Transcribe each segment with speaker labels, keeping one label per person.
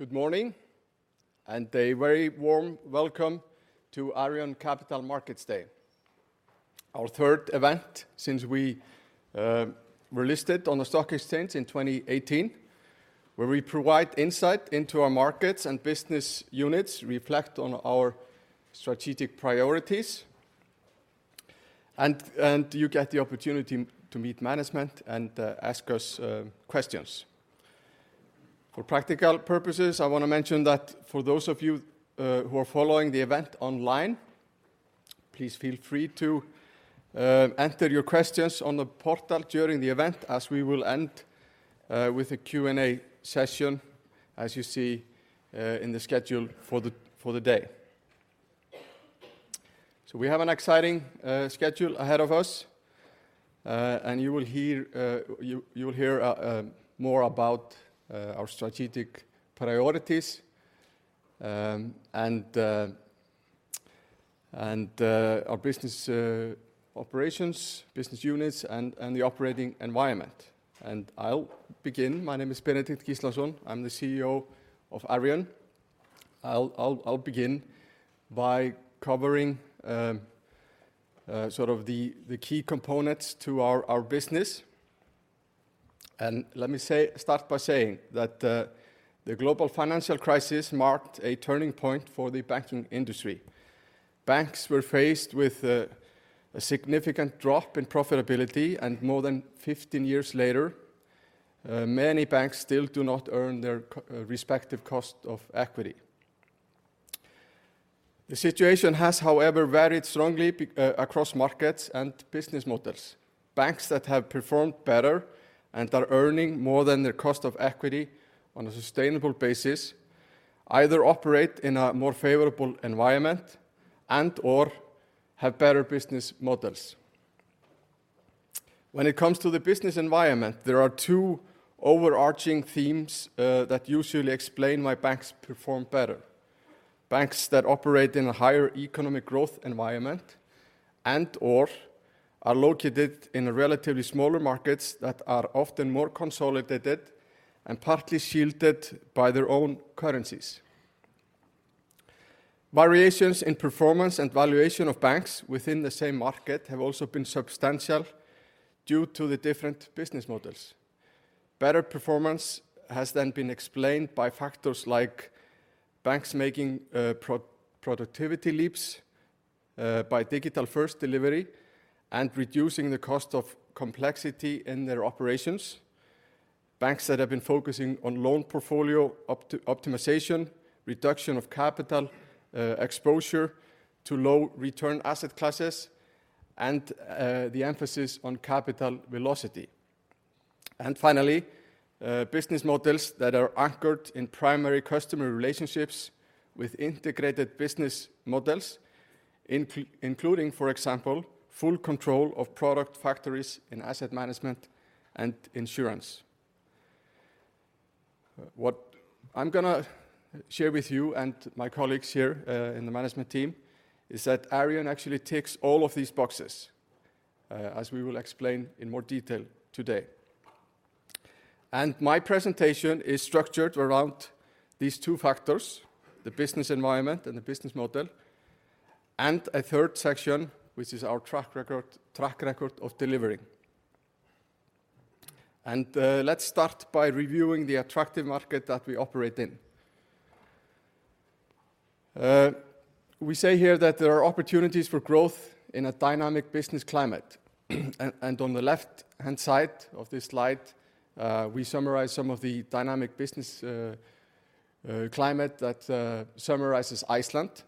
Speaker 1: Good morning, and a very warm welcome to Arion Capital Markets Day, our third event since we were listed on the stock exchange in 2018, where we provide insight into our markets and business units, reflect on our strategic priorities, and you get the opportunity to meet management and ask us questions. For practical purposes, I want to mention that for those of you who are following the event online, please feel free to enter your questions on the portal during the event as we will end with a Q&A session, as you see in the schedule for the day. So we have an exciting schedule ahead of us, and you will hear more about our strategic priorities and our business operations, business units, and the operating environment. I'll begin. My name is Benedikt Gíslason. I'm the CEO of Arion. I'll begin by covering sort of the key components to our business. And let me say start by saying that the global financial crisis marked a turning point for the banking industry. Banks were faced with a significant drop in profitability, and more than 15 years later, many banks still do not earn their respective cost of equity. The situation has, however, varied strongly across markets and business models. Banks that have performed better and are earning more than their cost of equity on a sustainable basis either operate in a more favorable environment and/or have better business models. When it comes to the business environment, there are two overarching themes that usually explain why banks perform better: banks that operate in a higher economic growth environment and/or are located in relatively smaller markets that are often more consolidated and partly shielded by their own currencies. Variations in performance and valuation of banks within the same market have also been substantial due to the different business models. Better performance has then been explained by factors like banks making pro-productivity leaps, by digital-first delivery, and reducing the cost of complexity in their operations. Banks that have been focusing on loan portfolio optimization, reduction of capital exposure to low-return asset classes, and the emphasis on capital velocity. And finally, business models that are anchored in primary customer relationships with integrated business models, including, for example, full control of product factories in asset management and insurance. What I'm gonna share with you and my colleagues here, in the management team is that Arion actually ticks all of these boxes, as we will explain in more detail today. My presentation is structured around these two factors, the business environment and the business model, and a third section, which is our track record of delivering. Let's start by reviewing the attractive market that we operate in. We say here that there are opportunities for growth in a dynamic business climate. And on the left-hand side of this slide, we summarize some of the dynamic business climate that summarizes Iceland.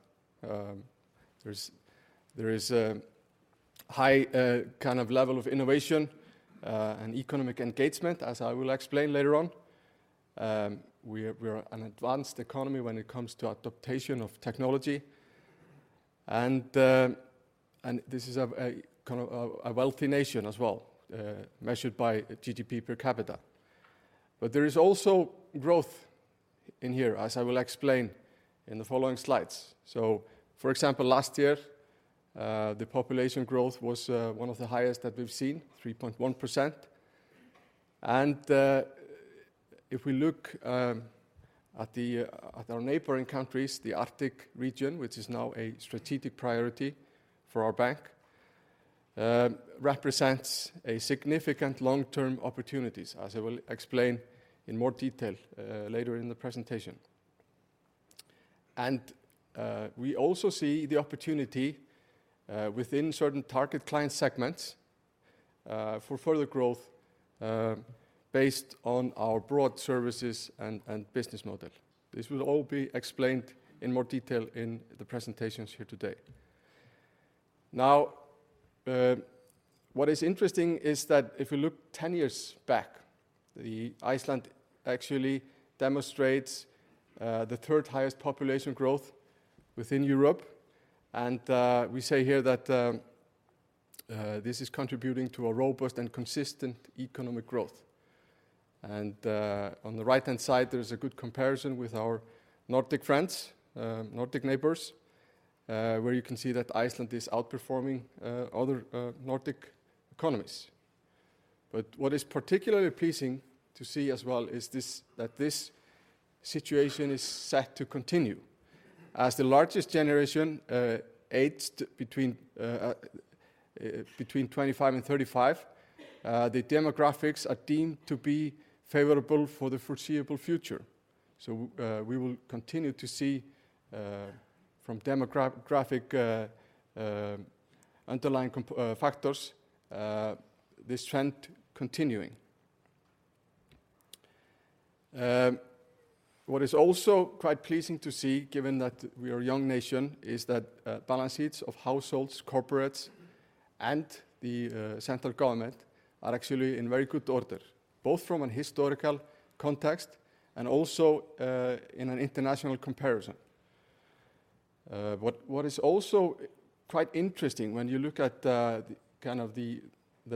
Speaker 1: There is a high kind of level of innovation, and economic engagement, as I will explain later on. We are an advanced economy when it comes to adaptation of technology. This is a kind of a wealthy nation as well, measured by GDP per capita. But there is also growth in here, as I will explain in the following slides. So for example, last year, the population growth was one of the highest that we've seen, 3.1%. And if we look at our neighboring countries, the Arctic region, which is now a strategic priority for our bank, represents a significant long-term opportunities, as I will explain in more detail later in the presentation. And we also see the opportunity within certain target client segments for further growth, based on our broad services and business model. This will all be explained in more detail in the presentations here today. Now, what is interesting is that if you look 10 years back, Iceland actually demonstrates the third-highest population growth within Europe. We say here that this is contributing to a robust and consistent economic growth. On the right-hand side, there's a good comparison with our Nordic friends, Nordic neighbors, where you can see that Iceland is outperforming other Nordic economies. But what is particularly pleasing to see as well is that this situation is set to continue. As the largest generation, aged between 25 and 35, the demographics are deemed to be favorable for the foreseeable future. So, we will continue to see, from demographic underlying comp factors, this trend continuing. What is also quite pleasing to see, given that we are a young nation, is that balance sheets of households, corporates, and the central government are actually in very good order, both from a historical context and also in an international comparison. What is also quite interesting when you look at the kind of the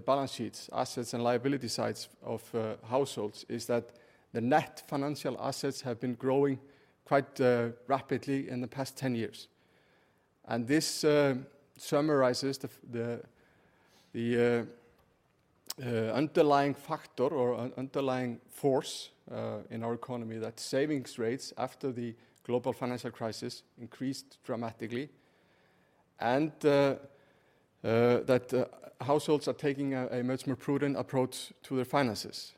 Speaker 1: balance sheets, assets and liability sides of households, is that the net financial assets have been growing quite rapidly in the past 10 years. And this summarizes the underlying factor or underlying force in our economy that savings rates after the global financial crisis increased dramatically, and that households are taking a much more prudent approach to their finances.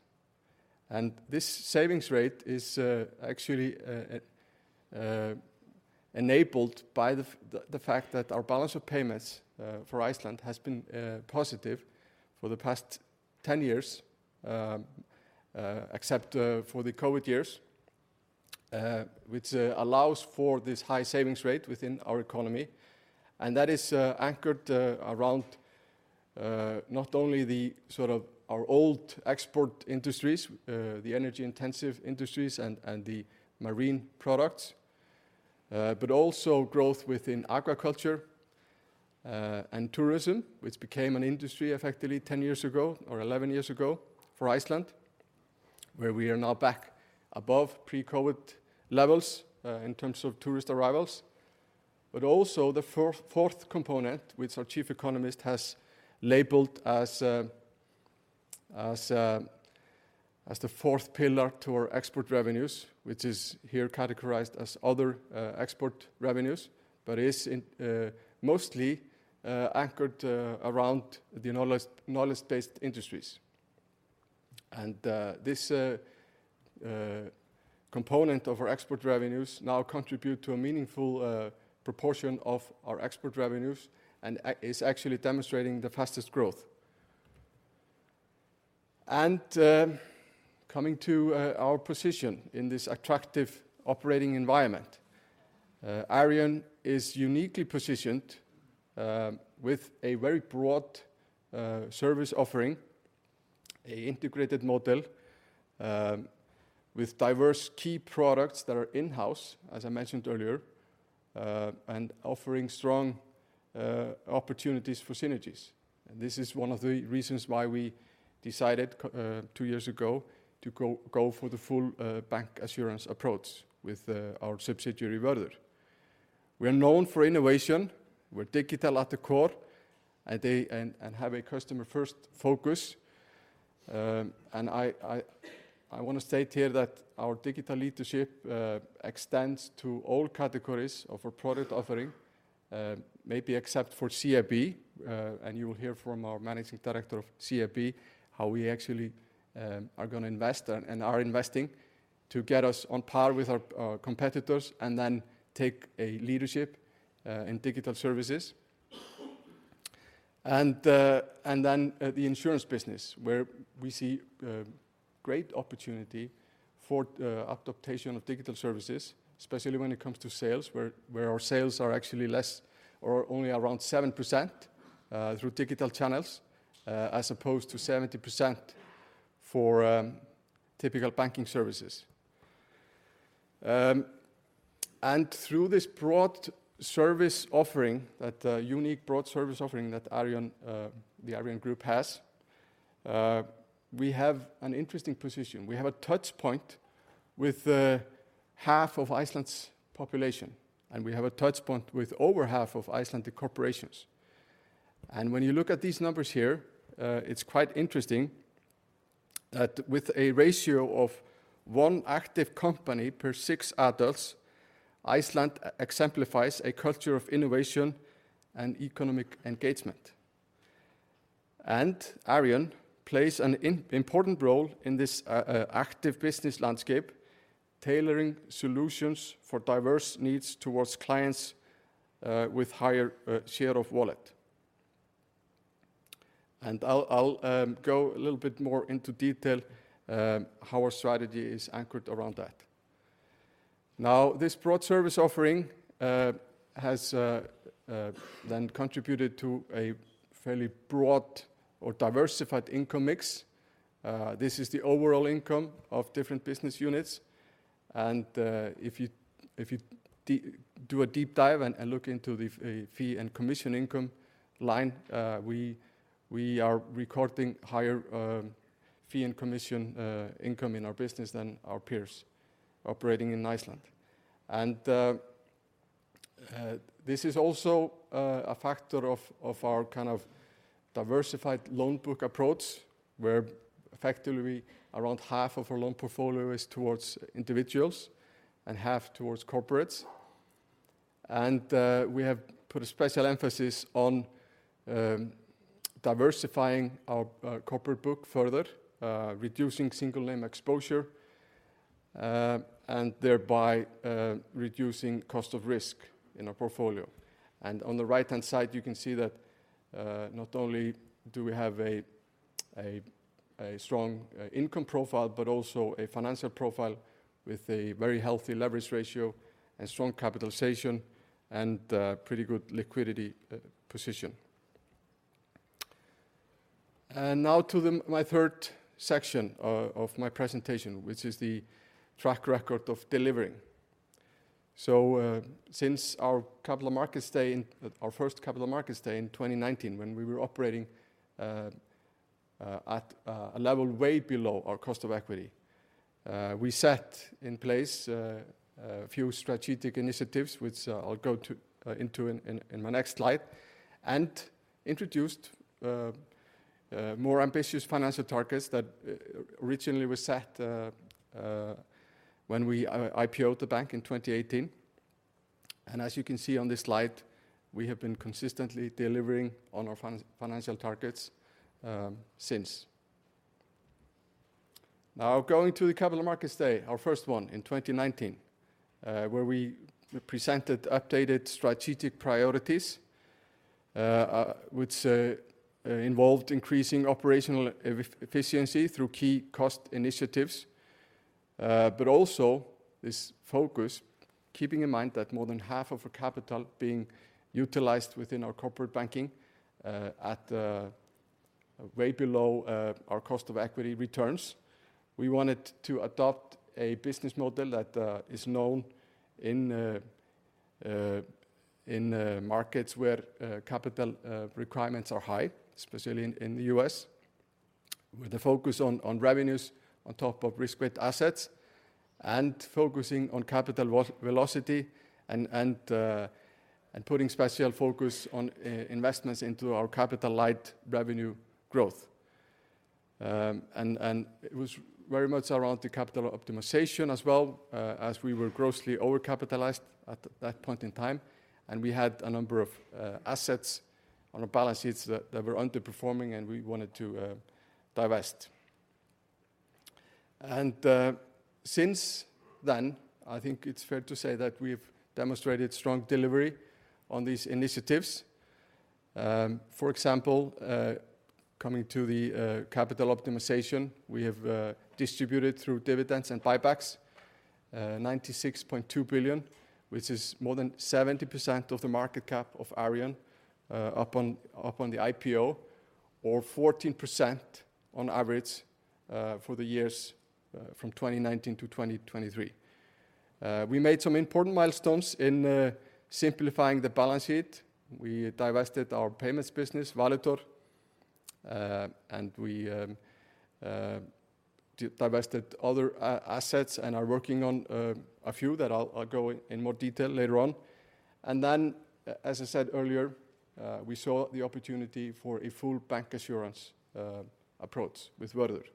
Speaker 1: And this savings rate is actually enabled by the fact that our balance of payments for Iceland has been positive for the past 10 years, except for the COVID years, which allows for this high savings rate within our economy. That is anchored around not only the sort of our old export industries, the energy-intensive industries and the marine products, but also growth within agriculture and tourism, which became an industry effectively 10 years ago or 11 years ago for Iceland, where we are now back above pre-COVID levels in terms of tourist arrivals. But also the fourth component, which our chief economist has labeled as the fourth pillar to our export revenues, which is here categorized as other export revenues, but is mostly anchored around the knowledge-based industries. This component of our export revenues now contributes to a meaningful proportion of our export revenues and is actually demonstrating the fastest growth. Coming to our position in this attractive operating environment, Arion is uniquely positioned, with a very broad service offering, an integrated model, with diverse key products that are in-house, as I mentioned earlier, and offering strong opportunities for synergies. And this is one of the reasons why we decided about two years ago to go for the full bancassurance approach with our subsidiary Vörður. We are known for innovation. We're digital at the core, and they have a customer-first focus. And I want to state here that our digital leadership extends to all categories of our product offering, maybe except for CIB, and you will hear from our Managing Director of CIB how we actually are going to invest and are investing to get us on par with our competitors and then take a leadership in digital services. Then, the insurance business, where we see great opportunity for adaptation of digital services, especially when it comes to sales, where our sales are actually less or only around 7% through digital channels, as opposed to 70% for typical banking services. And through this broad service offering that unique broad service offering that Arion, the Arion Group has, we have an interesting position. We have a touchpoint with half of Iceland's population, and we have a touchpoint with over half of Icelandic corporations. And when you look at these numbers here, it's quite interesting that with a ratio of one active company per six adults, Iceland exemplifies a culture of innovation and economic engagement. And Arion plays an important role in this active business landscape, tailoring solutions for diverse needs towards clients with higher share of wallet. I'll go a little bit more into detail how our strategy is anchored around that. Now, this broad service offering has then contributed to a fairly broad or diversified income mix. This is the overall income of different business units. If you do a deep dive and look into the fee and commission income line, we are recording higher fee and commission income in our business than our peers operating in Iceland. This is also a factor of our kind of diversified loan book approach, where effectively around half of our loan portfolio is towards individuals and half towards corporates. We have put a special emphasis on diversifying our corporate book further, reducing single-name exposure, and thereby reducing cost of risk in our portfolio. On the right-hand side, you can see that, not only do we have a strong income profile, but also a financial profile with a very healthy leverage ratio and strong capitalization and pretty good liquidity position. Now to my third section of my presentation, which is the track record of delivering. So since our Capital Markets Day, our first Capital Markets Day in 2019, when we were operating at a level way below our cost of equity, we set in place a few strategic initiatives, which I'll go into in my next slide, and introduced more ambitious financial targets that originally were set when we IPOed the bank in 2018. And as you can see on this slide, we have been consistently delivering on our financial targets since. Now, going to the Capital Markets Day, our first one in 2019, where we presented updated strategic priorities, which involved increasing operational efficiency through key cost initiatives, but also this focus, keeping in mind that more than half of our capital being utilized within our corporate banking, at way below our cost of equity returns. We wanted to adopt a business model that is known in markets where capital requirements are high, especially in the U.S., with a focus on revenues on top of risk-weighted assets and focusing on capital velocity and putting special focus on investments into our capital light revenue growth. It was very much around the capital optimization as well, as we were grossly overcapitalized at that point in time, and we had a number of assets on our balance sheets that were underperforming, and we wanted to divest. Since then, I think it's fair to say that we've demonstrated strong delivery on these initiatives. For example, coming to the capital optimization, we have distributed through dividends and buybacks 96.2 billion, which is more than 70% of the market cap of Arion upon the IPO, or 14% on average for the years from 2019 to 2023. We made some important milestones in simplifying the balance sheet. We divested our payments business, Valitor, and we divested other assets and are working on a few that I'll go in more detail later on. And then, as I said earlier, we saw the opportunity for a full bancassurance approach with Vörður.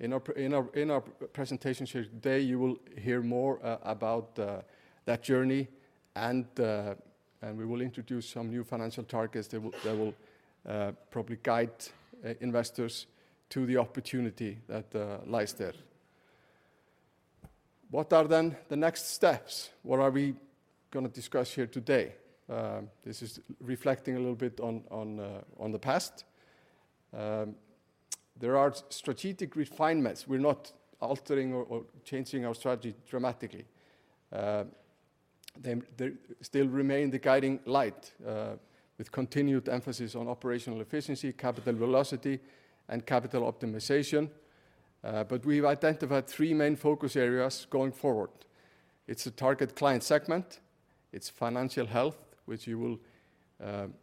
Speaker 1: In our presentation here today, you will hear more about that journey, and we will introduce some new financial targets that will probably guide investors to the opportunity that lies there. What are then the next steps? What are we going to discuss here today? This is reflecting a little bit on the past. There are strategic refinements. We're not altering or changing our strategy dramatically. They still remain the guiding light, with continued emphasis on operational efficiency, capital velocity, and capital optimization. But we've identified three main focus areas going forward. It's the target client segment. It's financial health, which you will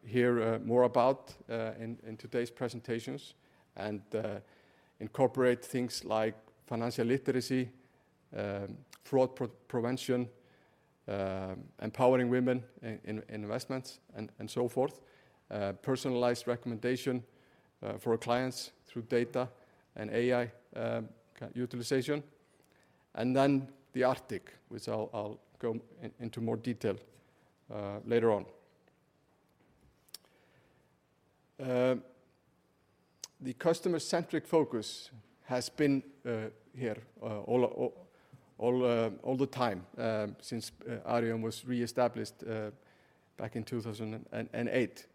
Speaker 1: hear more about in today's presentations, and incorporate things like financial literacy, fraud prevention, empowering women in investments, and so forth, personalized recommendation for clients through data and AI utilization, and then the Arctic, which I'll go into more detail later on. The customer-centric focus has been here all the time since Arion was reestablished back in 2008.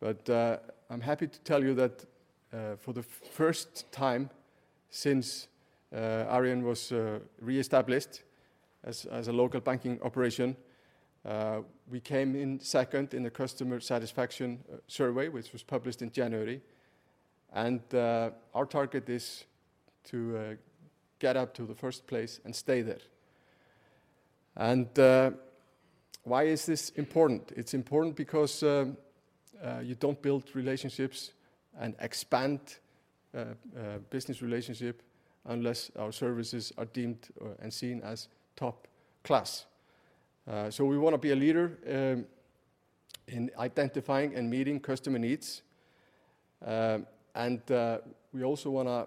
Speaker 1: But I'm happy to tell you that for the first time since Arion was reestablished as a local banking operation, we came in second in the customer satisfaction survey, which was published in January. And why is this important? It's important because you don't build relationships and expand business relationship unless our services are deemed and seen as top-class. So we want to be a leader in identifying and meeting customer needs. We also want to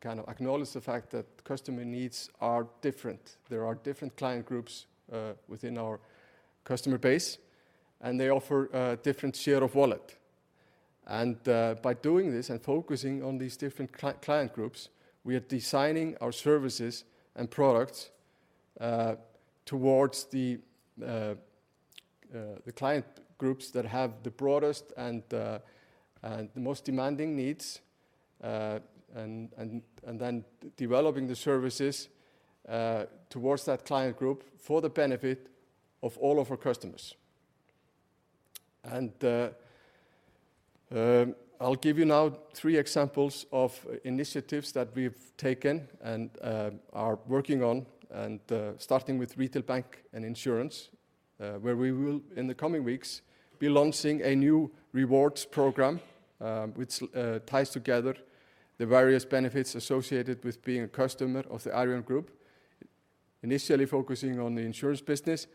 Speaker 1: kind of acknowledge the fact that customer needs are different. There are different client groups within our customer base, and they offer different share of wallet. By doing this and focusing on these different client groups, we are designing our services and products towards the client groups that have the broadest and the most demanding needs, and then developing the services towards that client group for the benefit of all of our customers. I'll give you now three examples of initiatives that we've taken and are working on, starting with retail bank and insurance, where we will, in the coming weeks, be launching a new rewards program, which ties together the various benefits associated with being a customer of the Arion Group, initially focusing on the insurance business,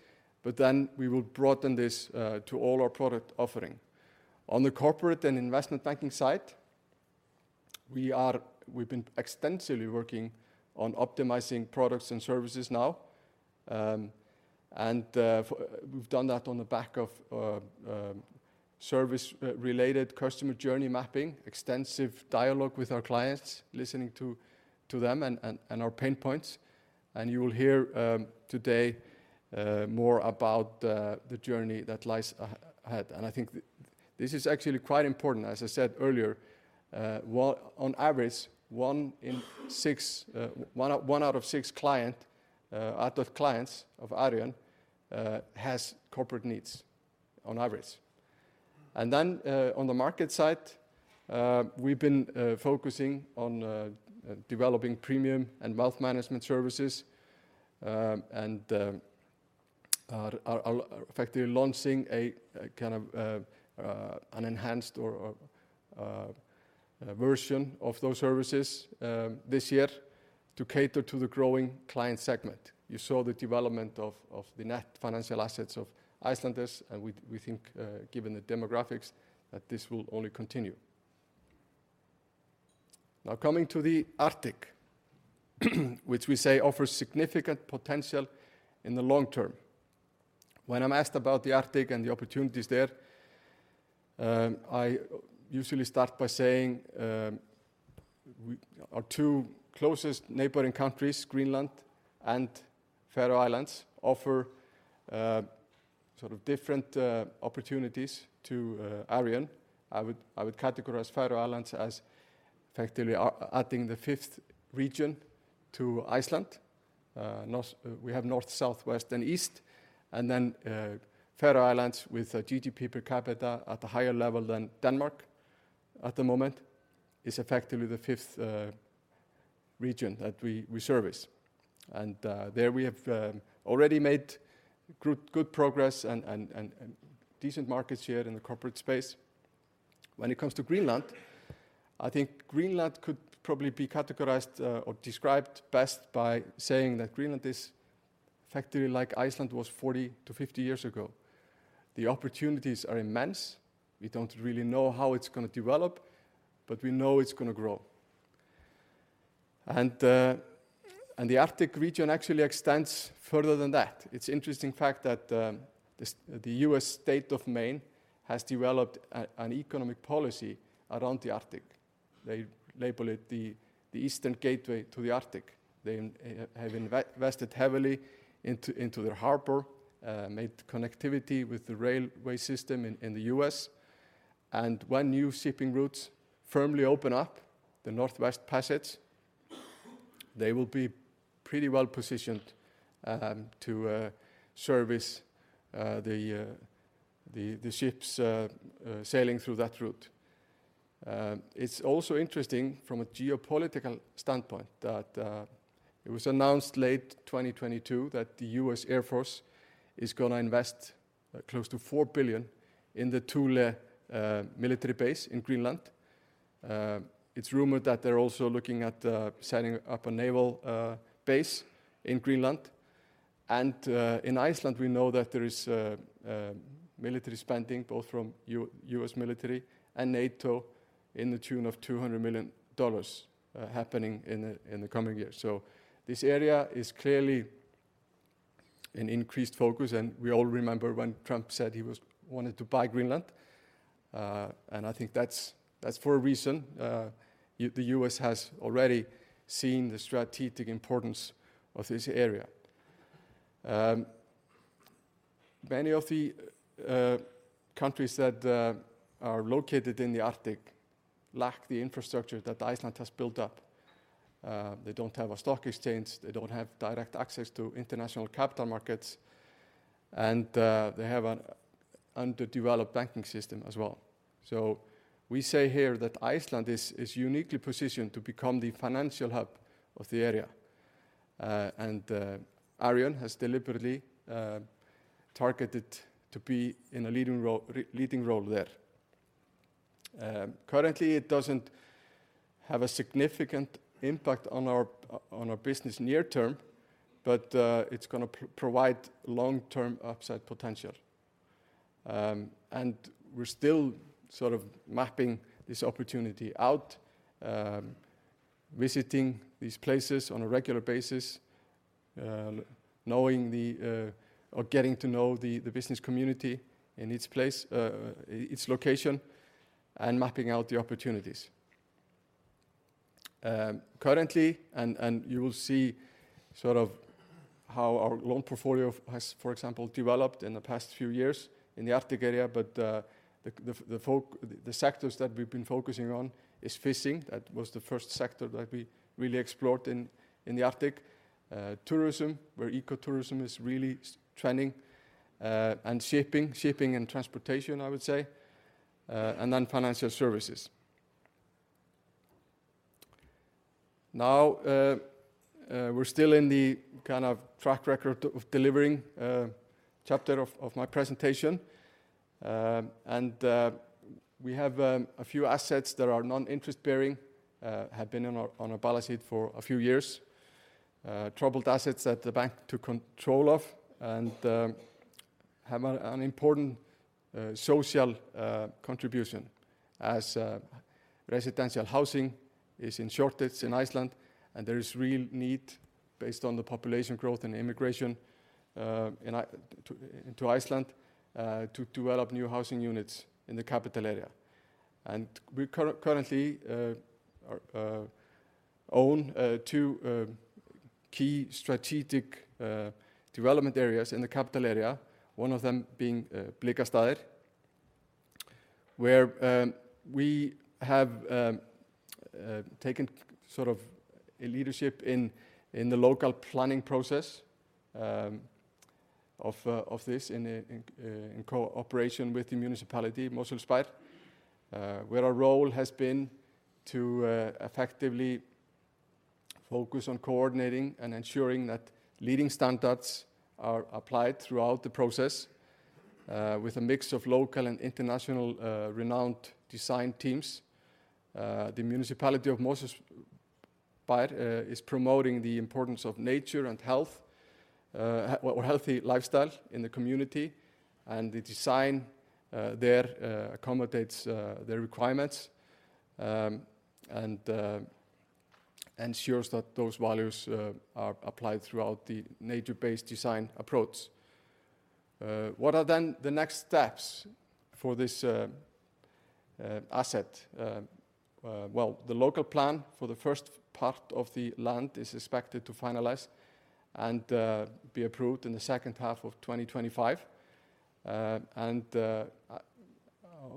Speaker 1: but then we will broaden this to all our product offering. On the Corporate and Investment Banking side, we've been extensively working on optimizing products and services now. And we've done that on the back of service-related customer journey mapping, extensive dialogue with our clients, listening to them and our pain points. You will hear, today, more about the journey that lies ahead. I think this is actually quite important, as I said earlier. On average, 1 in 6, 1 out of 6 clients of Arion has corporate needs, on average. On the market side, we've been focusing on developing premium and wealth management services, and are effectively launching a kind of an enhanced version of those services this year to cater to the growing client segment. You saw the development of the net financial assets of Icelanders, and we think, given the demographics, that this will only continue. Now, coming to the Arctic, which we say offers significant potential in the long term. When I'm asked about the Arctic and the opportunities there, I usually start by saying our two closest neighboring countries, Greenland and Faroe Islands, offer sort of different opportunities to Arion. I would categorize Faroe Islands as effectively adding the fifth region to Iceland. We have north, south, west, and east. And then, Faroe Islands, with a GDP per capita at a higher level than Denmark at the moment, is effectively the fifth region that we service. And there we have already made good progress and decent markets here in the corporate space. When it comes to Greenland, I think Greenland could probably be categorized or described best by saying that Greenland is effectively like Iceland was 40-50 years ago. The opportunities are immense. We don't really know how it's going to develop, but we know it's going to grow. And the Arctic region actually extends further than that. It's an interesting fact that the U.S. state of Maine has developed an economic policy around the Arctic. They label it the Eastern Gateway to the Arctic. They have invested heavily into their harbor, made connectivity with the railway system in the U.S. When new shipping routes firmly open up, the Northwest Passage, they will be pretty well positioned to service the ships sailing through that route. It's also interesting from a geopolitical standpoint that it was announced late 2022 that the U.S. Air Force is going to invest close to $4 billion in the Thule military base in Greenland. It's rumored that they're also looking at setting up a naval base in Greenland. In Iceland, we know that there is military spending both from U.S. military and NATO in the tune of $200 million, happening in the coming years. So this area is clearly an increased focus. We all remember when Trump said he wanted to buy Greenland. I think that's for a reason. The U.S. has already seen the strategic importance of this area. Many of the countries that are located in the Arctic lack the infrastructure that Iceland has built up. They don't have a stock exchange. They don't have direct access to international capital markets. They have an underdeveloped banking system as well. So we say here that Iceland is uniquely positioned to become the financial hub of the area. Arion has deliberately targeted to be in a leading role there. Currently, it doesn't have a significant impact on our business near term, but it's going to provide long-term upside potential. We're still sort of mapping this opportunity out, visiting these places on a regular basis, knowing the, or getting to know the business community in its place, its location, and mapping out the opportunities. Currently, and you will see sort of how our loan portfolio has, for example, developed in the past few years in the Arctic area, but the sectors that we've been focusing on is fishing. That was the first sector that we really explored in the Arctic. Tourism, where eco-tourism is really trending, and shipping and transportation, I would say, and then financial services. Now, we're still in the kind of track record of delivering, chapter of my presentation. We have a few assets that are non-interest-bearing, have been on our balance sheet for a few years, troubled assets that the bank took control of and have an important social contribution, as residential housing is in shortage in Iceland, and there is real need, based on the population growth and immigration into Iceland, to develop new housing units in the capital area. We currently own two key strategic development areas in the capital area, one of them being Blikkastaðir, where we have taken sort of a leadership in the local planning process of this in cooperation with the municipality Mosfellsbær, where our role has been to effectively focus on coordinating and ensuring that leading standards are applied throughout the process, with a mix of local and international renowned design teams. The municipality of Mosfellsbær is promoting the importance of nature and health, or healthy lifestyle in the community, and the design there accommodates their requirements and ensures that those values are applied throughout the nature-based design approach. What are then the next steps for this asset? Well, the local plan for the first part of the land is expected to finalize and be approved in the second half of 2025. On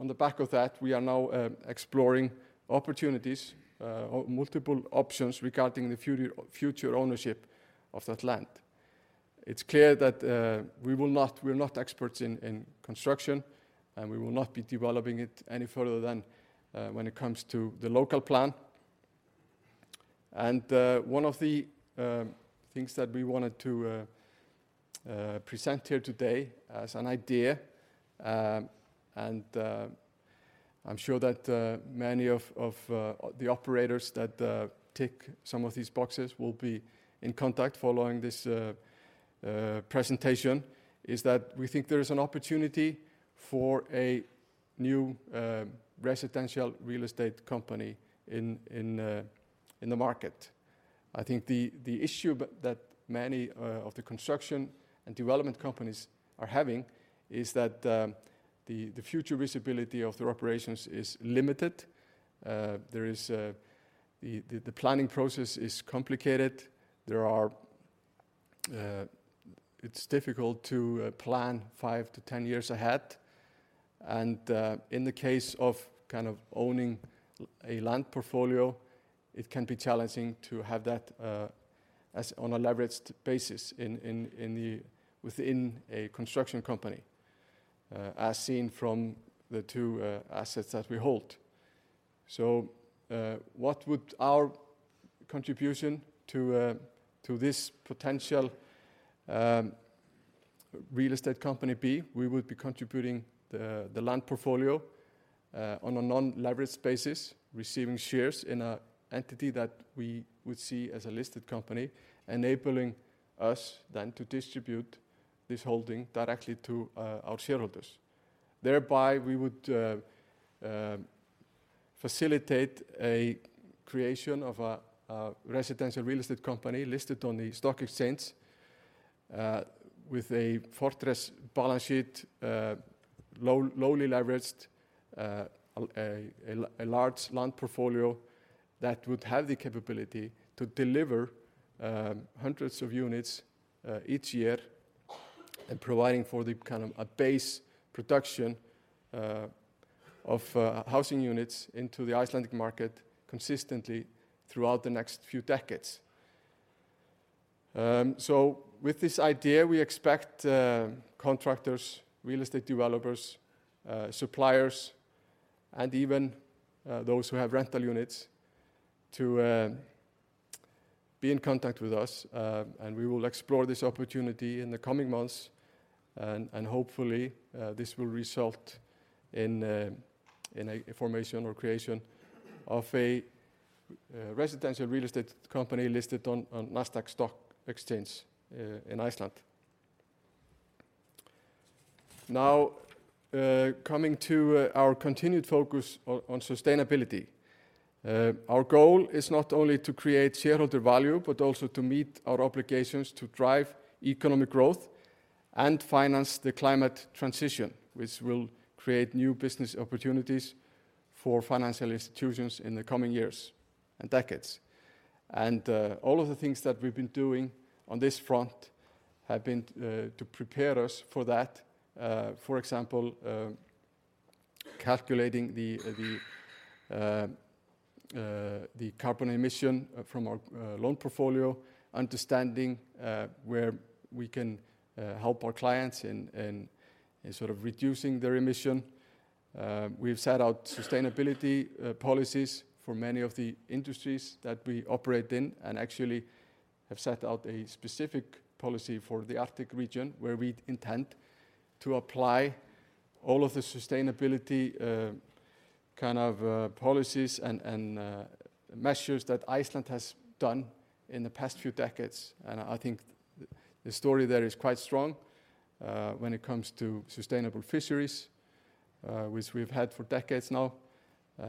Speaker 1: the back of that, we are now exploring opportunities or multiple options regarding the future future ownership of that land. It's clear that we will not, we're not experts in in construction, and we will not be developing it any further than when it comes to the local plan. One of the things that we wanted to present here today as an idea, and I'm sure that many of the operators that tick some of these boxes will be in contact following this presentation, is that we think there is an opportunity for a new residential real estate company in the market. I think the issue that many of the construction and development companies are having is that the future visibility of their operations is limited. There is the planning process is complicated. It's difficult to plan 5-10 years ahead. In the case of kind of owning a land portfolio, it can be challenging to have that as on a leveraged basis in the within a construction company, as seen from the 2 assets that we hold. So, what would our contribution to this potential real estate company be? We would be contributing the land portfolio, on a non-leveraged basis, receiving shares in an entity that we would see as a listed company, enabling us then to distribute this holding directly to our shareholders. Thereby, we would facilitate a creation of a residential real estate company listed on the stock exchange, with a fortress balance sheet, lowly leveraged, a large land portfolio that would have the capability to deliver hundreds of units each year, and providing for the kind of base production of housing units into the Icelandic market consistently throughout the next few decades. So with this idea, we expect contractors, real estate developers, suppliers, and even those who have rental units to be in contact with us. We will explore this opportunity in the coming months, and hopefully, this will result in a formation or creation of a residential real estate company listed on Nasdaq stock exchange in Iceland. Now, coming to our continued focus on sustainability. Our goal is not only to create shareholder value, but also to meet our obligations to drive economic growth and finance the climate transition, which will create new business opportunities for financial institutions in the coming years and decades. All of the things that we've been doing on this front have been to prepare us for that, for example, calculating the carbon emission from our loan portfolio, understanding where we can help our clients in sort of reducing their emission. We've set out sustainability policies for many of the industries that we operate in and actually have set out a specific policy for the Arctic region where we intend to apply all of the sustainability kind of policies and measures that Iceland has done in the past few decades. And I think the story there is quite strong, when it comes to sustainable fisheries, which we've had for decades now,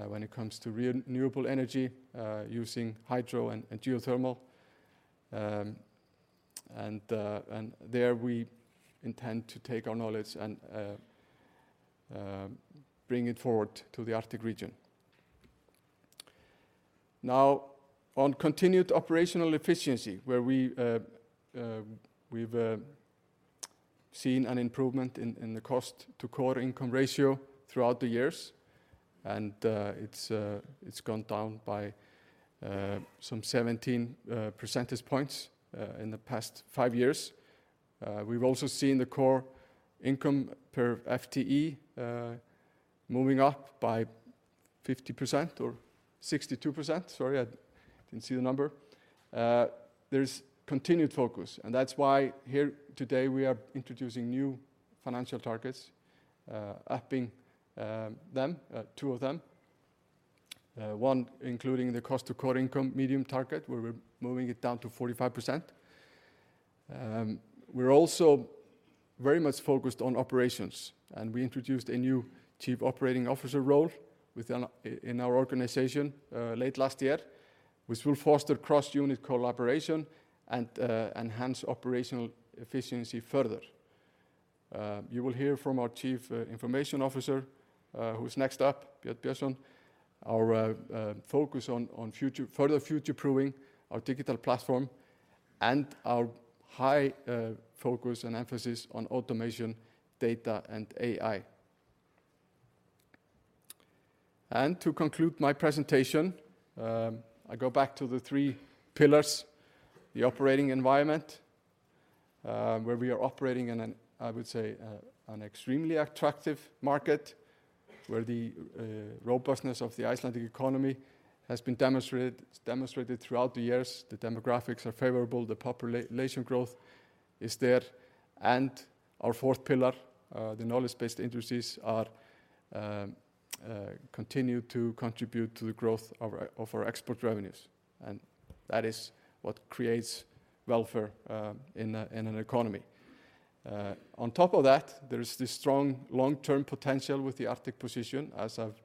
Speaker 1: when it comes to renewable energy, using hydro and geothermal. And there we intend to take our knowledge and bring it forward to the Arctic region. Now, on continued operational efficiency, where we've seen an improvement in the cost-to-core income ratio throughout the years, and it's gone down by some 17 percentage points in the past five years. We've also seen the core income per FTE moving up by 50% or 62%. Sorry, I didn't see the number. There's continued focus, and that's why here today we are introducing new financial targets, upping them, two of them, one including the cost-to-core income medium target, where we're moving it down to 45%. We're also very much focused on operations, and we introduced a new Chief Operating Officer role within our organization, late last year, which will foster cross-unit collaboration and enhance operational efficiency further. You will hear from our Chief Information Officer, who's next up, Björn Björnsson, our focus on further future-proofing our digital platform and our high focus and emphasis on automation, data, and AI. To conclude my presentation, I go back to the three pillars, the operating environment, where we are operating in an, I would say, an extremely attractive market, where the robustness of the Icelandic economy has been demonstrated throughout the years. The demographics are favorable. The population growth is there. Our fourth pillar, the knowledge-based industries continue to contribute to the growth of our export revenues. That is what creates welfare in an economy. On top of that, there is this strong long-term potential with the Arctic position, as I've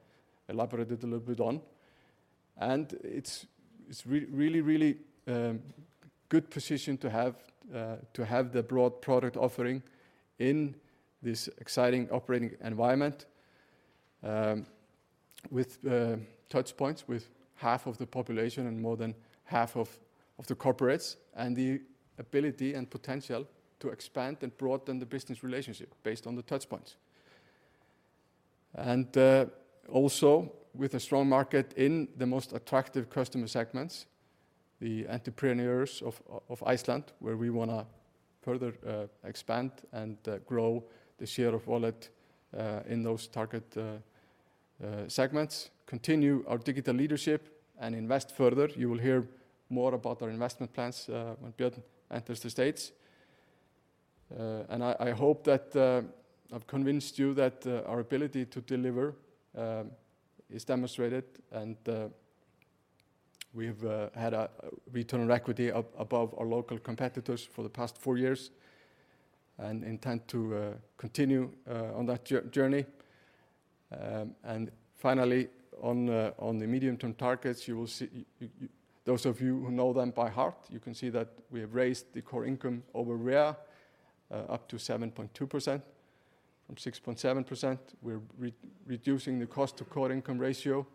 Speaker 1: elaborated a little bit on. It's really, really good position to have, to have the broad product offering in this exciting operating environment, with touchpoints with half of the population and more than half of the corporates, and the ability and potential to expand and broaden the business relationship based on the touchpoints. Also with a strong market in the most attractive customer segments, the entrepreneurs of Iceland, where we want to further expand and grow the share of wallet in those target segments, continue our digital leadership, and invest further. You will hear more about our investment plans when Björn enters the stage. I hope that I've convinced you that our ability to deliver is demonstrated, and we have had a return on equity above our local competitors for the past 4 years and intend to continue on that journey. Finally, on the medium-term targets, you will see—those of you who know them by heart—you can see that we have raised the core income over REA up to 7.2% from 6.7%. We're reducing the cost-to-core income ratio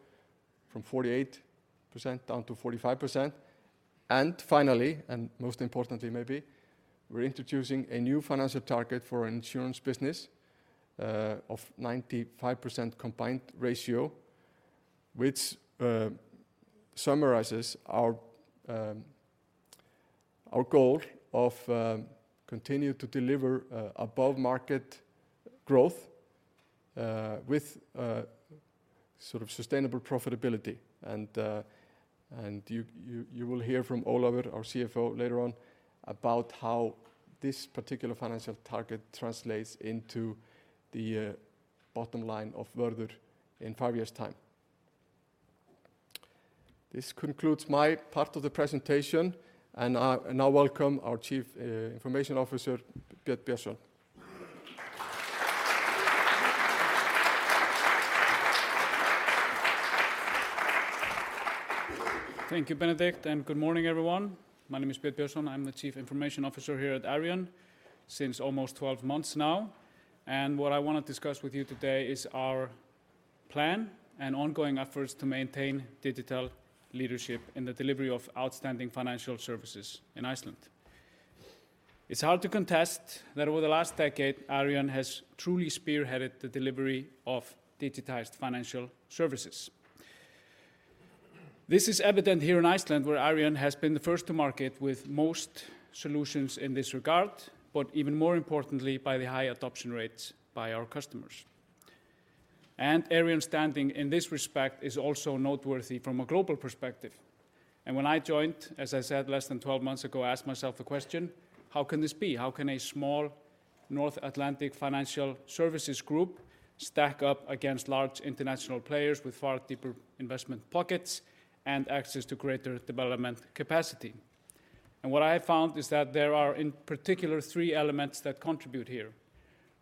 Speaker 1: from 48% down to 45%. And finally, and most importantly maybe, we're introducing a new financial target for an insurance business, of 95% combined ratio, which summarizes our goal of continue to deliver above-market growth, with sort of sustainable profitability. And you will hear from Ólafur, our CFO, later on about how this particular financial target translates into the bottom line of Vörður in five years' time. This concludes my part of the presentation, and I now welcome our Chief Information Officer, Björn Björnsson.
Speaker 2: Thank you, Benedikt, and good morning, everyone. My name is Björn Björnsson. I'm the Chief Information Officer here at Arion since almost 12 months now. And what I want to discuss with you today is our plan and ongoing efforts to maintain digital leadership in the delivery of outstanding financial services in Iceland. It's hard to contest that over the last decade, Arion has truly spearheaded the delivery of digitized financial services. This is evident here in Iceland, where Arion has been the first to market with most solutions in this regard, but even more importantly, by the high adoption rates by our customers. Arion's standing in this respect is also noteworthy from a global perspective. When I joined, as I said less than 12 months ago, I asked myself the question, how can this be? How can a small North Atlantic financial services group stack up against large international players with far deeper investment pockets and access to greater development capacity? What I have found is that there are, in particular, three elements that contribute here.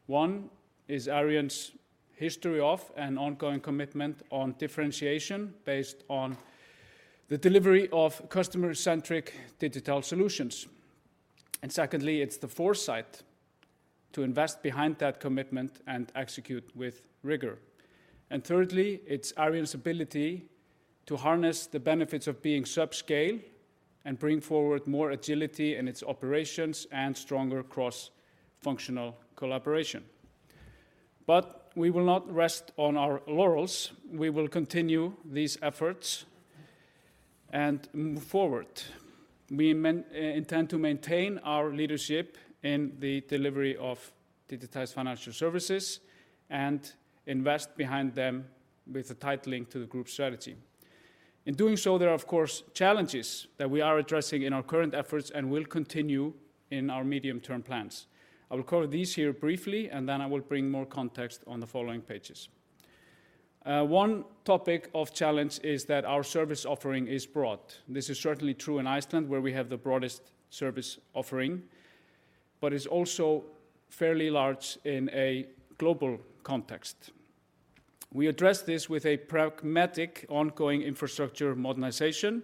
Speaker 2: One is Arion's history of and ongoing commitment on differentiation based on the delivery of customer-centric digital solutions. And secondly, it's the foresight to invest behind that commitment and execute with rigor. And thirdly, it's Arion's ability to harness the benefits of being subscale and bring forward more agility in its operations and stronger cross-functional collaboration. But we will not rest on our laurels. We will continue these efforts and move forward. We intend to maintain our leadership in the delivery of digitized financial services and invest behind them with a tight link to the group strategy. In doing so, there are, of course, challenges that we are addressing in our current efforts and will continue in our medium-term plans. I will cover these here briefly, and then I will bring more context on the following pages. One topic of challenge is that our service offering is broad. This is certainly true in Iceland, where we have the broadest service offering, but it's also fairly large in a global context. We address this with a pragmatic ongoing infrastructure modernization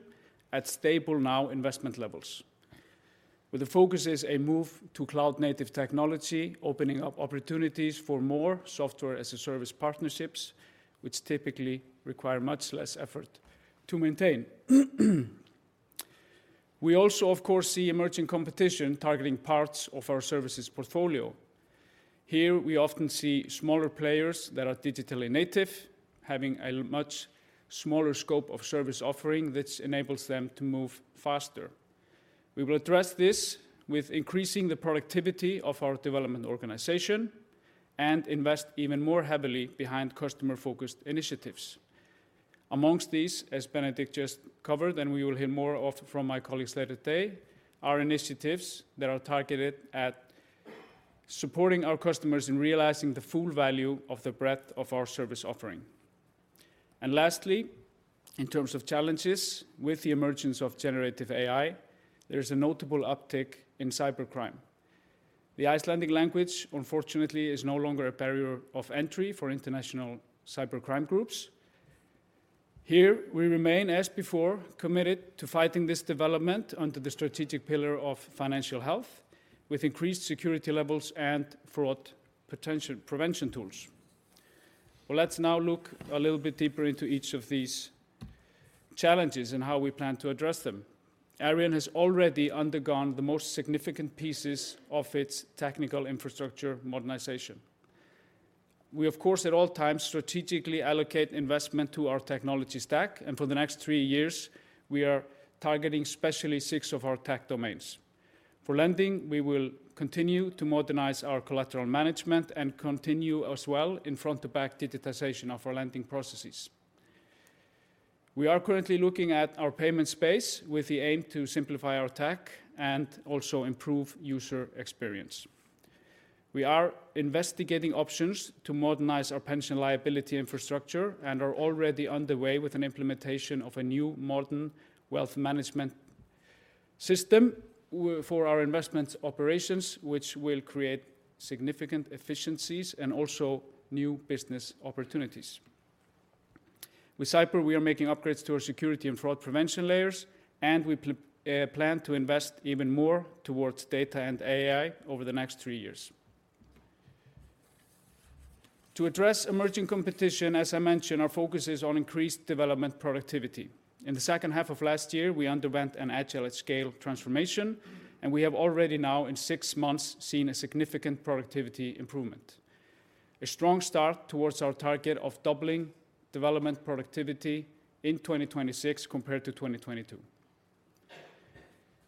Speaker 2: at stable now investment levels, where the focus is a move to cloud-native technology, opening up opportunities for more software-as-a-service partnerships, which typically require much less effort to maintain. We also, of course, see emerging competition targeting parts of our services portfolio. Here, we often see smaller players that are digitally native having a much smaller scope of service offering which enables them to move faster. We will address this with increasing the productivity of our development organization and invest even more heavily behind customer-focused initiatives. Among these, as Benedikt just covered, and we will hear more of from my colleagues later today, are initiatives that are targeted at supporting our customers in realizing the full value of the breadth of our service offering. Lastly, in terms of challenges, with the emergence of generative AI, there is a notable uptick in cybercrime. The Icelandic language, unfortunately, is no longer a barrier of entry for international cybercrime groups. Here, we remain, as before, committed to fighting this development under the strategic pillar of financial health with increased security levels and fraud potential prevention tools. Well, let's now look a little bit deeper into each of these challenges and how we plan to address them. Arion has already undergone the most significant pieces of its technical infrastructure modernization. We, of course, at all times strategically allocate investment to our technology stack, and for the next three years, we are targeting specially six of our tech domains. For lending, we will continue to modernize our collateral management and continue as well in front-to-back digitization of our lending processes. We are currently looking at our payment space with the aim to simplify our tech and also improve user experience. We are investigating options to modernize our pension liability infrastructure and are already underway with an implementation of a new modern wealth management system for our investment operations, which will create significant efficiencies and also new business opportunities. With cyber, we are making upgrades to our security and fraud prevention layers, and we plan to invest even more towards data and AI over the next three years. To address emerging competition, as I mentioned, our focus is on increased development productivity. In the second half of last year, we underwent an agile at scale transformation, and we have already now, in six months, seen a significant productivity improvement, a strong start towards our target of doubling development productivity in 2026 compared to 2022.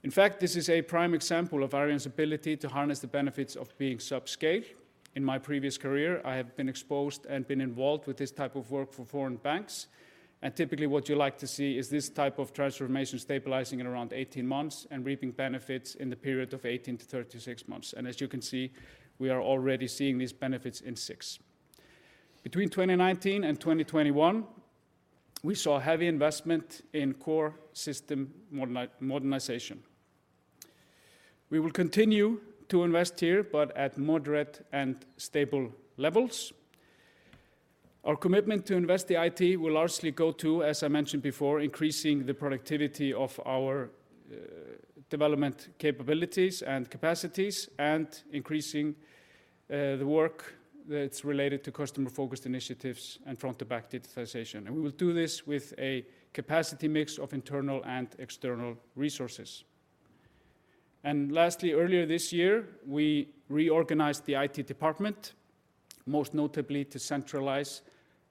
Speaker 2: In fact, this is a prime example of Arion's ability to harness the benefits of being subscale. In my previous career, I have been exposed and been involved with this type of work for foreign banks. Typically, what you like to see is this type of transformation stabilizing in around 18 months and reaping benefits in the period of 18-36 months. As you can see, we are already seeing these benefits in six. Between 2019 and 2021, we saw heavy investment in core system modernization. We will continue to invest here, but at moderate and stable levels. Our commitment to invest the IT will largely go to, as I mentioned before, increasing the productivity of our development capabilities and capacities and increasing the work that's related to customer-focused initiatives and front-to-back digitization. We will do this with a capacity mix of internal and external resources. Lastly, earlier this year, we reorganized the IT department, most notably to centralize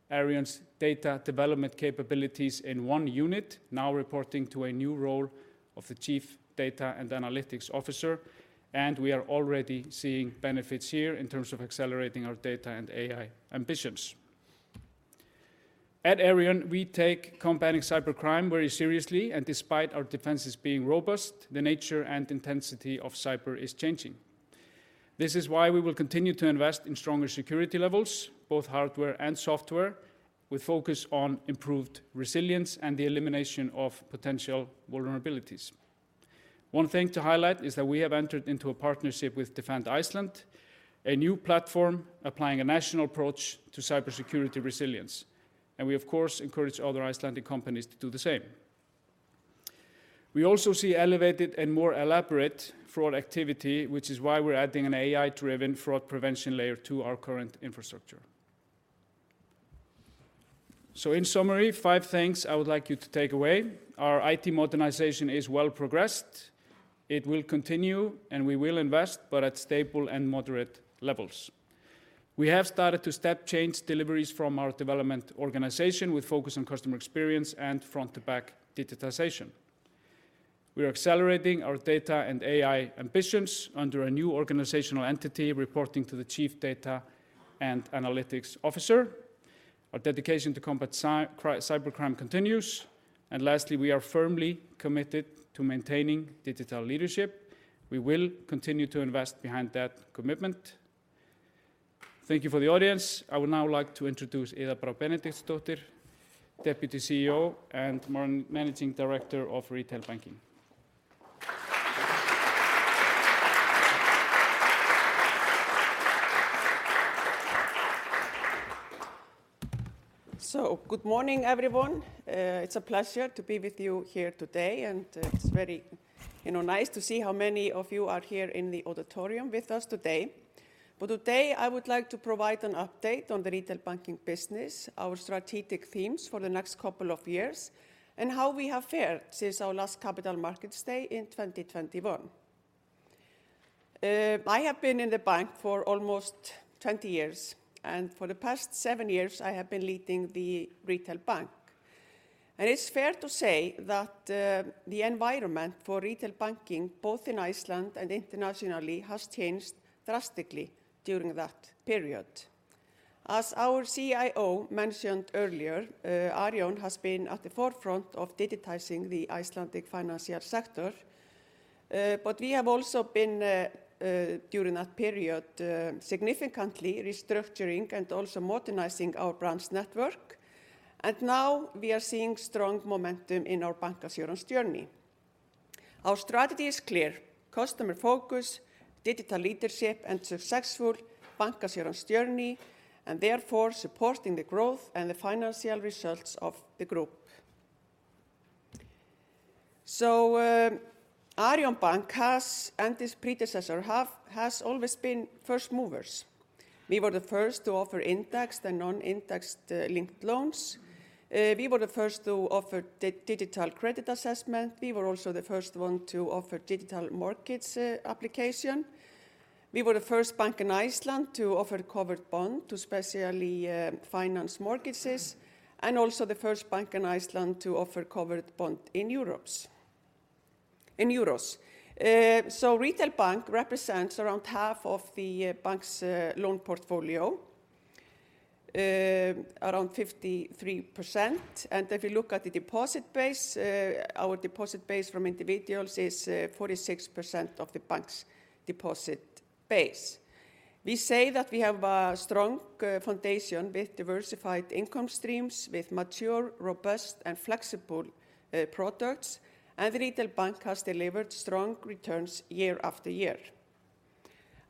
Speaker 2: Arion's data development capabilities in one unit, now reporting to a new role of the Chief Data and Analytics Officer. We are already seeing benefits here in terms of accelerating our data and AI ambitions. At Arion, we take combating cybercrime very seriously, and despite our defenses being robust, the nature and intensity of cyber is changing. This is why we will continue to invest in stronger security levels, both hardware and software, with focus on improved resilience and the elimination of potential vulnerabilities. One thing to highlight is that we have entered into a partnership with Defend Iceland, a new platform applying a national approach to cybersecurity resilience. We, of course, encourage other Icelandic companies to do the same. We also see elevated and more elaborate fraud activity, which is why we're adding an AI-driven fraud prevention layer to our current infrastructure. In summary, five things I would like you to take away. Our IT modernization is well progressed. It will continue, and we will invest, but at stable and moderate levels. We have started to step-change deliveries from our development organization with focus on customer experience and front-to-back digitization. We are accelerating our data and AI ambitions under a new organizational entity reporting to the chief data and analytics officer. Our dedication to combat cybercrime continues. Lastly, we are firmly committed to maintaining digital leadership. We will continue to invest behind that commitment. Thank you for the audience. I would now like to introduce Iða Brá Benediktsdóttir, Deputy CEO and Managing Director of Retail Banking.
Speaker 3: So good morning, everyone. It's a pleasure to be with you here today, and it's very, you know, nice to see how many of you are here in the auditorium with us today. But today, I would like to provide an update on the retail banking business, our strategic themes for the next couple of years, and how we have fared since our last Capital Markets Day in 2021. I have been in the bank for almost 20 years, and for the past seven years, I have been leading the retail bank. And it's fair to say that the environment for retail banking, both in Iceland and internationally, has changed drastically during that period. As our CIO mentioned earlier, Arion has been at the forefront of digitizing the Icelandic financial sector. We have also been, during that period, significantly restructuring and also modernizing our branch network. Now, we are seeing strong momentum in our bancassurance journey. Our strategy is clear: customer focus, digital leadership, and successful bancassurance journey, and therefore supporting the growth and the financial results of the group. Arion Bank has, and its predecessor have, always been first movers. We were the first to offer indexed and non-indexed linked loans. We were the first to offer digital credit assessment. We were also the first one to offer digital mortgage application. We were the first bank in Iceland to offer covered bond to specially finance mortgages, and also the first bank in Iceland to offer covered bond in euros. So Retail Bank represents around half of the bank's loan portfolio, around 53%. And if you look at the deposit base, our deposit base from individuals is 46% of the bank's deposit base. We say that we have a strong foundation with diversified income streams, with mature, robust, and flexible products, and the Retail Bank has delivered strong returns year after year.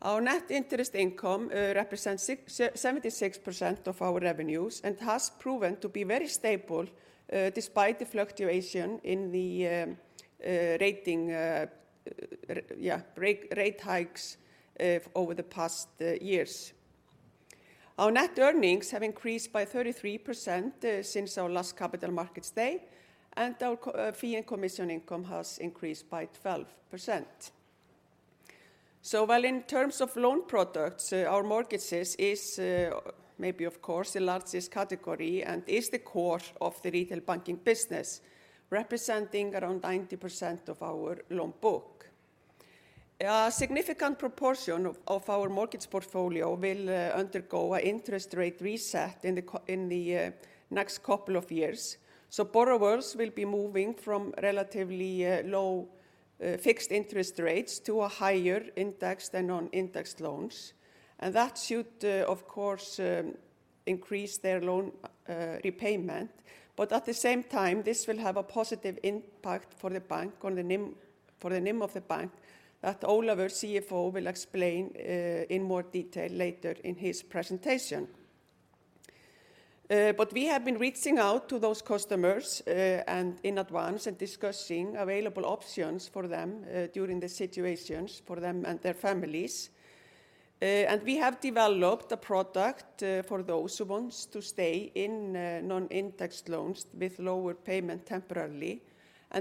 Speaker 3: Our net interest income represents 76% of our revenues and has proven to be very stable despite the fluctuation in the rating hikes over the past years. Our net earnings have increased by 33% since our last Capital Markets Day, and our fee and commission income has increased by 12%. So while in terms of loan products, our mortgages are maybe, of course, the largest category and are the core of the retail banking business, representing around 90% of our loan book, a significant proportion of our mortgage portfolio will undergo an interest rate reset in the next couple of years. Borrowers will be moving from relatively low fixed interest rates to higher indexed and non-indexed loans. And that should, of course, increase their loan repayment. But at the same time, this will have a positive impact for the bank, for the NIM of the bank, that Ólafur, CFO, will explain in more detail later in his presentation. But we have been reaching out to those customers in advance and discussing available options for them during the situations, for them and their families. We have developed a product for those who want to stay in non-indexed loans with lower payment temporarily.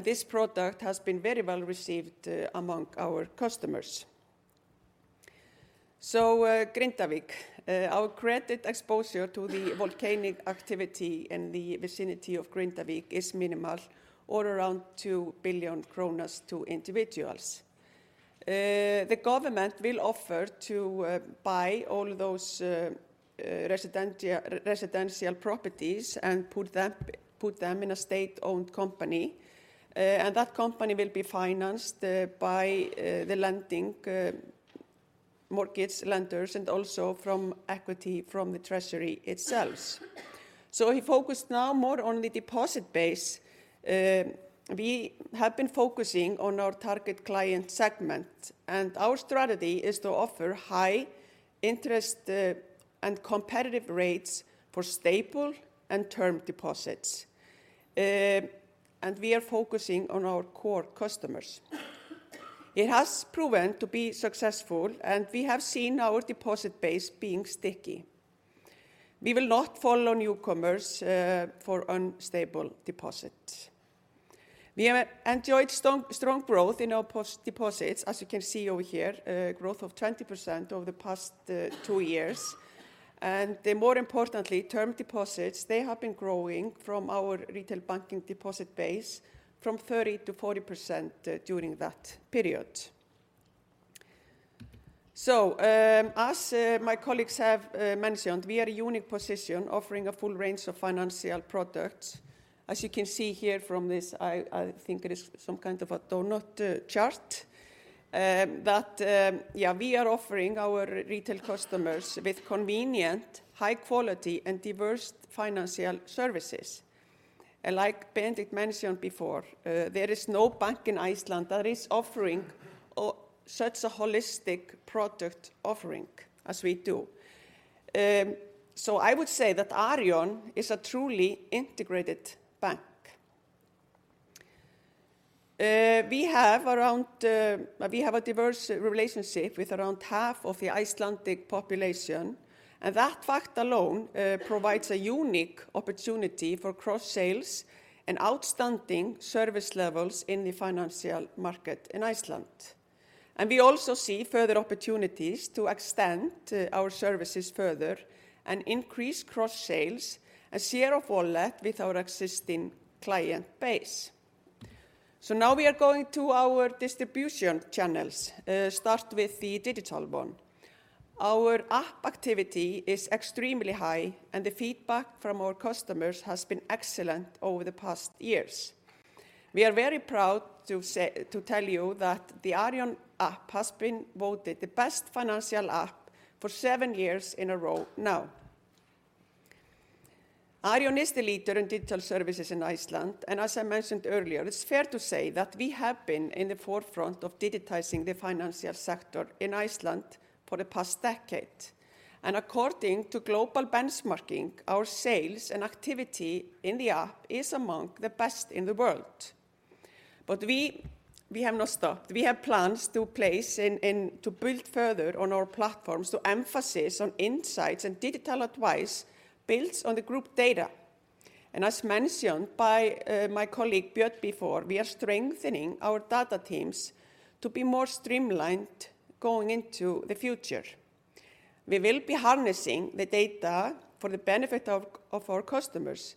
Speaker 3: This product has been very well received among our customers. Grindavík, our credit exposure to the volcanic activity in the vicinity of Grindavík is minimal, all around 2 billion kronur to individuals. The government will offer to buy all those residential properties and put them in a state-owned company. That company will be financed by the lending mortgage lenders and also from equity from the Treasury itself. If you focus now more on the deposit base, we have been focusing on our target client segment. Our strategy is to offer high interest and competitive rates for stable and term deposits. We are focusing on our core customers. It has proven to be successful, and we have seen our deposit base being sticky. We will not fall on newcomers for unstable deposits. We have enjoyed strong growth in our deposits, as you can see over here, a growth of 20% over the past two years. And more importantly, term deposits, they have been growing from our retail banking deposit base from 30%-40% during that period. So as my colleagues have mentioned, we are in a unique position offering a full range of financial products. As you can see here from this, I think it is some kind of a doughnut chart, that, yeah, we are offering our retail customers with convenient, high-quality, and diverse financial services. And like Benedikt mentioned before, there is no bank in Iceland that is offering such a holistic product offering as we do. So I would say that Arion is a truly integrated bank. We have a diverse relationship with around half of the Icelandic population. That fact alone provides a unique opportunity for cross-sales and outstanding service levels in the financial market in Iceland. We also see further opportunities to extend our services further and increase cross-sales and share of all that with our existing client base. Now we are going to our distribution channels. Start with the digital one. Our app activity is extremely high, and the feedback from our customers has been excellent over the past years. We are very proud to tell you that the Arion app has been voted the best financial app for seven years in a row now. Arion is the leader in digital services in Iceland. As I mentioned earlier, it's fair to say that we have been in the forefront of digitizing the financial sector in Iceland for the past decade. According to global benchmarking, our sales and activity in the app is among the best in the world. We have no stop. We have plans to place in to build further on our platforms to emphasize on insights and digital advice built on the group data. As mentioned by my colleague Björn before, we are strengthening our data teams to be more streamlined going into the future. We will be harnessing the data for the benefit of our customers.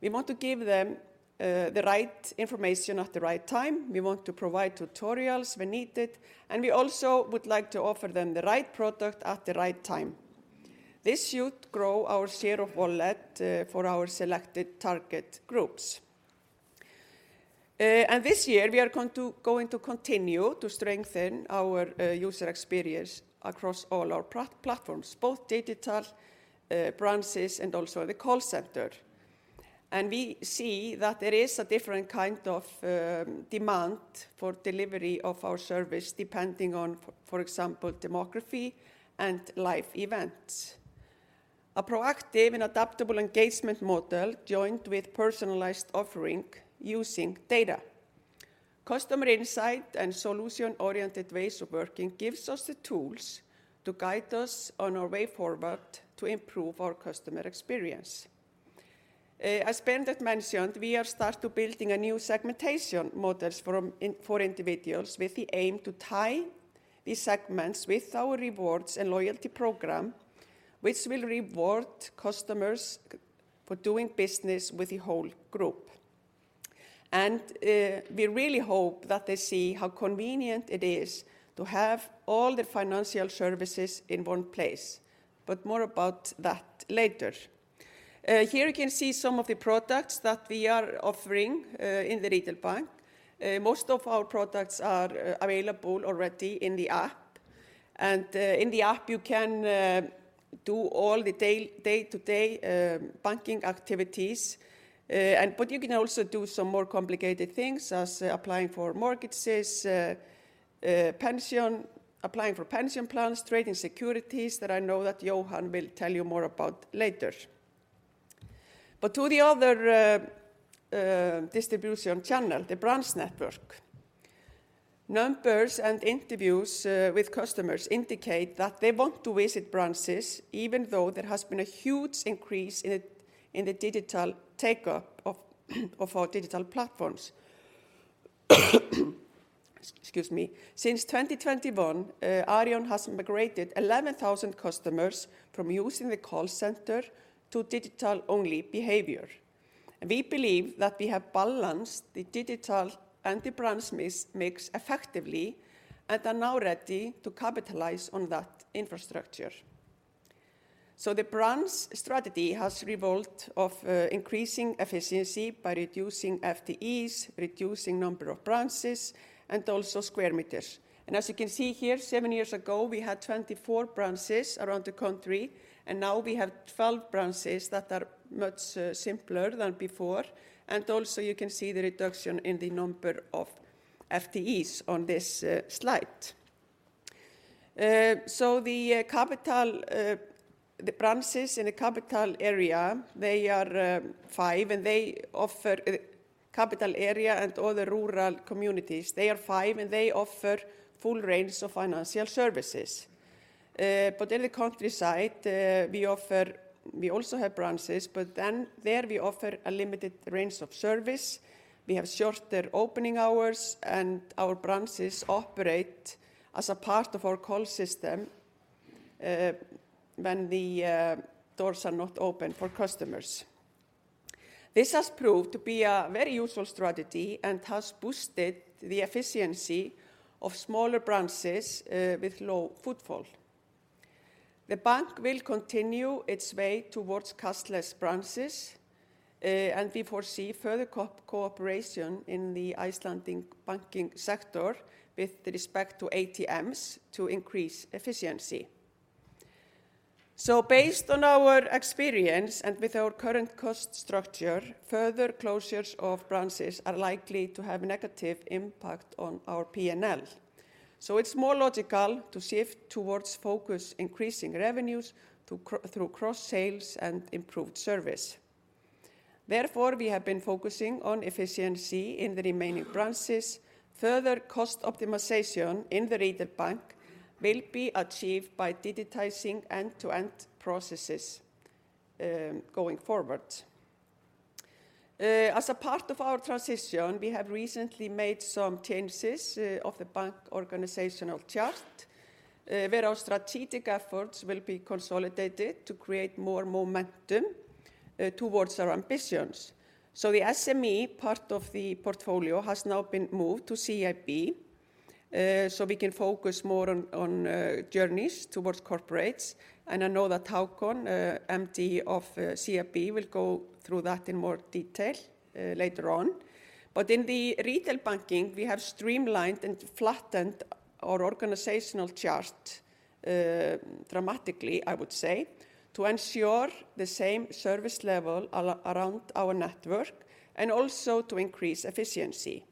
Speaker 3: We want to give them the right information at the right time. We want to provide tutorials when needed. We also would like to offer them the right product at the right time. This should grow our share of wallet for our selected target groups. This year, we are going to continue to strengthen our user experience across all our platforms, both digital branches and also the call center. We see that there is a different kind of demand for delivery of our service depending on, for example, demographics and life events. A proactive and adaptable engagement model joined with personalized offering using data. Customer insight and solution-oriented ways of working give us the tools to guide us on our way forward to improve our customer experience. As Benedikt mentioned, we have started building a new segmentation model for individuals with the aim to tie these segments with our rewards and loyalty program, which will reward customers for doing business with the whole group. We really hope that they see how convenient it is to have all the financial services in one place. But more about that later. Here you can see some of the products that we are offering in the Retail Bank. Most of our products are available already in the app. And in the app, you can do all the day-to-day banking activities. But you can also do some more complicated things as applying for mortgages, pension, applying for pension plans, trading securities that I know that Jóhann will tell you more about later. But to the other distribution channel, the branch network, numbers and interviews with customers indicate that they want to visit branches even though there has been a huge increase in the digital take-up of our digital platforms. Excuse me. Since 2021, Arion has migrated 11,000 customers from using the call center to digital-only behavior. We believe that we have balanced the digital and the branch mix effectively and are now ready to capitalize on that infrastructure. The branch strategy has revolved around increasing efficiency by reducing FTEs, reducing the number of branches, and also square meters. As you can see here, seven years ago, we had 24 branches around the country. Now we have 12 branches that are much simpler than before. You can see the reduction in the number of FTEs on this slide. The capital area, the branches in the capital area, they are five. They offer the capital area and all the rural communities, they are five. They offer a full range of financial services. But in the countryside, we also have branches, but then there we offer a limited range of service. We have shorter opening hours. Our branches operate as a part of our call system when the doors are not open for customers. This has proved to be a very useful strategy and has boosted the efficiency of smaller branches with low footfall. The bank will continue its way towards cashless branches. We foresee further cooperation in the Icelandic banking sector with respect to ATMs to increase efficiency. Based on our experience and with our current cost structure, further closures of branches are likely to have a negative impact on our P&L. It's more logical to shift towards focusing on increasing revenues through cross-sales and improved service. Therefore, we have been focusing on efficiency in the remaining branches. Further cost optimization in the Retail Bank will be achieved by digitizing end-to-end processes going forward. As a part of our transition, we have recently made some changes to the bank organizational chart where our strategic efforts will be consolidated to create more momentum towards our ambitions. So the SME part of the portfolio has now been moved to CIB so we can focus more on journeys towards corporates. And I know that Hákon, MD of CIB, will go through that in more detail later on. But in the retail banking, we have streamlined and flattened our organizational chart dramatically, I would say, to ensure the same service level around our network and also to increase efficiency.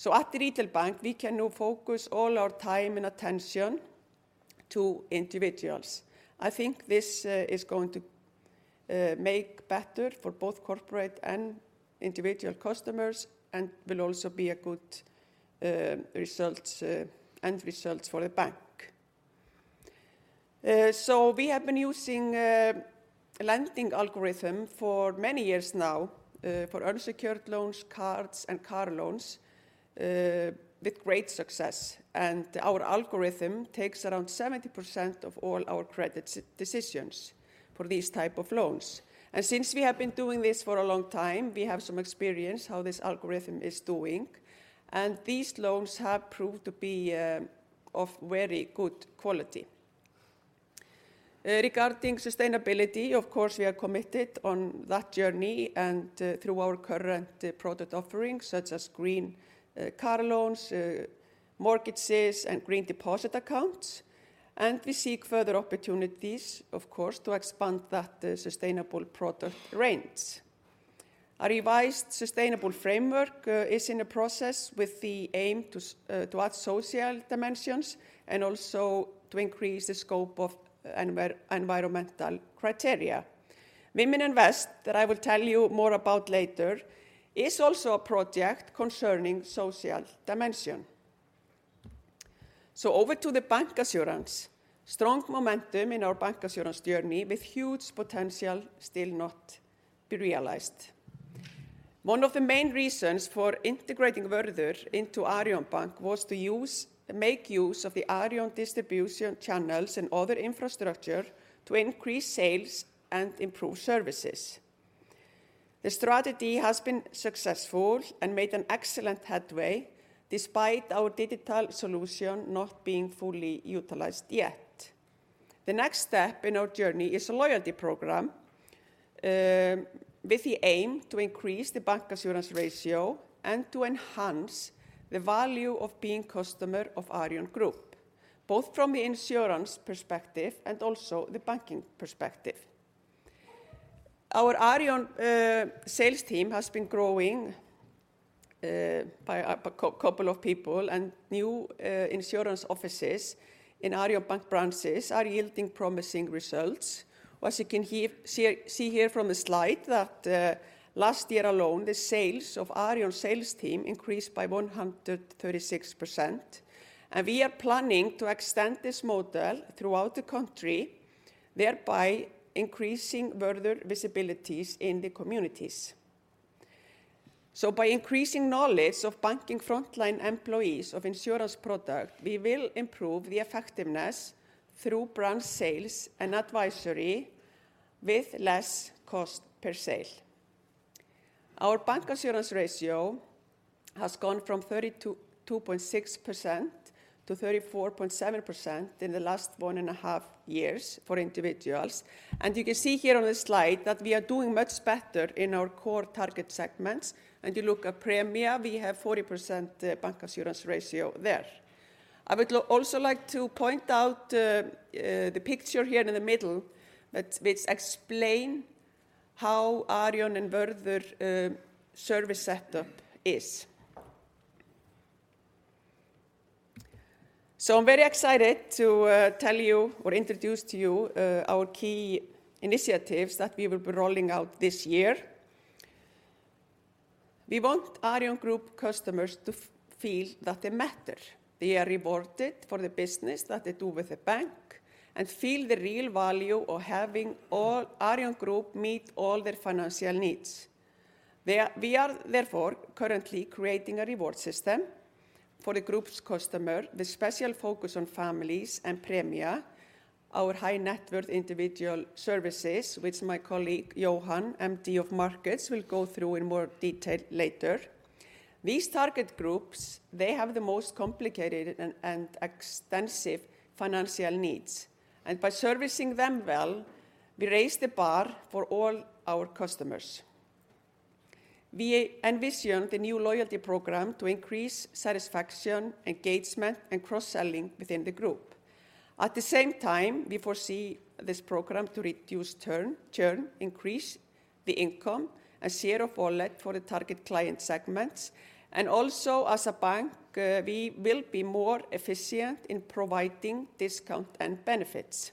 Speaker 3: So at the Retail Bank, we can now focus all our time and attention to individuals. I think this is going to make better for both corporate and individual customers and will also be a good result and results for the bank. So we have been using a lending algorithm for many years now for unsecured loans, cards, and car loans with great success. Our algorithm takes around 70% of all our credit decisions for these types of loans. Since we have been doing this for a long time, we have some experience in how this algorithm is doing. These loans have proved to be of very good quality. Regarding sustainability, of course, we are committed on that journey and through our current product offerings such as green car loans, mortgages, and green deposit accounts. We seek further opportunities, of course, to expand that sustainable product range. A revised sustainable framework is in the process with the aim to add social dimensions and also to increase the scope of environmental criteria. Women Invest, that I will tell you more about later, is also a project concerning social dimension. So over to the bancassurance. Strong momentum in our bancassurance journey with huge potential still not been realized. One of the main reasons for integrating Vörður into Arion Bank was to make use of the Arion distribution channels and other infrastructure to increase sales and improve services. The strategy has been successful and made an excellent headway despite our digital solution not being fully utilized yet. The next step in our journey is a loyalty program with the aim to increase the bancassurance ratio and to enhance the value of being a customer of Arion Group, both from the insurance perspective and also the banking perspective. Our Arion sales team has been growing by a couple of people. New insurance offices in Arion Bank branches are yielding promising results. As you can see here from the slide, that last year alone, the sales of Arion sales team increased by 136%. We are planning to extend this model throughout the country, thereby increasing Vörður visibilities in the communities. By increasing knowledge of banking frontline employees of insurance products, we will improve the effectiveness through branch sales and advisory with less cost per sale. Our bancassurance ratio has gone from 32.6% to 34.7% in the last one and a half years for individuals. You can see here on the slide that we are doing much better in our core target segments. If you look at Premia, we have a 40% bancassurance ratio there. I would also like to point out, the picture here in the middle that which explains how Arion and Vörður service setup is. So I'm very excited to tell you or introduce to you our key initiatives that we will be rolling out this year. We want Arion Group customers to feel that they matter. They are rewarded for the business that they do with the bank and feel the real value of having Arion Group meet all their financial needs. We are, therefore, currently creating a reward system for the group's customers with special focus on families and Premia, our high net worth individual services, which my colleague Jóhann, MD of Markets, will go through in more detail later. These target groups, they have the most complicated and extensive financial needs. And by servicing them well, we raise the bar for all our customers. We envision the new loyalty program to increase satisfaction, engagement, and cross-selling within the group. At the same time, we foresee this program to reduce churn, increase the income, and share of wallet for the target client segments. And also, as a bank, we will be more efficient in providing discounts and benefits.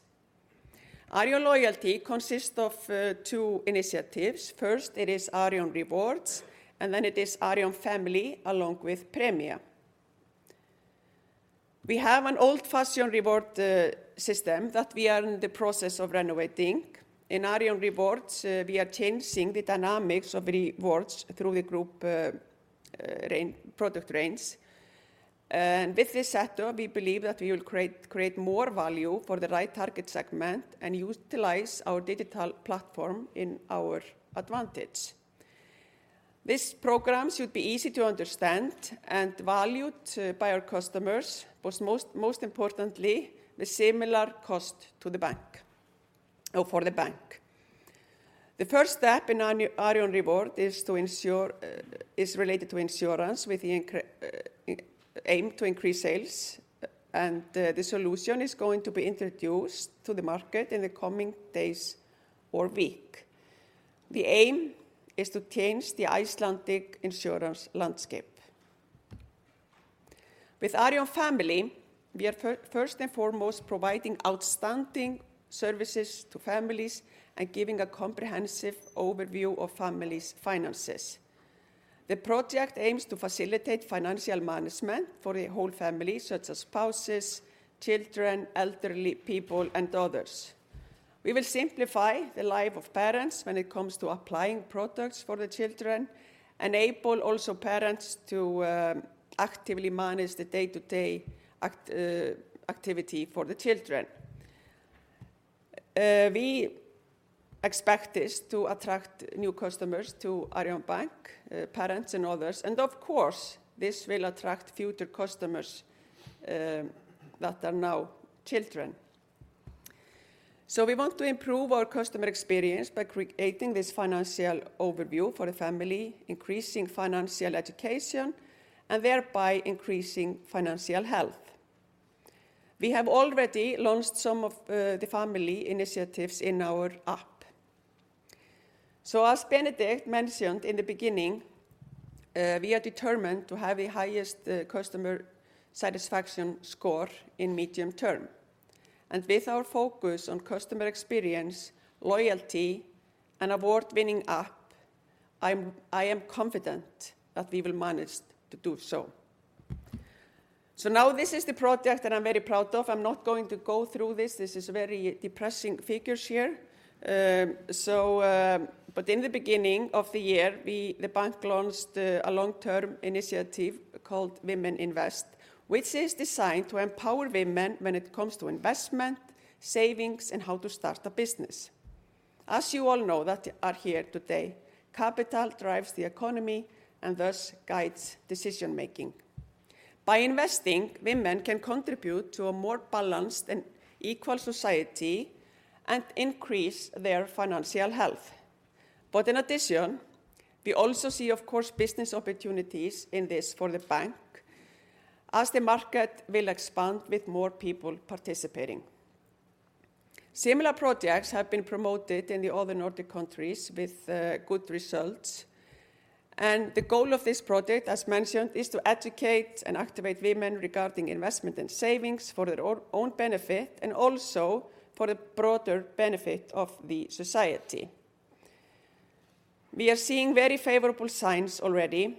Speaker 3: Arion Loyalty consists of two initiatives. First, it is Arion Rewards. And then it is Arion Family along with Premia. We have an old-fashioned reward system that we are in the process of renovating. In Arion Rewards, we are changing the dynamics of rewards through the group product range. And with this setup, we believe that we will create more value for the right target segment and utilize our digital platform in our advantage. These programs should be easy to understand and valued by our customers. But most importantly, with similar cost to the bank or for the bank. The first step in Arion Rewards is to is related to insurance with the aim to increase sales. The solution is going to be introduced to the market in the coming days or week. The aim is to change the Icelandic insurance landscape. With Arion Family, we are first and foremost providing outstanding services to families and giving a comprehensive overview of families' finances. The project aims to facilitate financial management for the whole family, such as spouses, children, elderly people, and others. We will simplify the life of parents when it comes to applying products for the children and enable also parents to actively manage the day-to-day activity for the children. We expect this to attract new customers to Arion Bank, parents and others. Of course, this will attract future customers that are now children. We want to improve our customer experience by creating this financial overview for the family, increasing financial education, and thereby increasing financial health. We have already launched some of the family initiatives in our app. As Benedikt mentioned in the beginning, we are determined to have the highest customer satisfaction score in medium term. With our focus on customer experience, loyalty, and award-winning app, I am confident that we will manage to do so. Now this is the project that I'm very proud of. I'm not going to go through this. This is very depressing figures here. In the beginning of the year, the bank launched a long-term initiative called Women Invest, which is designed to empower women when it comes to investment, savings, and how to start a business. As you all know that are here today, capital drives the economy and thus guides decision-making. By investing, women can contribute to a more balanced and equal society and increase their financial health. But in addition, we also see, of course, business opportunities in this for the bank as the market will expand with more people participating. Similar projects have been promoted in the other Nordic countries with good results. The goal of this project, as mentioned, is to educate and activate women regarding investment and savings for their own benefit and also for the broader benefit of the society. We are seeing very favorable signs already.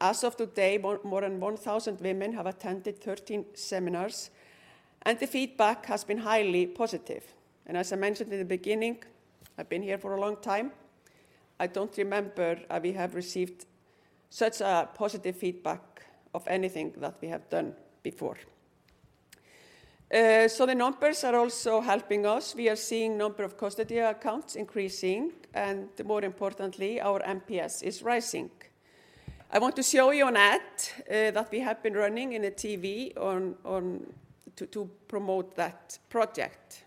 Speaker 3: As of today, more than 1,000 women have attended 13 seminars. The feedback has been highly positive. As I mentioned in the beginning, I've been here for a long time. I don't remember that we have received such positive feedback on anything that we have done before. The numbers are also helping us. We are seeing the number of custody accounts increasing. More importantly, our NPS is rising. I want to show you an ad that we have been running on TV to promote that project.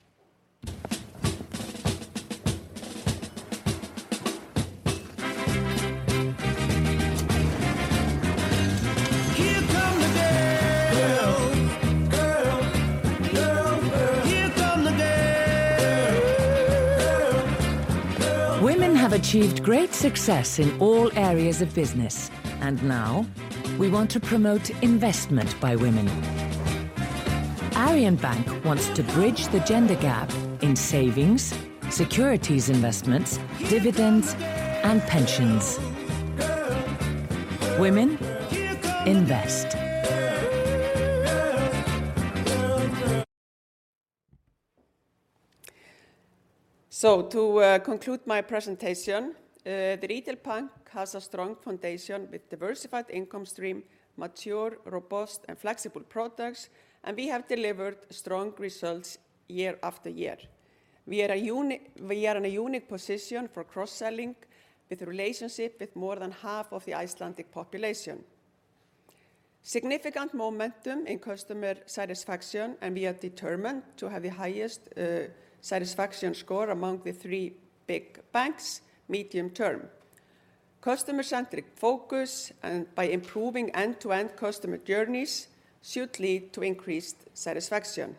Speaker 3: Women have achieved great success in all areas of business. Now we want to promote investment by women. Arion Bank wants to bridge the gender gap in savings, securities investments, dividends, and pensions. Women Invest. To conclude my presentation, the Retail Bank has a strong foundation with a diversified income stream, mature, robust, and flexible products. We have delivered strong results year after year. We are in a unique position for cross-selling with a relationship with more than half of the Icelandic population. Significant momentum in customer satisfaction. We are determined to have the highest satisfaction score among the three big banks medium term. Customer-centric focus and by improving end-to-end customer journeys should lead to increased satisfaction.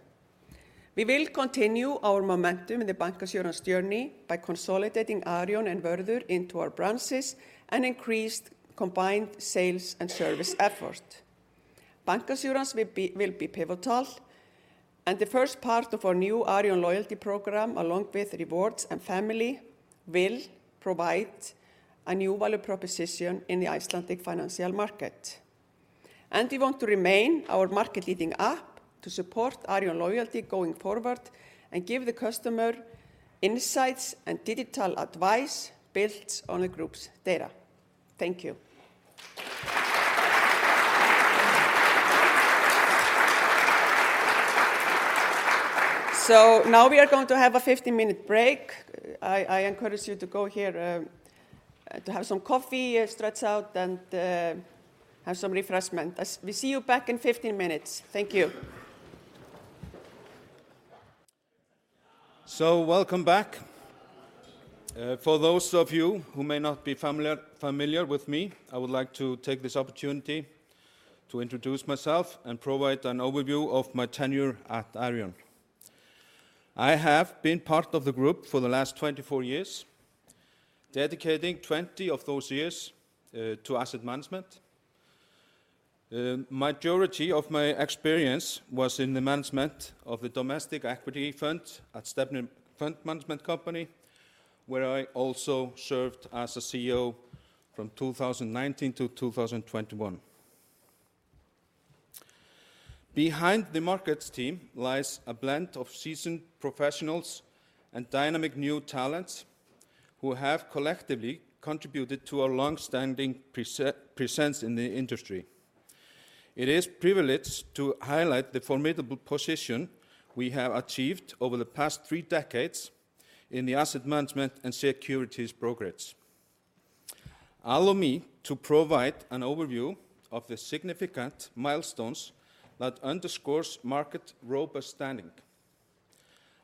Speaker 3: We will continue our momentum in the bancassurance journey by consolidating Arion and Vörður into our branches and increased combined sales and service effort. Bancassurance will be pivotal. The first part of our new Arion loyalty program along with rewards and family will provide a new value proposition in the Icelandic financial market. We want to remain our market-leading app to support Arion loyalty going forward and give the customer insights and digital advice built on the group's data. Thank you. So now we are going to have a 15-minute break. I encourage you to go here to have some coffee, stretch out, and have some refreshment. We see you back in 15 minutes. Thank you.
Speaker 1: Welcome back. For those of you who may not be familiar with me, I would like to take this opportunity to introduce myself and provide an overview of my tenure at Arion. I have been part of the group for the last 24 years, dedicating 20 of those years to asset management. Majority of my experience was in the management of the Domestic Equity Fund at Stefnir Fund Management Company, where I also served as a CEO from 2019 to 2021. Behind the markets team lies a blend of seasoned professionals and dynamic new talents who have collectively contributed to our longstanding presence in the industry. It is a privilege to highlight the formidable position we have achieved over the past three decades in the asset management and securities progress. Allow me to provide an overview of the significant milestones that underscore market robust standing.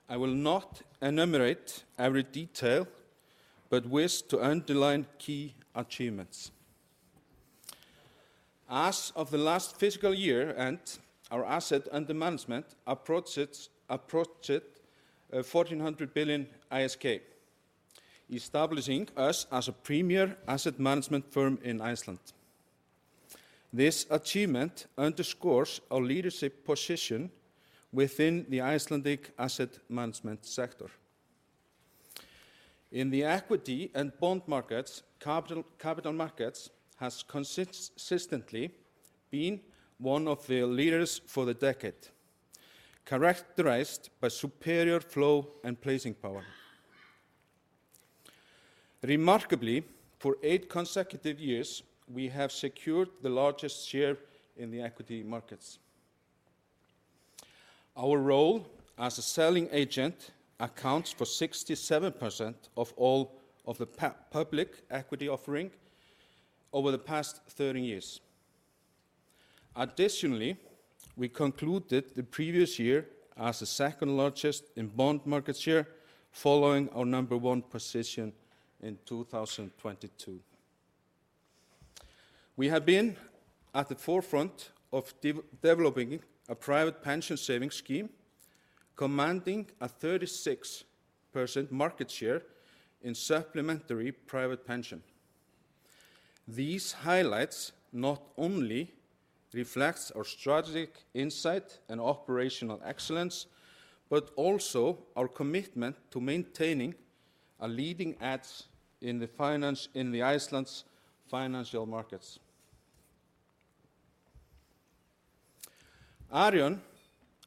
Speaker 1: I will not enumerate every detail but wish to underline key achievements. As of the last fiscal year end, our asset under management approached ISK 1,400 billion, establishing us as a premier asset management firm in Iceland. This achievement underscores our leadership position within the Icelandic asset management sector. In the equity and bond markets, capital markets have consistently been one of the leaders for the decade, characterized by superior flow and placing power. Remarkably, for eight consecutive years, we have secured the largest share in the equity markets. Our role as a selling agent accounts for 67% of all of the public equity offering over the past 30 years. Additionally, we concluded the previous year as the second largest in bond market share following our number one position in 2022. We have been at the forefront of developing a private pension savings scheme, commanding a 36% market share in supplementary private pension. These highlights not only reflect our strategic insight and operational excellence but also our commitment to maintaining a leading edge in Iceland's financial markets. Arion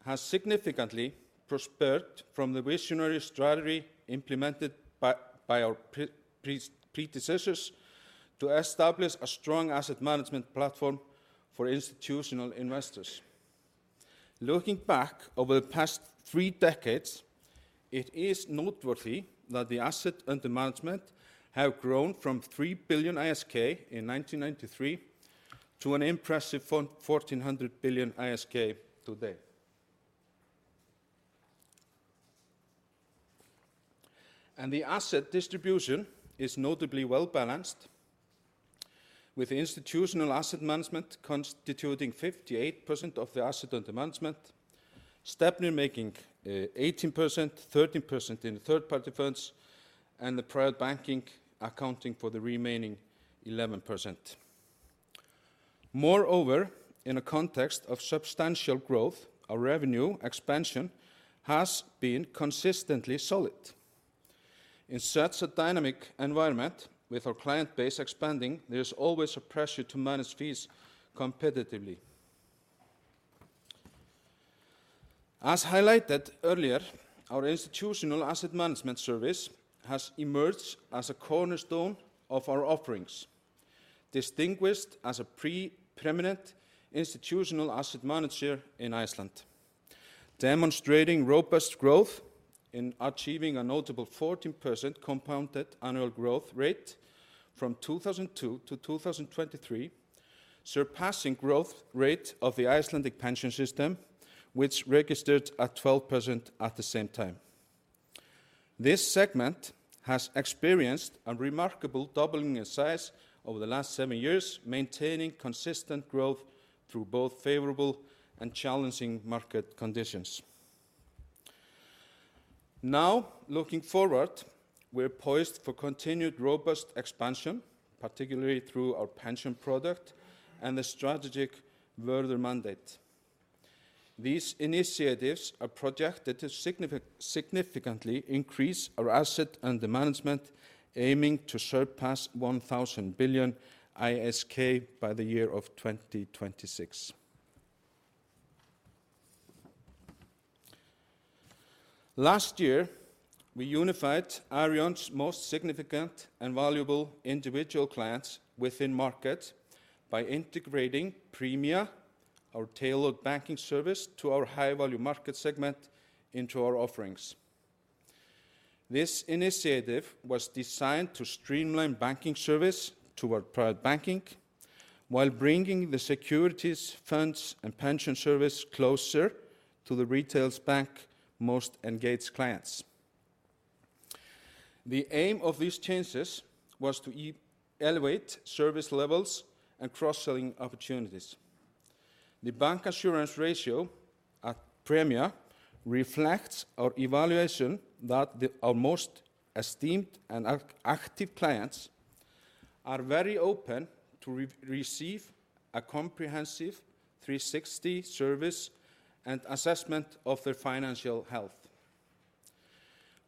Speaker 1: has significantly prospered from the visionary strategy implemented by our predecessors to establish a strong asset management platform for institutional investors. Looking back over the past three decades, it is noteworthy that the asset under management has grown from 3 billion ISK in 1993 to an impressive 1,400 billion ISK today. The asset distribution is notably well-balanced, with institutional asset management constituting 58% of the asset under management, Stefnir making 18%, 13% in third-party funds, and the private banking accounting for the remaining 11%. Moreover, in a context of substantial growth, our revenue expansion has been consistently solid. In such a dynamic environment, with our client base expanding, there is always a pressure to manage fees competitively. As highlighted earlier, our institutional asset management service has emerged as a cornerstone of our offerings, distinguished as a pre-permanent institutional asset manager in Iceland, demonstrating robust growth in achieving a notable 14% compounded annual growth rate from 2002 to 2023, surpassing the growth rate of the Icelandic pension system, which registered at 12% at the same time. This segment has experienced a remarkable doubling in size over the last 7 years, maintaining consistent growth through both favorable and challenging market conditions. Now, looking forward, we are poised for continued robust expansion, particularly through our pension product and the strategic Vörður mandate. These initiatives are projected to significantly increase our asset under management, aiming to surpass 1,000 billion ISK by the year of 2026. Last year, we unified Arion's most significant and valuable individual clients within the market by integrating Premia, our tailored banking service to our high-value market segment, into our offerings. This initiative was designed to streamline banking service toward private banking while bringing the securities, funds, and pension service closer to the retail bank's most engaged clients. The aim of these changes was to elevate service levels and cross-selling opportunities. The bancassurance ratio at Premia reflects our evaluation that our most esteemed and active clients are very open to receive a comprehensive 360 service and assessment of their financial health.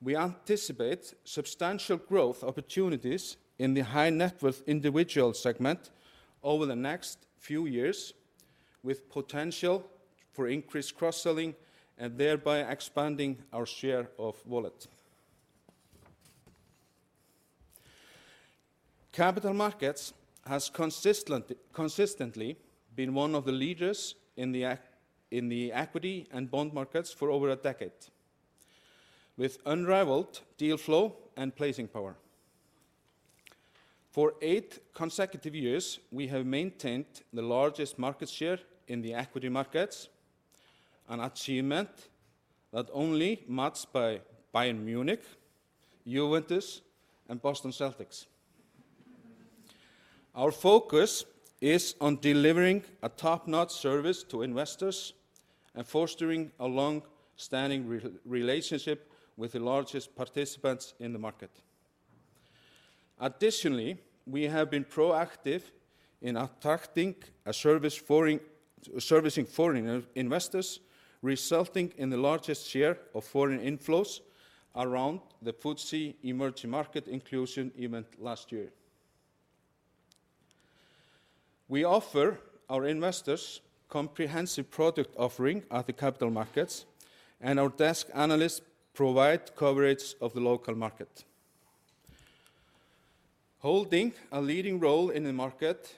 Speaker 1: We anticipate substantial growth opportunities in the high-net-worth individual segment over the next few years, with potential for increased cross-selling and thereby expanding our share of wallet. Capital Markets have consistently been one of the leaders in the equity and bond markets for over a decade, with unrivaled deal flow and placing power. For eight consecutive years, we have maintained the largest market share in the equity markets, an achievement that only matches Bayern Munich, Juventus, and Boston Celtics. Our focus is on delivering a top-notch service to investors and fostering a long-standing relationship with the largest participants in the market. Additionally, we have been proactive in attracting a service foreign servicing foreign investors, resulting in the largest share of foreign inflows around the FTSE Emerging Market Inclusion event last year. We offer our investors a comprehensive product offering at the capital markets, and our desk analysts provide coverage of the local market. Holding a leading role in the market,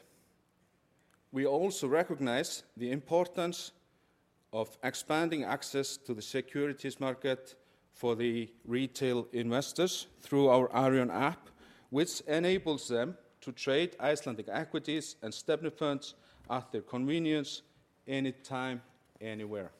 Speaker 1: we also recognize the importance of expanding access to the securities market for the retail investors through our Arion app, which enables them to trade Icelandic equities and Stefnir funds at their convenience, anytime, anywhere.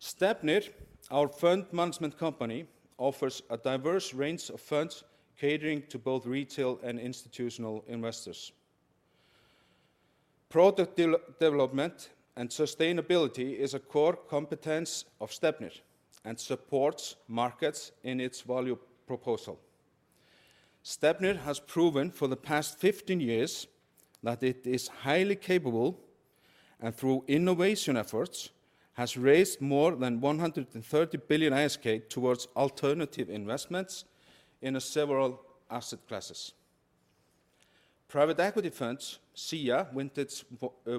Speaker 1: Stefnir, our fund management company, offers a diverse range of funds catering to both retail and institutional investors. Product development and sustainability are a core competence of Stefnir and support markets in its value proposal. Stefnir has proven for the past 15 years that it is highly capable and, through innovation efforts, has raised more than 130 billion ISK towards alternative investments in several asset classes. Private equity funds, SÍA Vintage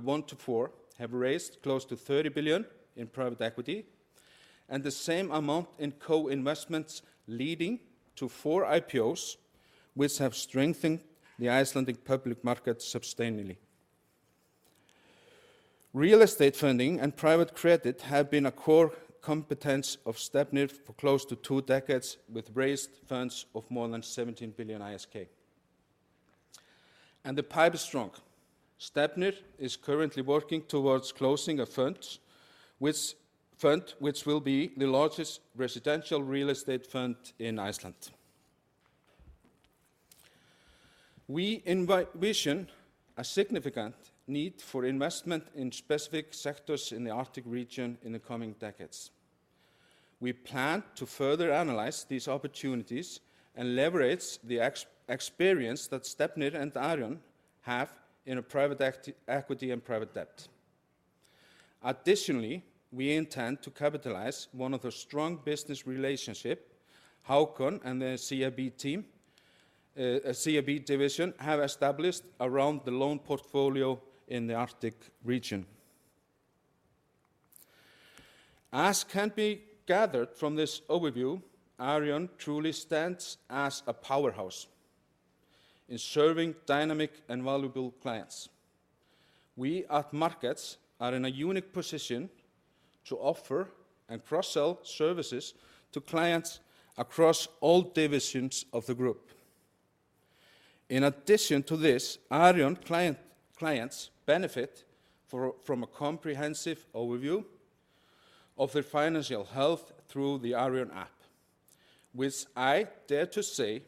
Speaker 1: One to Four, have raised close to 30 billion in private equity and the same amount in co-investments, leading to four IPOs, which have strengthened the Icelandic public market sustainably. Real estate funding and private credit have been a core competence of Stefnir for close to two decades, with raised funds of more than 17 billion ISK. The pipe is strong. Stefnir is currently working towards closing a fund, which will be the largest residential real estate fund in Iceland. We envision a significant need for investment in specific sectors in the Arctic region in the coming decades. We plan to further analyze these opportunities and leverage the experience that Stefnir and Arion have in private equity and private debt. Additionally, we intend to capitalize on one of the strong business relationships Hákon and the CIB division have established around the loan portfolio in the Arctic region. As can be gathered from this overview, Arion truly stands as a powerhouse in serving dynamic and valuable clients. We at markets are in a unique position to offer and cross-sell services to clients across all divisions of the group. In addition to this, Arion clients benefit from a comprehensive overview of their financial health through the Arion app, which I dare to say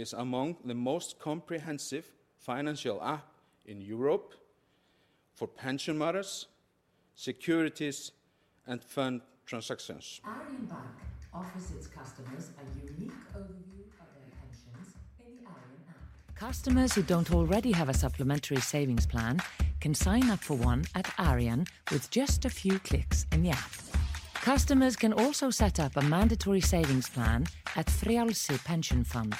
Speaker 1: is among the most comprehensive financial apps in Europe for pension matters, securities, and fund transactions.
Speaker 4: Arion Bank offers its customers a unique overview of their pensions in the Arion app. Customers who don't already have a supplementary savings plan can sign up for one at Arion with just a few clicks in the app. Customers can also set up a mandatory savings plan at Frjalsí Pension Fund.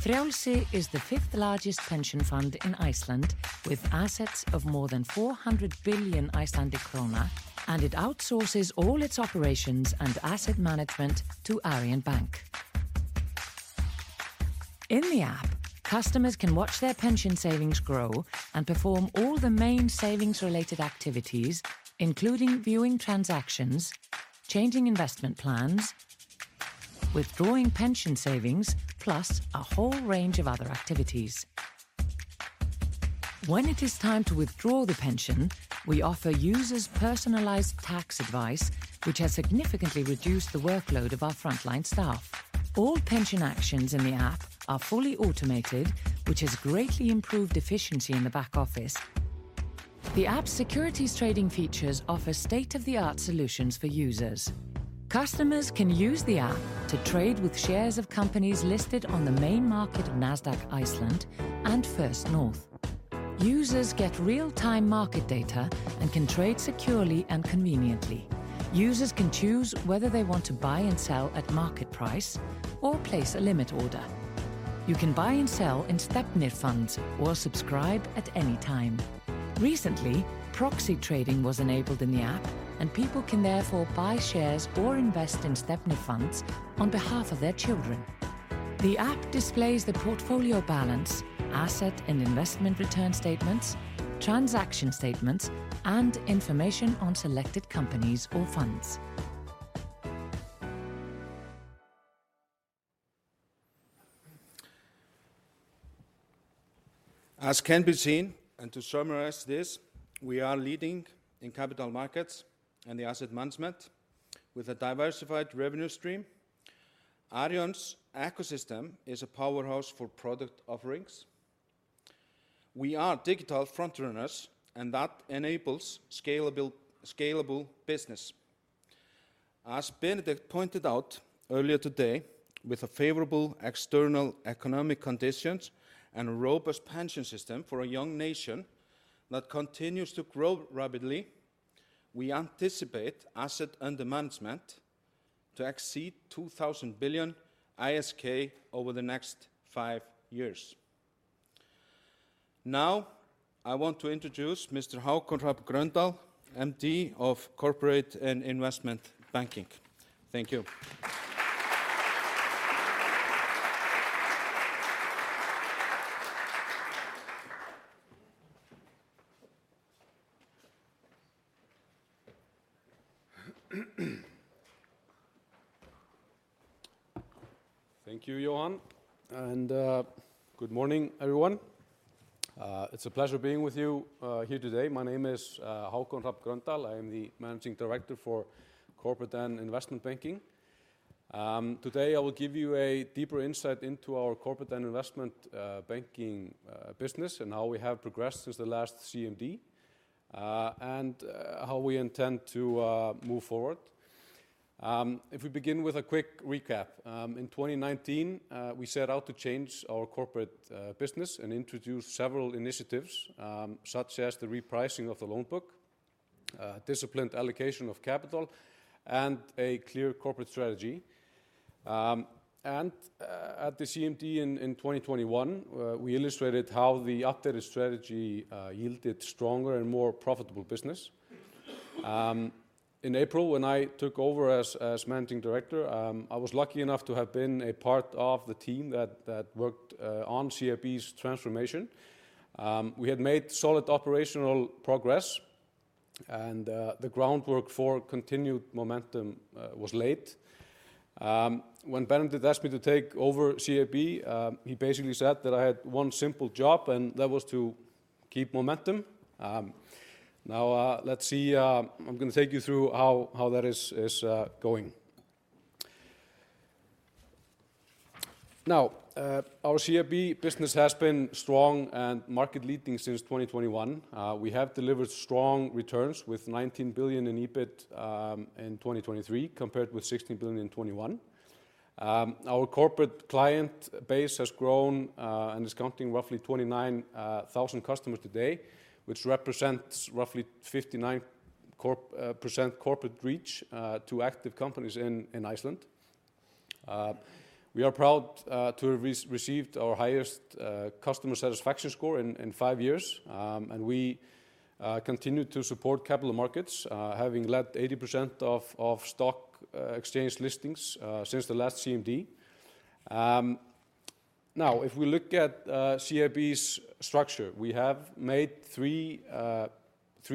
Speaker 4: Frjalsí is the fifth-largest pension fund in Iceland with assets of more than 400 billion Icelandic krona, and it outsources all its operations and asset management to Arion Bank. In the app, customers can watch their pension savings grow and perform all the main savings-related activities, including viewing transactions, changing investment plans, withdrawing pension savings, plus a whole range of other activities. When it is time to withdraw the pension, we offer users personalized tax advice, which has significantly reduced the workload of our frontline staff. All pension actions in the app are fully automated, which has greatly improved efficiency in the back office. The app's securities trading features offer state-of-the-art solutions for users. Customers can use the app to trade with shares of companies listed on the main market of Nasdaq Iceland and First North. Users get real-time market data and can trade securely and conveniently. Users can choose whether they want to buy and sell at market price or place a limit order. You can buy and sell in Stefnir funds or subscribe at any time. Recently, proxy trading was enabled in the app, and people can therefore buy shares or invest in Stefnir funds on behalf of their children. The app displays the portfolio balance, asset and investment return statements, transaction statements, and information on selected companies or funds.
Speaker 2: As can be seen, and to summarize this, we are leading in capital markets and the asset management with a diversified revenue stream. Arion's ecosystem is a powerhouse for product offerings. We are digital frontrunners, and that enables scalable business. As Benedikt pointed out earlier today, with favorable external economic conditions and a robust pension system for a young nation that continues to grow rapidly, we anticipate asset under management to exceed 2,000 billion ISK over the next five years. Now, I want to introduce Mr. Hákon Hrafn Gröndal, Managing Director of Corporate and Investment Banking. Thank you.
Speaker 5: Thank you, Bjórn. And good morning, everyone. It's a pleasure being with you here today. My name is Hákon Hrafn Gröndal. I am the Managing Director for Corporate and Investment Banking. Today, I will give you a deeper insight into our corporate and investment banking business and how we have progressed since the last CMD and how we intend to move forward. If we begin with a quick recap, in 2019, we set out to change our corporate business and introduce several initiatives such as the repricing of the loan book, disciplined allocation of capital, and a clear corporate strategy. And at the CMD in 2021, we illustrated how the updated strategy yielded stronger and more profitable business. In April, when I took over as Managing Director, I was lucky enough to have been a part of the team that worked on CIB's transformation. We had made solid operational progress, and the groundwork for continued momentum was laid. When Benedikt asked me to take over CIB, he basically said that I had one simple job, and that was to keep momentum. Now, let's see. I'm going to take you through how that is going. Now, our CIB business has been strong and market-leading since 2021. We have delivered strong returns with 19 billion in EBIT in 2023 compared with 16 billion in 2021. Our corporate client base has grown and is counting roughly 29,000 customers today, which represents roughly 59% corporate reach to active companies in Iceland. We are proud to have received our highest customer satisfaction score in five years, and we continue to support capital markets, having led 80% of stock exchange listings since the last CMD. Now, if we look at CIB's structure, we have made three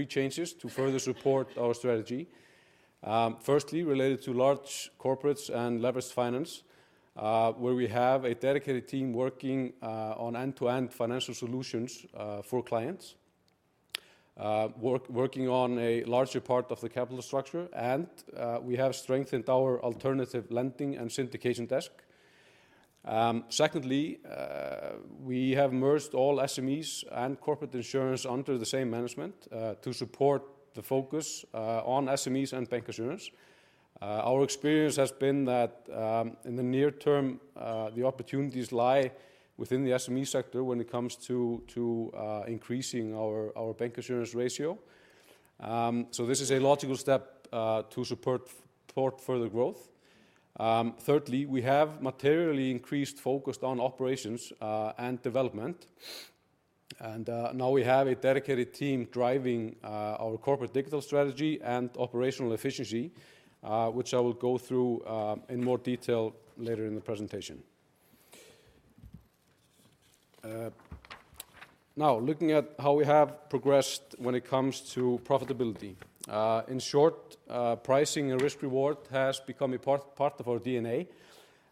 Speaker 5: changes to further support our strategy. Firstly, related to large corporates and leveraged finance, where we have a dedicated team working on end-to-end financial solutions for clients, working on a larger part of the capital structure, and we have strengthened our alternative lending and syndication desk. Secondly, we have merged all SMEs and corporate insurance under the same management to support the focus on SMEs and bancassurance. Our experience has been that in the near term, the opportunities lie within the SME sector when it comes to increasing our bancassurance ratio. So this is a logical step to support further growth. Thirdly, we have materially increased focus on operations and development. Now we have a dedicated team driving our corporate digital strategy and operational efficiency, which I will go through in more detail later in the presentation. Now, looking at how we have progressed when it comes to profitability. In short, pricing and risk-reward have become a part of our DNA,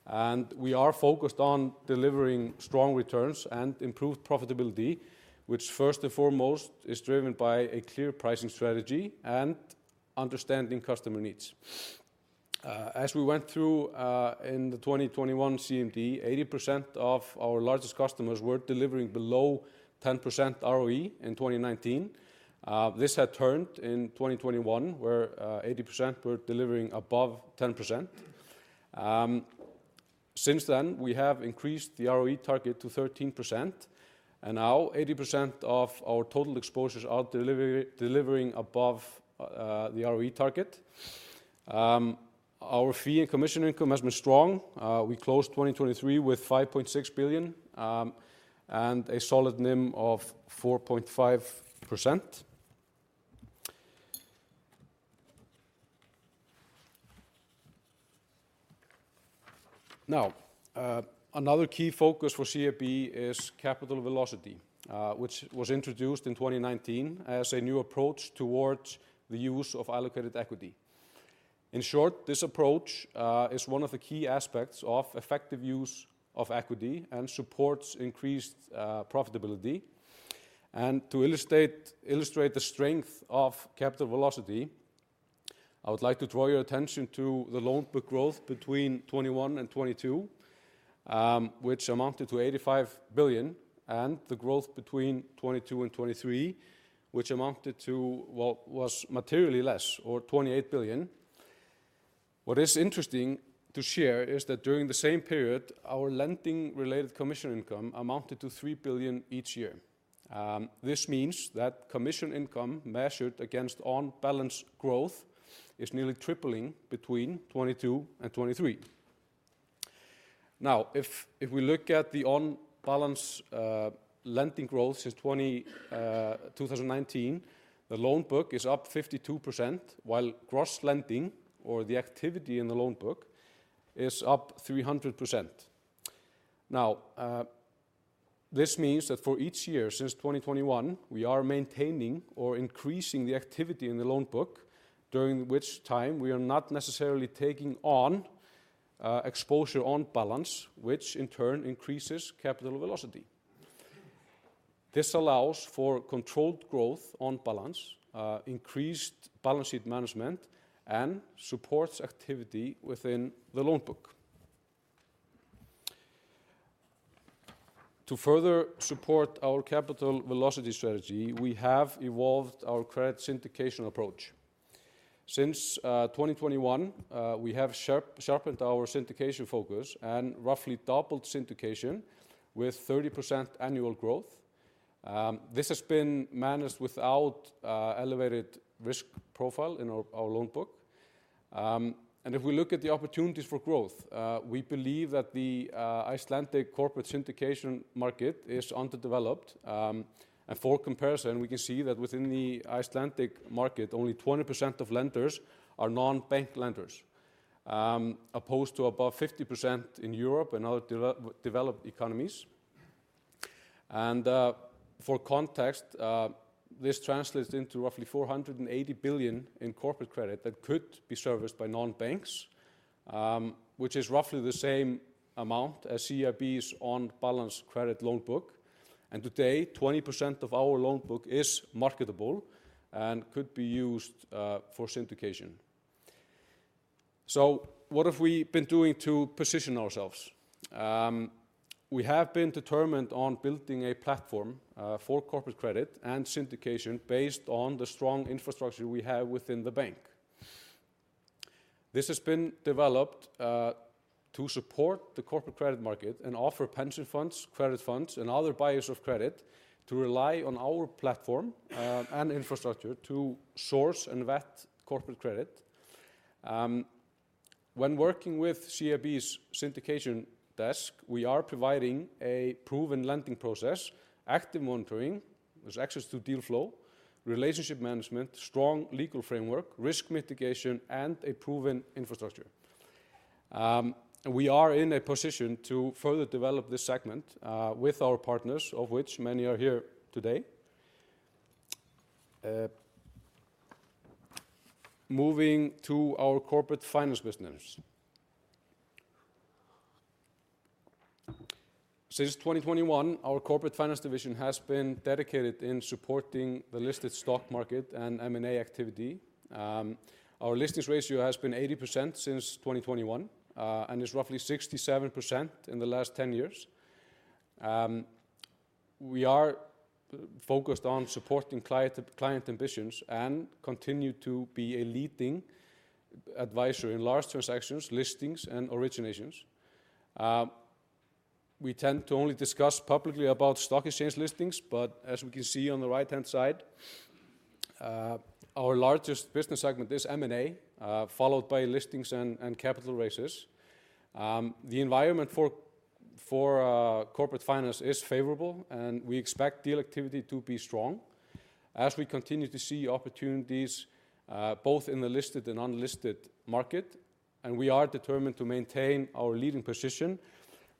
Speaker 5: and we are focused on delivering strong returns and improved profitability, which first and foremost is driven by a clear pricing strategy and understanding customer needs. As we went through in the 2021 CMD, 80% of our largest customers were delivering below 10% ROE in 2019. This had turned in 2021, where 80% were delivering above 10%. Since then, we have increased the ROE target to 13%, and now 80% of our total exposures are delivering above the ROE target. Our fee and commission income has been strong. We closed 2023 with 5.6 billion and a solid NIM of 4.5%. Now, another key focus for CIB is capital velocity, which was introduced in 2019 as a new approach towards the use of allocated equity. In short, this approach is one of the key aspects of effective use of equity and supports increased profitability. And to illustrate the strength of capital velocity, I would like to draw your attention to the loan book growth between 2021 and 2022, which amounted to 85 billion, and the growth between 2022 and 2023, which amounted to what was materially less, or 28 billion. What is interesting to share is that during the same period, our lending-related commission income amounted to 3 billion each year. This means that commission income measured against on-balance growth is nearly tripling between 2022 and 2023. Now, if we look at the on-balance lending growth since 2019, the loan book is up 52%, while gross lending, or the activity in the loan book, is up 300%. Now, this means that for each year since 2021, we are maintaining or increasing the activity in the loan book, during which time we are not necessarily taking on exposure on balance, which in turn increases capital velocity. This allows for controlled growth on balance, increased balance sheet management, and supports activity within the loan book. To further support our capital velocity strategy, we have evolved our credit syndication approach. Since 2021, we have sharpened our syndication focus and roughly doubled syndication with 30% annual growth. This has been managed without elevated risk profile in our loan book. If we look at the opportunities for growth, we believe that the Icelandic corporate syndication market is underdeveloped. For comparison, we can see that within the Icelandic market, only 20% of lenders are non-bank lenders, opposed to above 50% in Europe and other developed economies. For context, this translates into roughly 480 billion in corporate credit that could be serviced by non-banks, which is roughly the same amount as CIB's on-balance credit loan book. Today, 20% of our loan book is marketable and could be used for syndication. So what have we been doing to position ourselves? We have been determined on building a platform for corporate credit and syndication based on the strong infrastructure we have within the bank. This has been developed to support the corporate credit market and offer pension funds, credit funds, and other buyers of credit to rely on our platform and infrastructure to source and vet corporate credit. When working with CIB's syndication desk, we are providing a proven lending process, active monitoring, there's access to deal flow, relationship management, strong legal framework, risk mitigation, and a proven infrastructure. We are in a position to further develop this segment with our partners, of which many are here today. Moving to our corporate finance business. Since 2021, our corporate finance division has been dedicated in supporting the listed stock market and M&A activity. Our listings ratio has been 80% since 2021 and is roughly 67% in the last 10 years. We are focused on supporting client ambitions and continue to be a leading advisor in large transactions, listings, and originations. We tend to only discuss publicly about stock exchange listings, but as we can see on the right-hand side, our largest business segment is M&A, followed by listings and capital raises. The environment for corporate finance is favorable, and we expect deal activity to be strong as we continue to see opportunities both in the listed and unlisted market. We are determined to maintain our leading position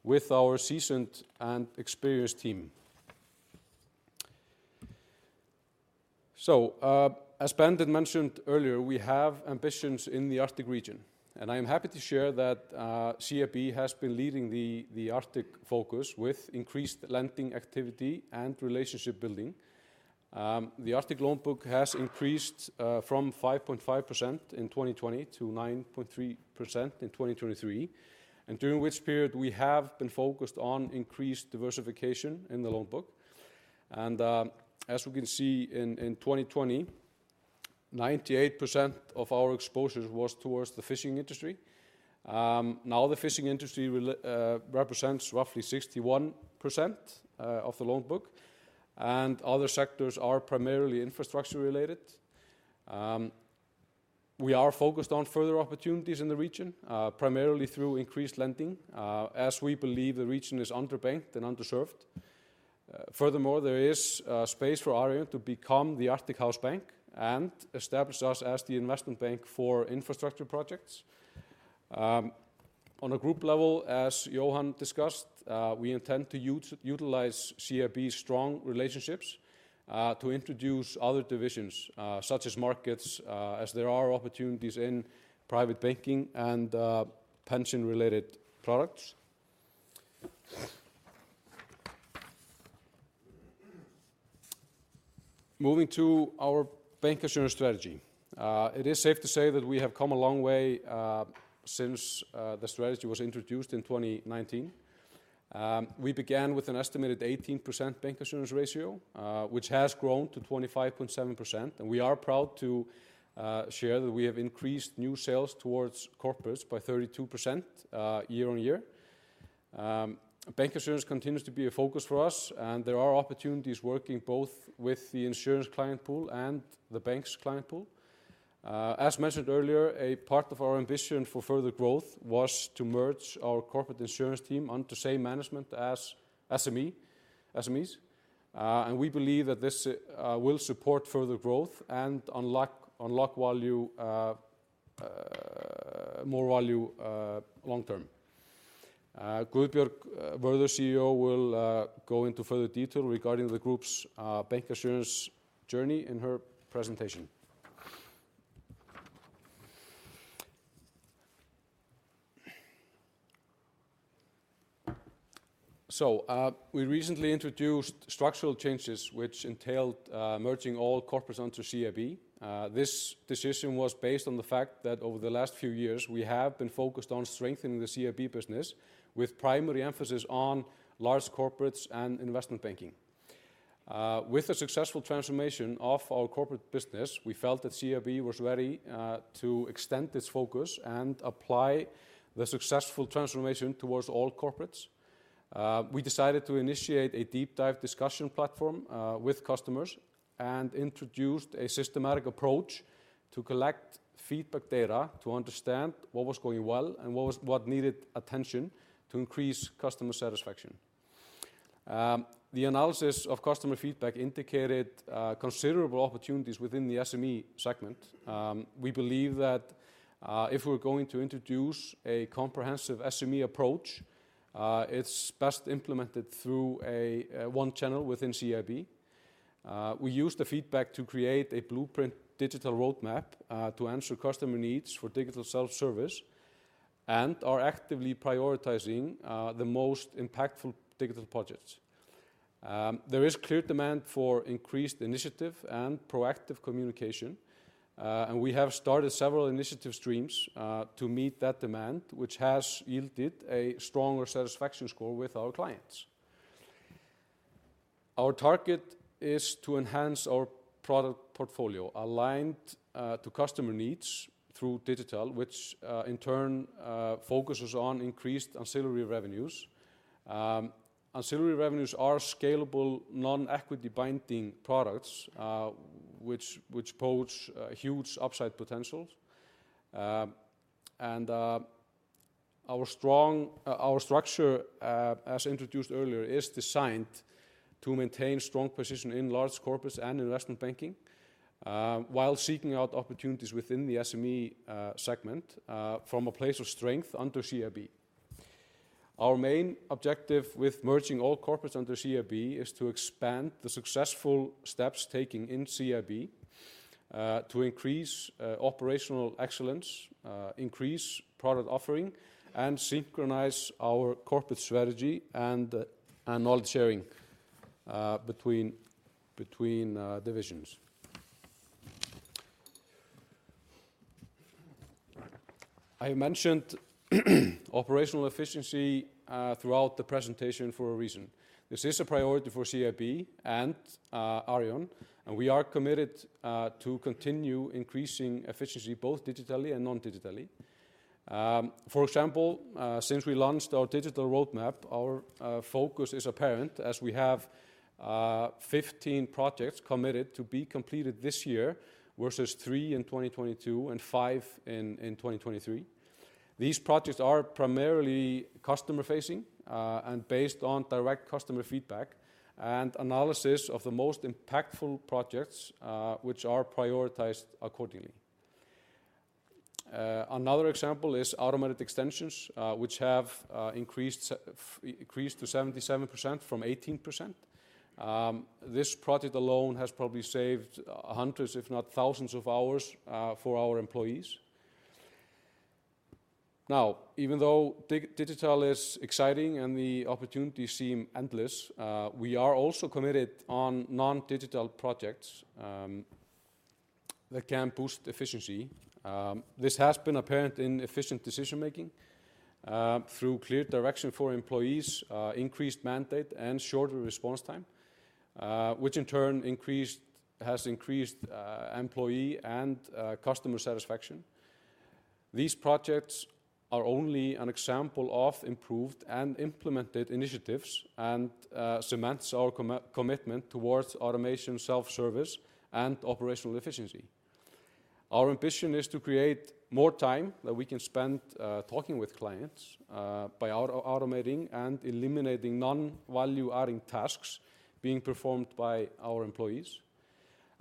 Speaker 5: with our seasoned and experienced team. As Benedikt mentioned earlier, we have ambitions in the Arctic region. I am happy to share that CIB has been leading the Arctic focus with increased lending activity and relationship building. The Arctic loan book has increased from 5.5% in 2020 to 9.3% in 2023, and during which period we have been focused on increased diversification in the loan book. As we can see in 2020, 98% of our exposures was towards the fishing industry. Now, the fishing industry represents roughly 61% of the loan book, and other sectors are primarily infrastructure-related. We are focused on further opportunities in the region, primarily through increased lending as we believe the region is underbanked and underserved. Furthermore, there is space for Arion to become the Arctic House Bank and establish us as the investment bank for infrastructure projects. On a group level, as Johan discussed, we intend to utilize CIB's strong relationships to introduce other divisions such as markets as there are opportunities in private banking and pension-related products. Moving to our bancassurance strategy. It is safe to say that we have come a long way since the strategy was introduced in 2019. We began with an estimated 18% bancassurance ratio, which has grown to 25.7%. We are proud to share that we have increased new sales towards corporates by 32% year-on-year. Bancassurance continues to be a focus for us, and there are opportunities working both with the insurance client pool and the bank's client pool. As mentioned earlier, a part of our ambition for further growth was to merge our corporate insurance team under the same management as SMEs. We believe that this will support further growth and unlock more value long term. Guðbjörg Vörður, CEO, will go into further detail regarding the group's bancassurance journey in her presentation. We recently introduced structural changes, which entailed merging all corporates under CIB. This decision was based on the fact that over the last few years, we have been focused on strengthening the CIB business with primary emphasis on large corporates and investment banking. With the successful transformation of our corporate business, we felt that CIB was ready to extend its focus and apply the successful transformation towards all corporates. We decided to initiate a deep-dive discussion platform with customers and introduced a systematic approach to collect feedback data to understand what was going well and what needed attention to increase customer satisfaction. The analysis of customer feedback indicated considerable opportunities within the SME segment. We believe that if we're going to introduce a comprehensive SME approach, it's best implemented through one channel within CIB. We used the feedback to create a blueprint digital roadmap to answer customer needs for digital self-service and are actively prioritizing the most impactful digital projects. There is clear demand for increased initiative and proactive communication, and we have started several initiative streams to meet that demand, which has yielded a stronger satisfaction score with our clients. Our target is to enhance our product portfolio aligned to customer needs through digital, which in turn focuses on increased ancillary revenues. Ancillary revenues are scalable non-equity-binding products, which pose huge upside potentials. Our structure, as introduced earlier, is designed to maintain strong position in large corporates and investment banking while seeking out opportunities within the SME segment from a place of strength under CIB. Our main objective with merging all corporates under CIB is to expand the successful steps taken in CIB to increase operational excellence, increase product offering, and synchronize our corporate strategy and knowledge sharing between divisions. I have mentioned operational efficiency throughout the presentation for a reason. This is a priority for CIB and Arion, and we are committed to continue increasing efficiency both digitally and non-digitally. For example, since we launched our digital roadmap, our focus is apparent as we have 15 projects committed to be completed this year versus 3 in 2022 and 5 in 2023. These projects are primarily customer-facing and based on direct customer feedback and analysis of the most impactful projects, which are prioritized accordingly. Another example is automated extensions, which have increased to 77% from 18%. This project alone has probably saved hundreds, if not thousands, of hours for our employees. Now, even though digital is exciting and the opportunities seem endless, we are also committed on non-digital projects that can boost efficiency. This has been apparent in efficient decision-making through clear direction for employees, increased mandate, and shorter response time, which in turn has increased employee and customer satisfaction. These projects are only an example of improved and implemented initiatives and cement our commitment towards automation, self-service, and operational efficiency. Our ambition is to create more time that we can spend talking with clients by automating and eliminating non-value-adding tasks being performed by our employees.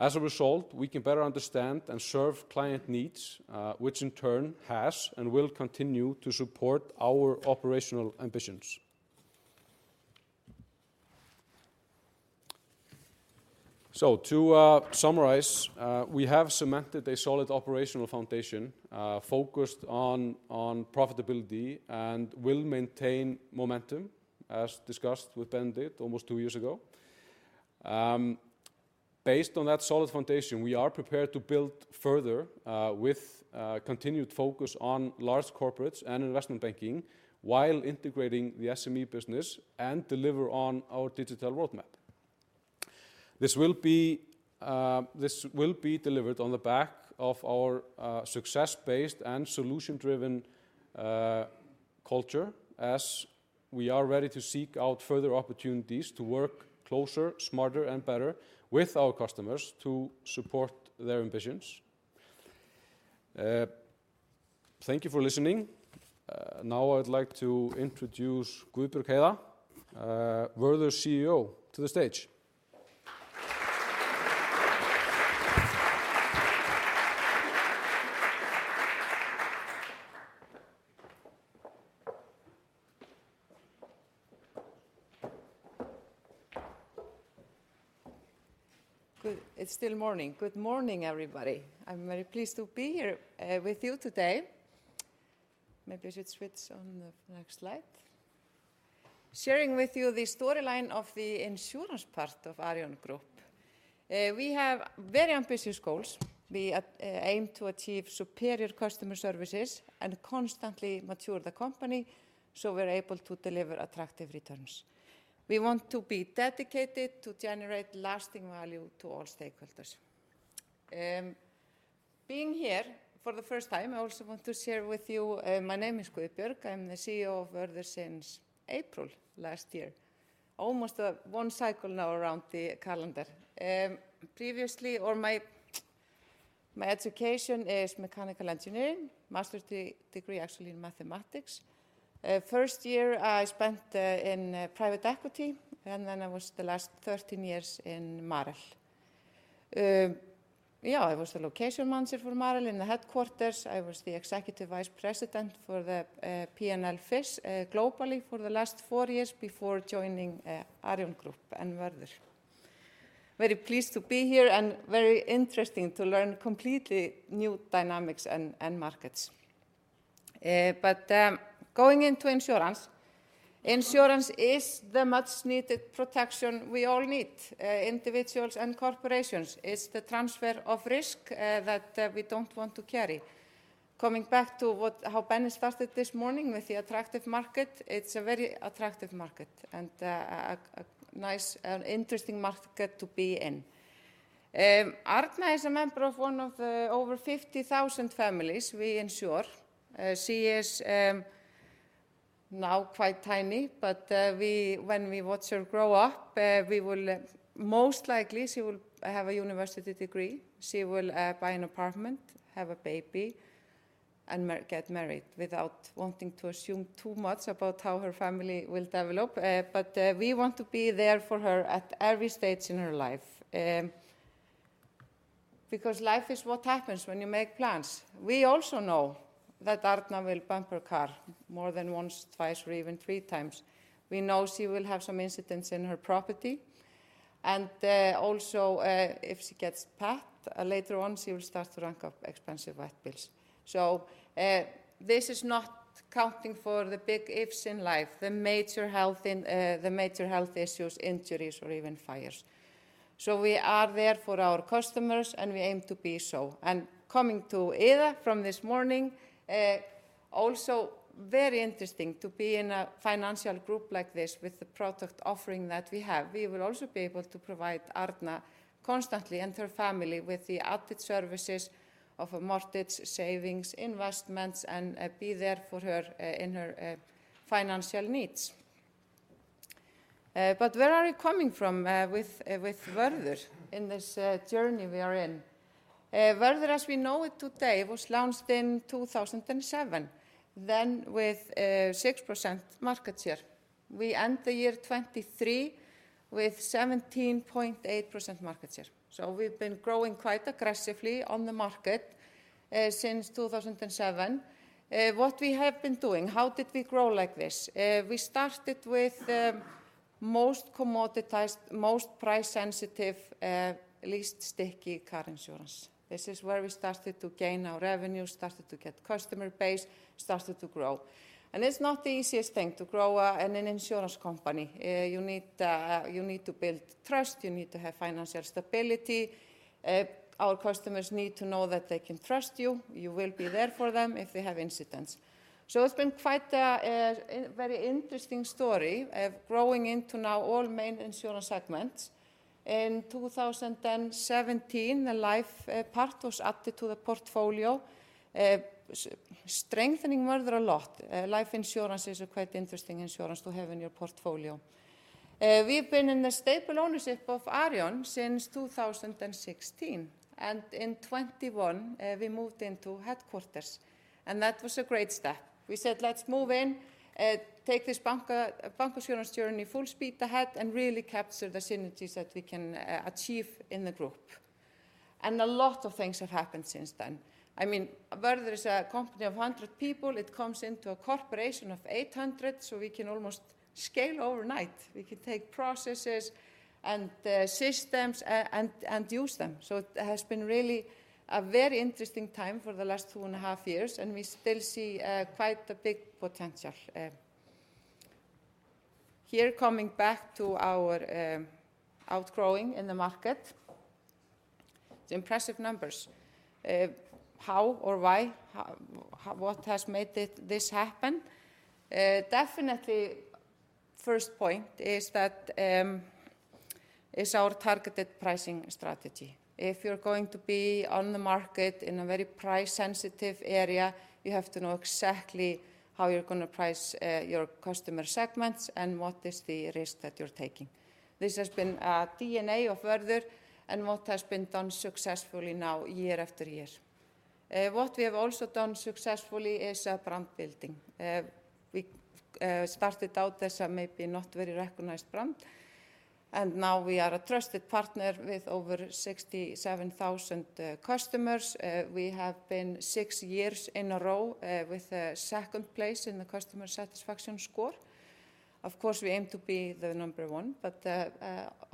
Speaker 5: As a result, we can better understand and serve client needs, which in turn has and will continue to support our operational ambitions. So to summarize, we have cemented a solid operational foundation focused on profitability and will maintain momentum, as discussed with Benedikt almost two years ago. Based on that solid foundation, we are prepared to build further with continued focus on large corporates and investment banking while integrating the SME business and deliver on our digital roadmap. This will be delivered on the back of our success-based and solution-driven culture as we are ready to seek out further opportunities to work closer, smarter, and better with our customers to support their ambitions. Thank you for listening. Now I would like to introduce Guðbjörg Heiða, Vörður's CEO, to the stage.
Speaker 6: It's still morning. Good morning, everybody. I'm very pleased to be here with you today. Maybe I should switch on the next slide. Sharing with you the storyline of the insurance part of Arion Group. We have very ambitious goals. We aim to achieve superior customer services and constantly mature the company so we're able to deliver attractive returns. We want to be dedicated to generate lasting value to all stakeholders. Being here for the first time, I also want to share with you my name is Guðbjörg. I'm the CEO of Vörður since April last year. Almost one cycle now around the calendar. Previously, my education is mechanical engineering. Master's degree, actually, in mathematics. First year, I spent in private equity, and then I was the last 13 years in Marel. Yeah, I was the location manager for Marel in the headquarters. I was the executive vice president for the P&L Fish globally for the last four years before joining Arion Group and Vörður. Very pleased to be here and very interesting to learn completely new dynamics and markets. But going into insurance, insurance is the much-needed protection we all need, individuals and corporations. It's the transfer of risk that we don't want to carry. Coming back to how Benny started this morning with the attractive market, it's a very attractive market and a nice and interesting market to be in. Arna is a member of one of the over 50,000 families we insure. She is now quite tiny, but when we watch her grow up, most likely she will have a university degree. She will buy an apartment, have a baby, and get married without wanting to assume too much about how her family will develop. But we want to be there for her at every stage in her life because life is what happens when you make plans. We also know that Arna will bump her car more than once, twice, or even three times. We know she will have some incidents in her property. And also, if she gets sick later on, she will start to rack up expensive vet bills. So this is not counting for the big ifs in life, the major health issues, injuries, or even fires. So we are there for our customers, and we aim to be so. And coming to Heiða from this morning, also very interesting to be in a financial group like this with the product offering that we have. We will also be able to provide Arna constantly and her family with the outfit services of mortgage, savings, investments, and be there for her in her financial needs. But where are we coming from with Vörður in this journey we are in? Vörður, as we know it today, was launched in 2007, then with 6% market share. We end the year 2023 with 17.8% market share. So we've been growing quite aggressively on the market since 2007. What we have been doing, how did we grow like this? We started with most commoditized, most price-sensitive, least sticky car insurance. This is where we started to gain our revenue, started to get customer base, started to grow. And it's not the easiest thing to grow in an insurance company. You need to build trust. You need to have financial stability. Our customers need to know that they can trust you. You will be there for them if they have incidents. So it's been quite a very interesting story growing into now all main insurance segments. In 2017, the life part was added to the portfolio, strengthening Vörður a lot. Life insurance is a quite interesting insurance to have in your portfolio. We've been in the stable ownership of Arion since 2016. And in 2021, we moved into headquarters. And that was a great step. We said, "Let's move in, take this bank insurance journey full speed ahead," and really captured the synergies that we can achieve in the group. And a lot of things have happened since then. I mean, Vörður is a company of 100 people. It comes into a corporation of 800, so we can almost scale overnight. We can take processes and systems and use them. So it has been really a very interesting time for the last 2.5 years, and we still see quite a big potential. Here, coming back to our outgrowing in the market, it's impressive numbers. How or why, what has made this happen? Definitely, first point is our targeted pricing strategy. If you're going to be on the market in a very price-sensitive area, you have to know exactly how you're going to price your customer segments and what is the risk that you're taking. This has been DNA of Vörður and what has been done successfully now year after year. What we have also done successfully is brand building. We started out as a maybe not very recognized brand, and now we are a trusted partner with over 67,000 customers. We have been 6 years in a row with a second place in the customer satisfaction score. Of course, we aim to be the number 1, but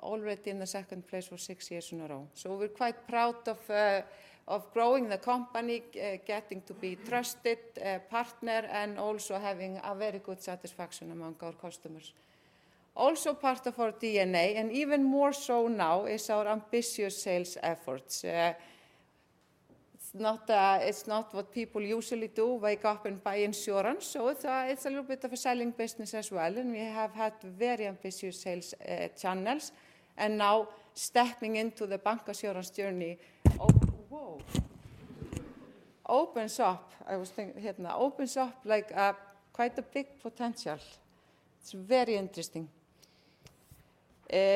Speaker 6: already in the second place for 6 years in a row. So we're quite proud of growing the company, getting to be a trusted partner, and also having a very good satisfaction among our customers. Also, part of our DNA, and even more so now, is our ambitious sales efforts. It's not what people usually do, wake up and buy insurance. So it's a little bit of a selling business as well, and we have had very ambitious sales channels. And now stepping into the bank insurance journey opens up, I was thinking, opens up quite a big potential. It's very interesting.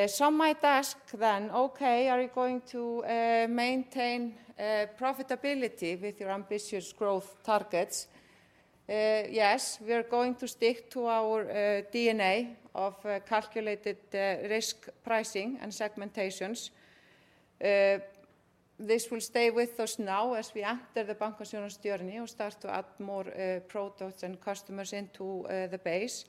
Speaker 6: Some might ask then, "Okay, are you going to maintain profitability with your ambitious growth targets?" Yes, we are going to stick to our DNA of calculated risk pricing and segmentations. This will stay with us now as we enter the bank insurance journey and start to add more products and customers into the base.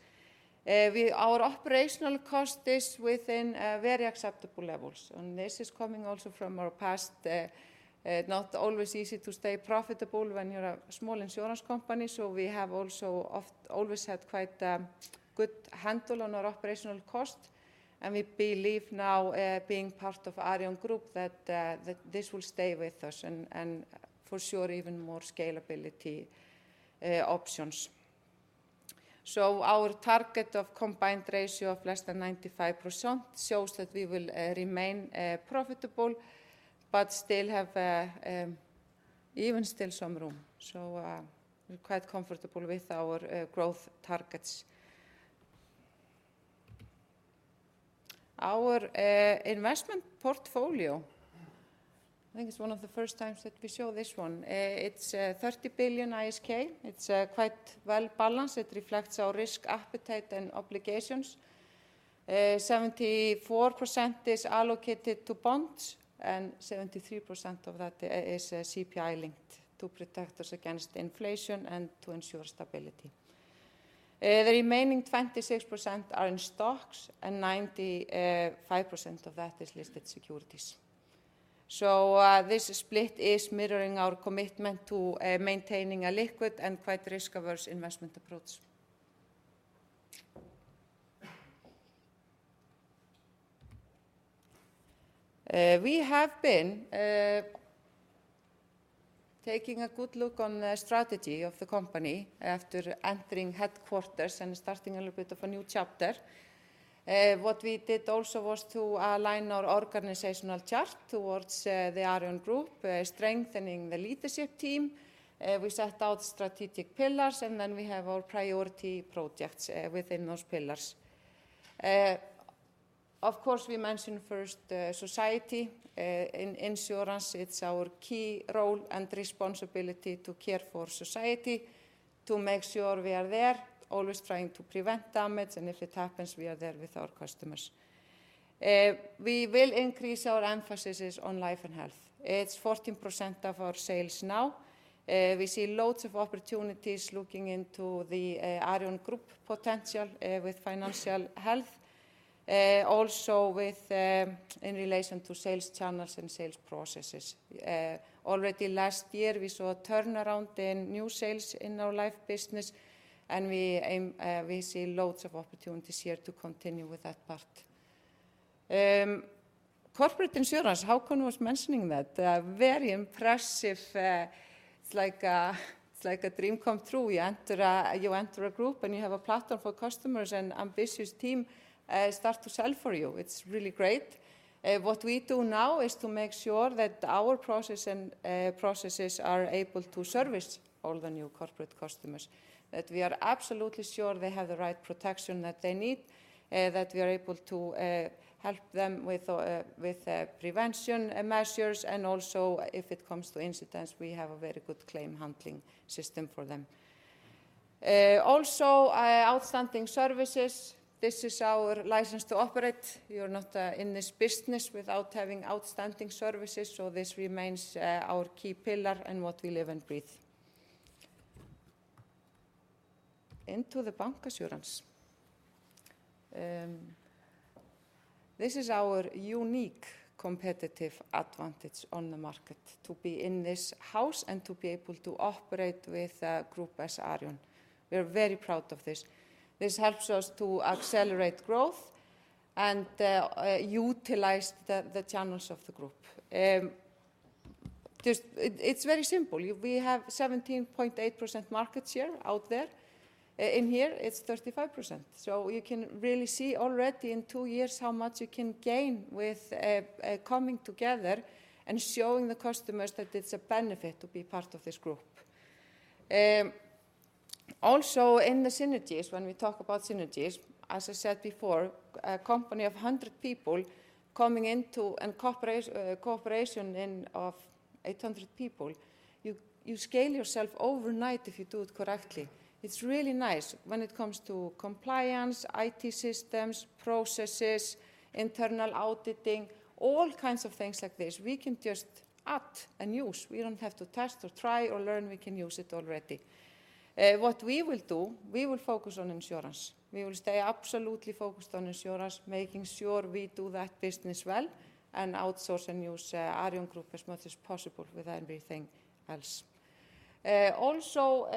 Speaker 6: Our operational cost is within very acceptable levels. This is coming also from our past. It's not always easy to stay profitable when you're a small insurance company, so we have also always had quite a good handle on our operational cost. We believe now, being part of Arion Group, that this will stay with us and for sure even more scalability options. So our target of combined ratio of less than 95% shows that we will remain profitable but still have even still some room. So we're quite comfortable with our growth targets. Our investment portfolio, I think it's one of the first times that we show this one. It's 30 billion ISK. It's quite well balanced. It reflects our risk appetite and obligations. 74% is allocated to bonds, and 73% of that is CPI-linked to protect us against inflation and to ensure stability. The remaining 26% are in stocks, and 95% of that is listed securities. So this split is mirroring our commitment to maintaining a liquid and quite risk-averse investment approach. We have been taking a good look on the strategy of the company after entering headquarters and starting a little bit of a new chapter. What we did also was to align our organizational chart towards the Arion Group, strengthening the leadership team. We set out strategic pillars, and then we have our priority projects within those pillars. Of course, we mentioned first society. In insurance, it's our key role and responsibility to care for society, to make sure we are there, always trying to prevent damage, and if it happens, we are there with our customers. We will increase our emphasis on life and health. It's 14% of our sales now. We see loads of opportunities looking into the Arion Group potential with financial health, also in relation to sales channels and sales processes. Already last year, we saw a turnaround in new sales in our life business, and we see loads of opportunities here to continue with that part. Corporate insurance, Hakon was mentioning that? Very impressive. It's like a dream come true. You enter a group and you have a platform for customers, and an ambitious team starts to sell for you. It's really great. What we do now is to make sure that our processes are able to service all the new corporate customers, that we are absolutely sure they have the right protection that they need, that we are able to help them with prevention measures, and also if it comes to incidents, we have a very good claim handling system for them. Also, outstanding services. This is our license to operate. You're not in this business without having outstanding services, so this remains our key pillar and what we live and breathe. Into the bank insurance. This is our unique competitive advantage on the market, to be in this house and to be able to operate with a group as Arion. We are very proud of this. This helps us to accelerate growth and utilize the channels of the group. It's very simple. We have 17.8% market share out there. In here, it's 35%. So you can really see already in two years how much you can gain with coming together and showing the customers that it's a benefit to be part of this group. Also, in the synergies, when we talk about synergies, as I said before, a company of 100 people coming into a corporation of 800 people, you scale yourself overnight if you do it correctly. It's really nice when it comes to compliance, IT systems, processes, internal auditing, all kinds of things like this. We can just add and use. We don't have to test or try or learn. We can use it already. What we will do, we will focus on insurance. We will stay absolutely focused on insurance, making sure we do that business well, and outsource and use Arion Group as much as possible with everything else. Also,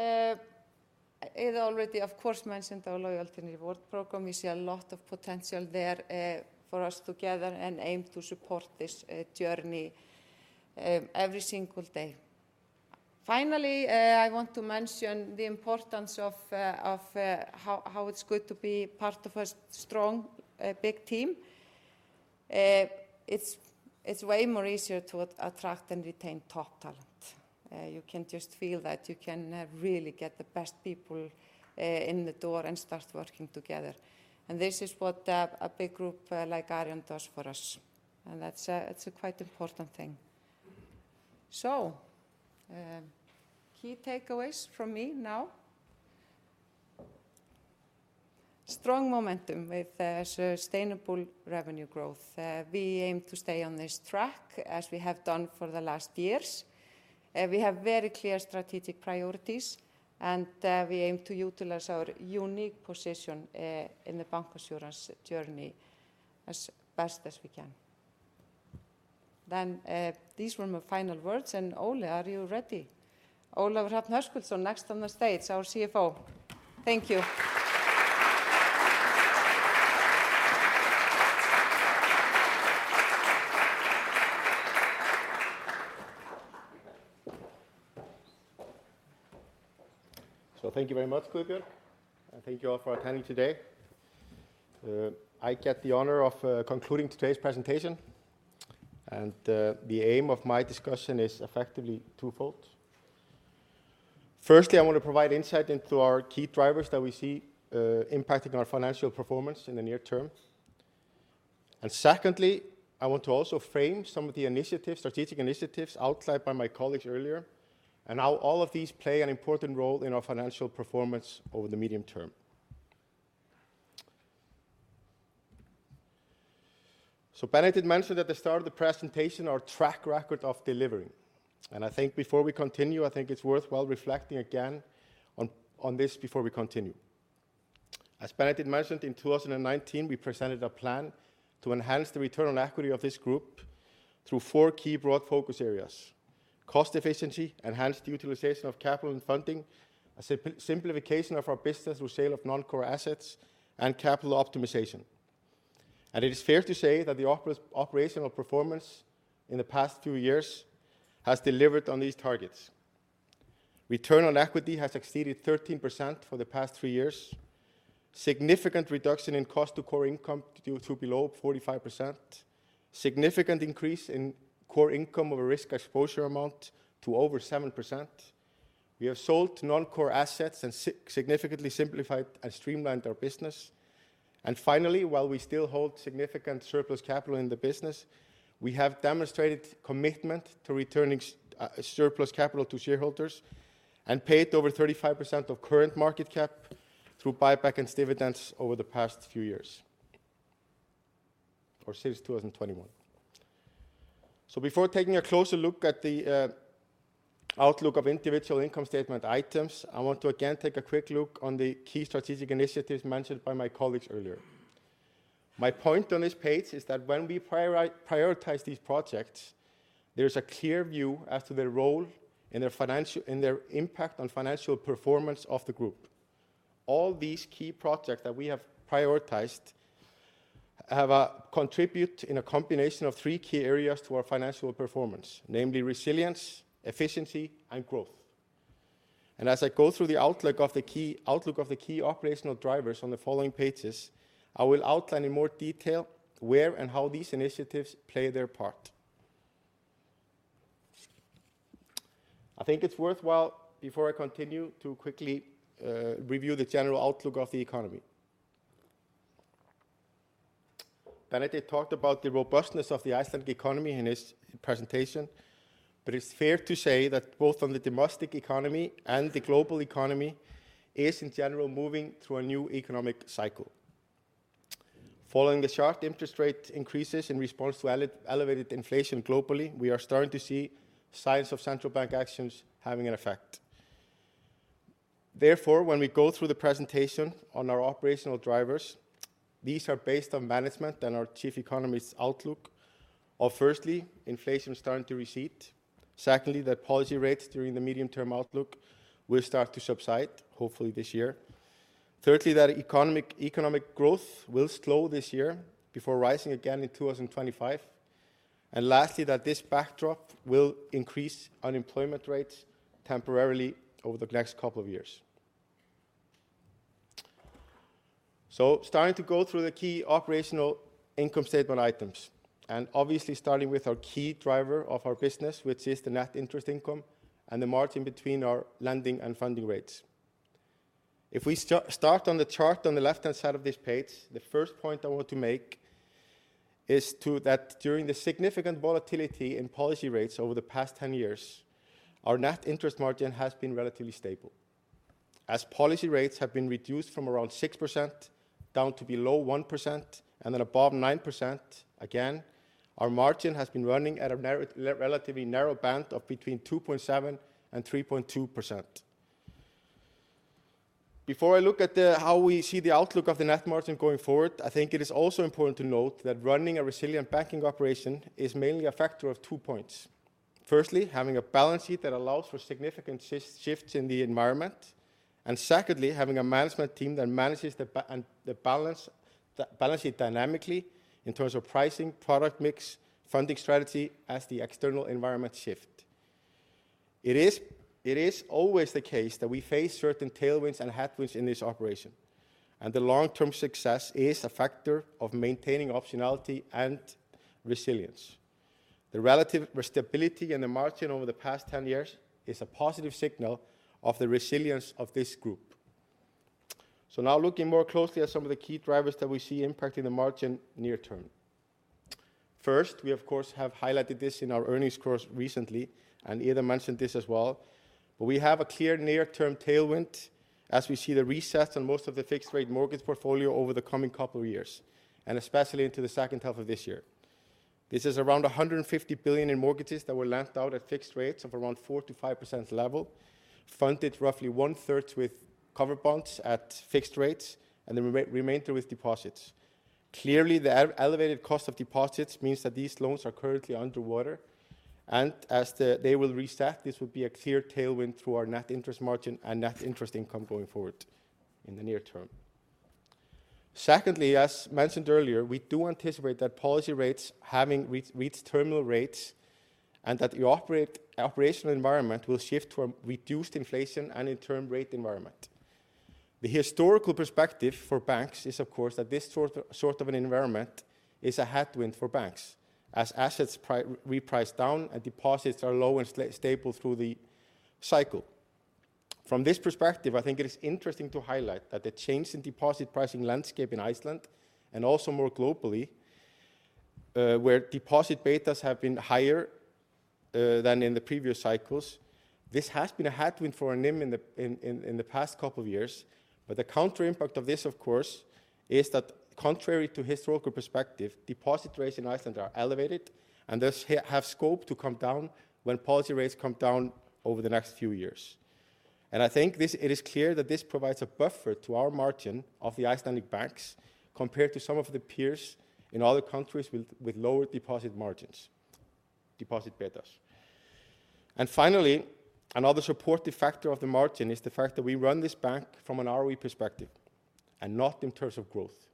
Speaker 6: Heiða already, of course, mentioned our loyalty and reward program. We see a lot of potential there for us together and aim to support this journey every single day. Finally, I want to mention the importance of how it's good to be part of a strong, big team. It's way more easier to attract and retain top talent. You can just feel that. You can really get the best people in the door and start working together. And this is what a big group like Arion does for us. And that's a quite important thing. So key takeaways from me now: strong momentum with sustainable revenue growth. We aim to stay on this track as we have done for the last years. We have very clear strategic priorities, and we aim to utilize our unique position in the bank insurance journey as best as we can. Then these were my final words, and Ole, are you ready? Ólafur Hrafn Höskuldsson, next on the stage, our CFO. Thank you.
Speaker 7: So thank you very much, Guðbjörg, and thank you all for attending today. I get the honor of concluding today's presentation, and the aim of my discussion is effectively twofold. Firstly, I want to provide insight into our key drivers that we see impacting our financial performance in the near term. Secondly, I want to also frame some of the initiatives, strategic initiatives, outlined by my colleagues earlier, and how all of these play an important role in our financial performance over the medium term. Benedikt mentioned at the start of the presentation our track record of delivering. I think before we continue, I think it's worthwhile reflecting again on this before we continue. As Benedikt mentioned, in 2019, we presented a plan to enhance the return on equity of this group through four key broad focus areas: cost efficiency, enhanced utilization of capital and funding, a simplification of our business through sale of non-core assets, and capital optimization. It is fair to say that the operational performance in the past few years has delivered on these targets. Return on equity has exceeded 13% for the past three years, significant reduction in cost-to-core income ratio to below 45%, significant increase in core income over REA to over 7%. We have sold non-core assets and significantly simplified and streamlined our business. Finally, while we still hold significant surplus capital in the business, we have demonstrated commitment to returning surplus capital to shareholders and paid over 35% of current market cap through buyback and dividends over the past few years. Or since 2021. So before taking a closer look at the outlook of individual income statement items, I want to again take a quick look on the key strategic initiatives mentioned by my colleagues earlier. My point on this page is that when we prioritize these projects, there is a clear view as to their role and their impact on financial performance of the group. All these key projects that we have prioritized contribute in a combination of three key areas to our financial performance, namely resilience, efficiency, and growth. And as I go through the outlook of the key operational drivers on the following pages, I will outline in more detail where and how these initiatives play their part. I think it's worthwhile, before I continue, to quickly review the general outlook of the economy. Benedikt talked about the robustness of the Icelandic economy in his presentation, but it's fair to say that both on the domestic economy and the global economy is, in general, moving through a new economic cycle. Following the sharp interest rate increases in response to elevated inflation globally, we are starting to see signs of Central Bank actions having an effect. Therefore, when we go through the presentation on our operational drivers, these are based on management and our chief economist's outlook of, firstly, inflation starting to recede, secondly, that policy rates during the medium-term outlook will start to subside, hopefully this year, thirdly, that economic growth will slow this year before rising again in 2025, and lastly, that this backdrop will increase unemployment rates temporarily over the next couple of years. So starting to go through the key operational income statement items, and obviously starting with our key driver of our business, which is the net interest income and the margin between our lending and funding rates. If we start on the chart on the left-hand side of this page, the first point I want to make is that during the significant volatility in policy rates over the past 10 years, our net interest margin has been relatively stable. As policy rates have been reduced from around 6% down to below 1% and then above 9% again, our margin has been running at a relatively narrow band of between 2.7% and 3.2%. Before I look at how we see the outlook of the net margin going forward, I think it is also important to note that running a resilient banking operation is mainly a factor of two points. Firstly, having a balance sheet that allows for significant shifts in the environment, and secondly, having a management team that manages the balance sheet dynamically in terms of pricing, product mix, funding strategy as the external environment shifts. It is always the case that we face certain tailwinds and headwinds in this operation, and the long-term success is a factor of maintaining optionality and resilience. The relative stability and the margin over the past 10 years is a positive signal of the resilience of this group. Now looking more closely at some of the key drivers that we see impacting the margin near term. First, we, of course, have highlighted this in our earnings call recently and also mentioned this as well, but we have a clear near-term tailwind as we see the repricing on most of the fixed-rate mortgage portfolio over the coming couple of years, and especially into the second half of this year. This is around 150 billion in mortgages that were lent out at fixed rates of around 4%-5% level, funded roughly one-third with covered bonds at fixed rates, and the remainder with deposits. Clearly, the elevated cost of deposits means that these loans are currently underwater, and as they will reprice, this would be a clear tailwind through our net interest margin and net interest income going forward in the near term. Secondly, as mentioned earlier, we do anticipate that policy rates having reached terminal rates and that the operational environment will shift to a reduced inflation and interim rate environment. The historical perspective for banks is, of course, that this sort of an environment is a headwind for banks as assets reprice down and deposits are low and stable through the cycle. From this perspective, I think it is interesting to highlight that the change in deposit pricing landscape in Iceland and also more globally, where deposit betas have been higher than in the previous cycles, this has been a headwind for NIM in the past couple of years. But the counter impact of this, of course, is that contrary to historical perspective, deposit rates in Iceland are elevated and thus have scope to come down when policy rates come down over the next few years. I think it is clear that this provides a buffer to our margin of the Icelandic banks compared to some of the peers in other countries with lower deposit margins, deposit betas. Finally, another supportive factor of the margin is the fact that we run this bank from an ROE perspective and not in terms of growth.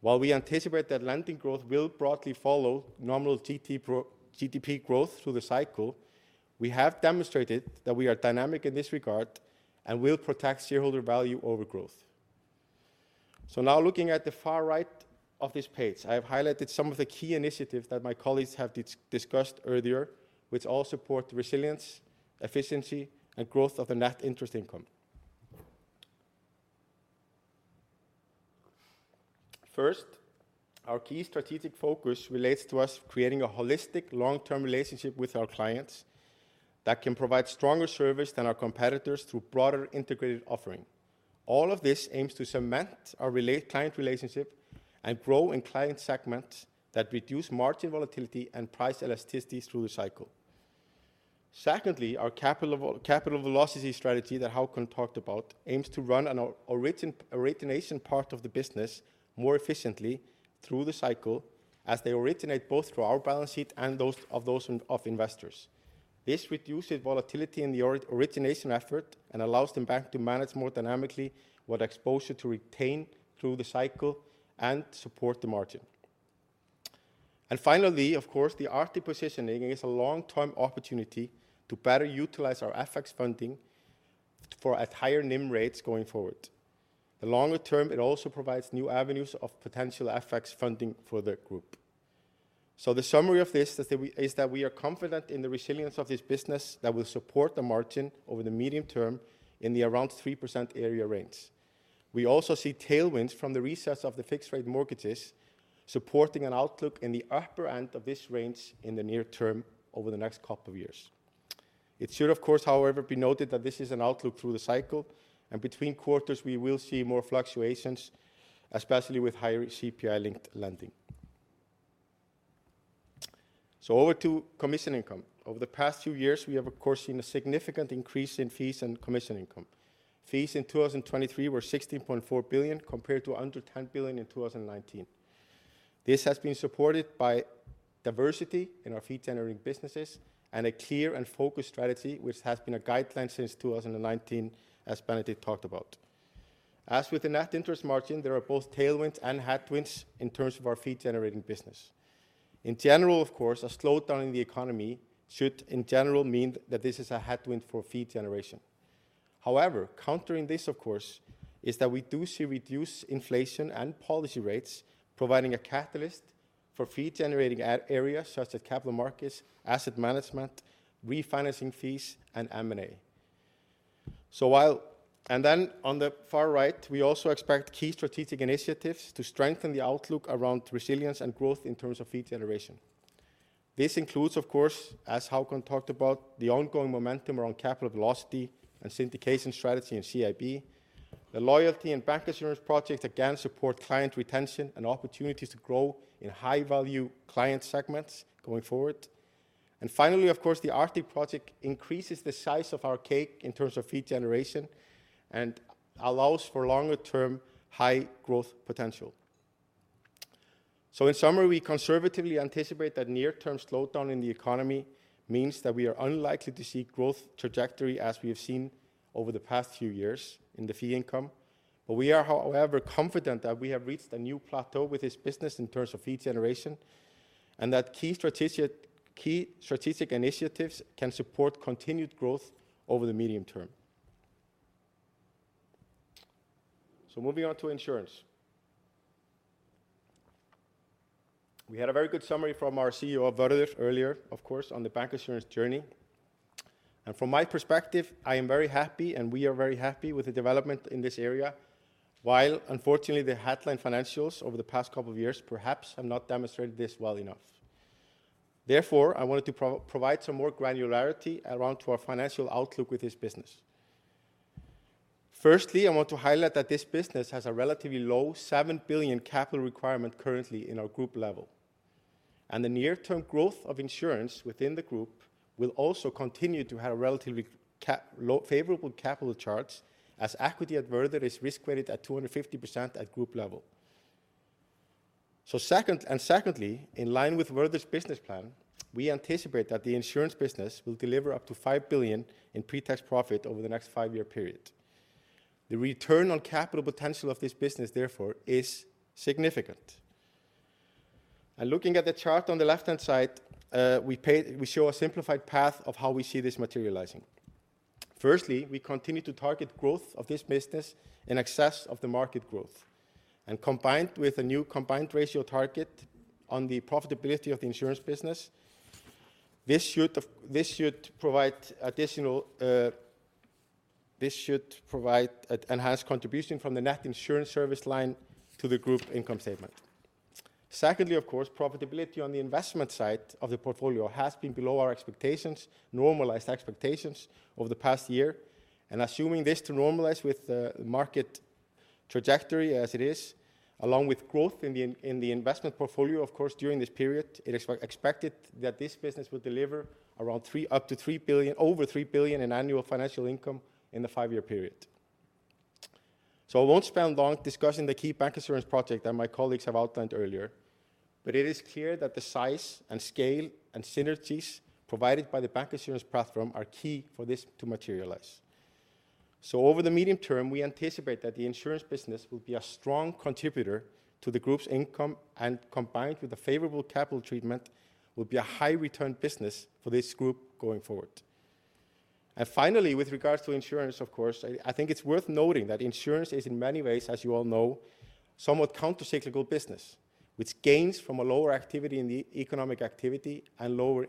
Speaker 7: While we anticipate that lending growth will broadly follow nominal GDP growth through the cycle, we have demonstrated that we are dynamic in this regard and will protect shareholder value over growth. Now looking at the far right of this page, I have highlighted some of the key initiatives that my colleagues have discussed earlier, which all support resilience, efficiency, and growth of the net interest income. First, our key strategic focus relates to us creating a holistic long-term relationship with our clients that can provide stronger service than our competitors through broader integrated offering. All of this aims to cement our client relationship and grow in client segments that reduce margin volatility and price elasticity through the cycle. Secondly, our capital velocity strategy that Hákon talked about aims to run an origination part of the business more efficiently through the cycle as they originate both through our balance sheet and those of investors. This reduces volatility in the origination effort and allows the bank to manage more dynamically what exposure to retain through the cycle and support the margin. And finally, of course, the Arctic positioning is a long-term opportunity to better utilize our FX funding at higher NIM rates going forward. The longer term, it also provides new avenues of potential FX funding for the group. So the summary of this is that we are confident in the resilience of this business that will support the margin over the medium term in the around 3% area range. We also see tailwinds from the recess of the fixed-rate mortgages supporting an outlook in the upper end of this range in the near term over the next couple of years. It should, of course, however, be noted that this is an outlook through the cycle, and between quarters we will see more fluctuations, especially with higher CPI-linked lending. So over to commission income. Over the past few years, we have, of course, seen a significant increase in fees and commission income. Fees in 2023 were 16.4 billion compared to under 10 billion in 2019. This has been supported by diversity in our fee-generating businesses and a clear and focused strategy, which has been a guideline since 2019, as Benedikt talked about. As with the net interest margin, there are both tailwinds and headwinds in terms of our fee-generating business. In general, of course, a slowdown in the economy should, in general, mean that this is a headwind for fee generation. However, countering this, of course, is that we do see reduced inflation and policy rates providing a catalyst for fee-generating areas such as capital markets, asset management, refinancing fees, and M&A. So while and then on the far right, we also expect key strategic initiatives to strengthen the outlook around resilience and growth in terms of fee generation. This includes, of course, as Hákon talked about, the ongoing momentum around capital velocity and syndication strategy in CIB. The loyalty and bancassurance projects again support client retention and opportunities to grow in high-value client segments going forward. Finally, of course, the Arctic project increases the size of our cake in terms of fee generation and allows for longer-term high growth potential. In summary, we conservatively anticipate that near-term slowdown in the economy means that we are unlikely to see growth trajectory as we have seen over the past few years in the fee income. But we are, however, confident that we have reached a new plateau with this business in terms of fee generation and that key strategic initiatives can support continued growth over the medium term. Moving on to insurance. We had a very good summary from our CEO, Vörður, earlier, of course, on the bancassurance journey. From my perspective, I am very happy, and we are very happy, with the development in this area, while, unfortunately, the headline financials over the past couple of years perhaps have not demonstrated this well enough. Therefore, I wanted to provide some more granularity around our financial outlook with this business. Firstly, I want to highlight that this business has a relatively low 7 billion capital requirement currently in our group level. And the near-term growth of insurance within the group will also continue to have a relatively favorable capital charge as equity at Vörður is risk-weighted at 250% at group level. So second and secondly, in line with Vörður's business plan, we anticipate that the insurance business will deliver up to 5 billion in pretax profit over the next 5-year period. The return on capital potential of this business, therefore, is significant. Looking at the chart on the left-hand side, we show a simplified path of how we see this materializing. Firstly, we continue to target growth of this business in excess of the market growth. Combined with a new combined ratio target on the profitability of the insurance business, this should provide additional this should provide an enhanced contribution from the net insurance service line to the group income statement. Secondly, of course, profitability on the investment side of the portfolio has been below our expectations, normalized expectations, over the past year. Assuming this to normalize with the market trajectory as it is, along with growth in the investment portfolio, of course, during this period, it is expected that this business will deliver around up to 3 billion over 3 billion in annual financial income in the five-year period. So I won't spend long discussing the key bancassurance project that my colleagues have outlined earlier, but it is clear that the size and scale and synergies provided by the bancassurance platform are key for this to materialize. So over the medium term, we anticipate that the insurance business will be a strong contributor to the group's income and, combined with a favorable capital treatment, will be a high-return business for this group going forward. And finally, with regards to insurance, of course, I think it's worth noting that insurance is, in many ways, as you all know, somewhat countercyclical business, which gains from a lower activity in the economic activity and lower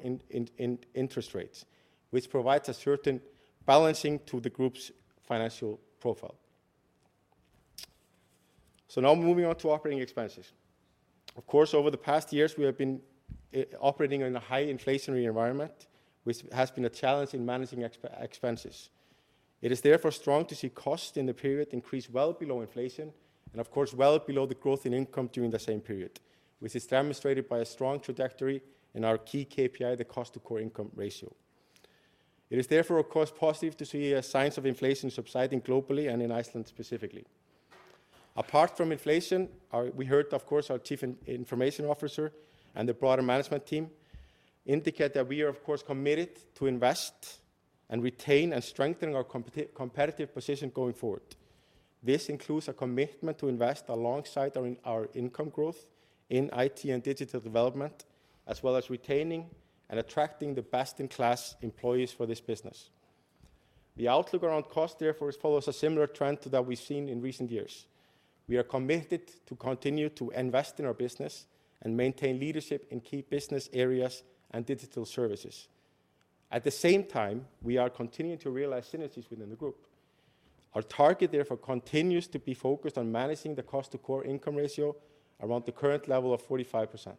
Speaker 7: interest rates, which provides a certain balancing to the group's financial profile. So now moving on to operating expenses. Of course, over the past years, we have been operating in a high-inflationary environment, which has been a challenge in managing expenses. It is therefore strong to see costs in the period increase well below inflation and, of course, well below the growth in income during the same period, which is demonstrated by a strong trajectory in our key KPI, the cost-to-core income ratio. It is therefore, of course, positive to see signs of inflation subsiding globally and in Iceland specifically. Apart from inflation, we heard, of course, our Chief Information Officer and the broader management team indicate that we are, of course, committed to invest and retain and strengthen our competitive position going forward. This includes a commitment to invest alongside our income growth in IT and digital development as well as retaining and attracting the best-in-class employees for this business. The outlook around costs, therefore, follows a similar trend to that we've seen in recent years. We are committed to continue to invest in our business and maintain leadership in key business areas and digital services. At the same time, we are continuing to realize synergies within the group. Our target, therefore, continues to be focused on managing the cost-to-core income ratio around the current level of 45%.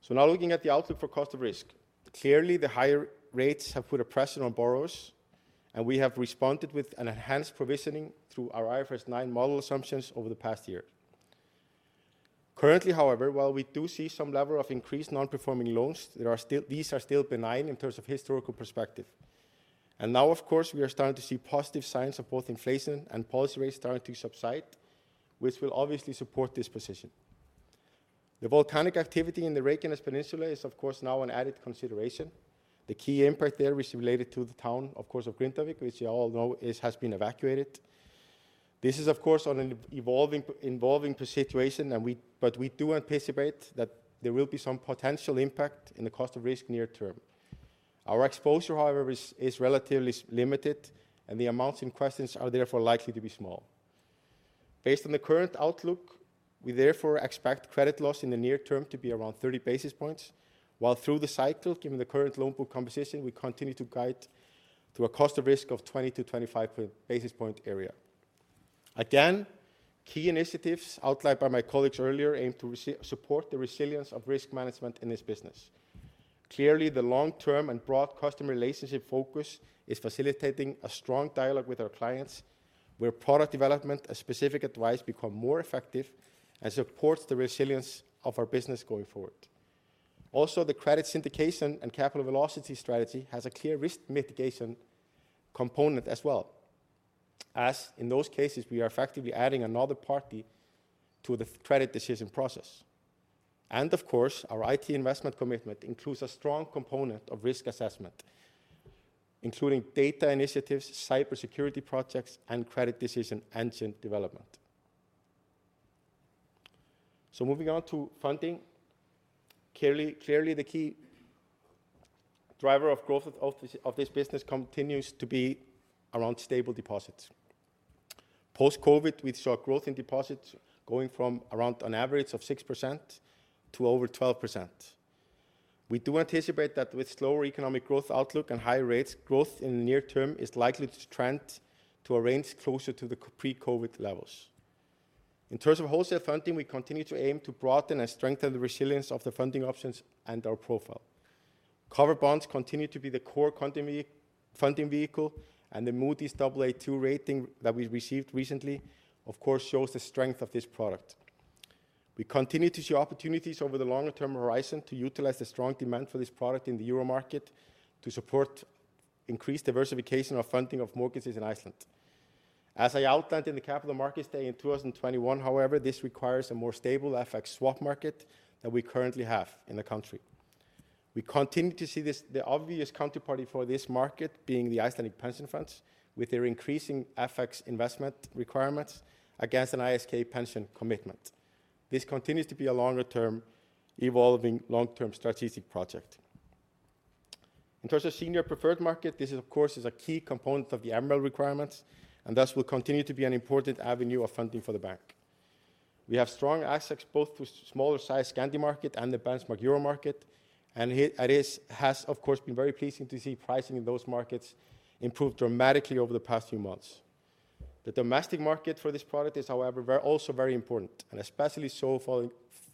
Speaker 7: So now looking at the outlook for cost of risk, clearly the higher rates have put a pressure on borrowers, and we have responded with an enhanced provisioning through our IFRS 9 model assumptions over the past year. Currently, however, while we do see some level of increased non-performing loans, these are still benign in terms of historical perspective. Now, of course, we are starting to see positive signs of both inflation and policy rates starting to subside, which will obviously support this position. The volcanic activity in the Reykjanes Peninsula is, of course, now an added consideration. The key impact there is related to the town, of course, of Grindavík, which you all know has been evacuated. This is, of course, an evolving situation, but we do anticipate that there will be some potential impact in the cost of risk near term. Our exposure, however, is relatively limited, and the amounts in question are therefore likely to be small. Based on the current outlook, we therefore expect credit loss in the near term to be around 30 basis points, while through the cycle, given the current loan book composition, we continue to guide to a cost of risk of 20-25 basis point area. Again, key initiatives outlined by my colleagues earlier aim to support the resilience of risk management in this business. Clearly, the long-term and broad customer relationship focus is facilitating a strong dialogue with our clients where product development and specific advice become more effective and supports the resilience of our business going forward. Also, the credit syndication and capital velocity strategy has a clear risk mitigation component as well, as in those cases, we are effectively adding another party to the credit decision process. Of course, our IT investment commitment includes a strong component of risk assessment, including data initiatives, cybersecurity projects, and credit decision engine development. Moving on to funding, clearly the key driver of growth of this business continues to be around stable deposits. Post-COVID, we saw growth in deposits going from around an average of 6% to over 12%. We do anticipate that with slower economic growth outlook and higher rates, growth in the near term is likely to trend to a range closer to the pre-COVID levels. In terms of wholesale funding, we continue to aim to broaden and strengthen the resilience of the funding options and our profile. Cover bonds continue to be the core funding vehicle, and the Moody's Aa2 rating that we received recently, of course, shows the strength of this product. We continue to see opportunities over the longer-term horizon to utilize the strong demand for this product in the euro market to support increased diversification of funding of mortgages in Iceland. As I outlined in the Capital Markets Day in 2021, however, this requires a more stable FX swap market than we currently have in the country. We continue to see the obvious counterparty for this market being the Icelandic Pension Funds with their increasing FX investment requirements against an ISK pension commitment. This continues to be a longer-term evolving long-term strategic project. In terms of senior preferred market, this, of course, is a key component of the MREL requirements and thus will continue to be an important avenue of funding for the bank. We have strong assets both through smaller-sized Scandi market and the Benchmark Euro market, and it has, of course, been very pleasing to see pricing in those markets improve dramatically over the past few months. The domestic market for this product is, however, also very important, and especially so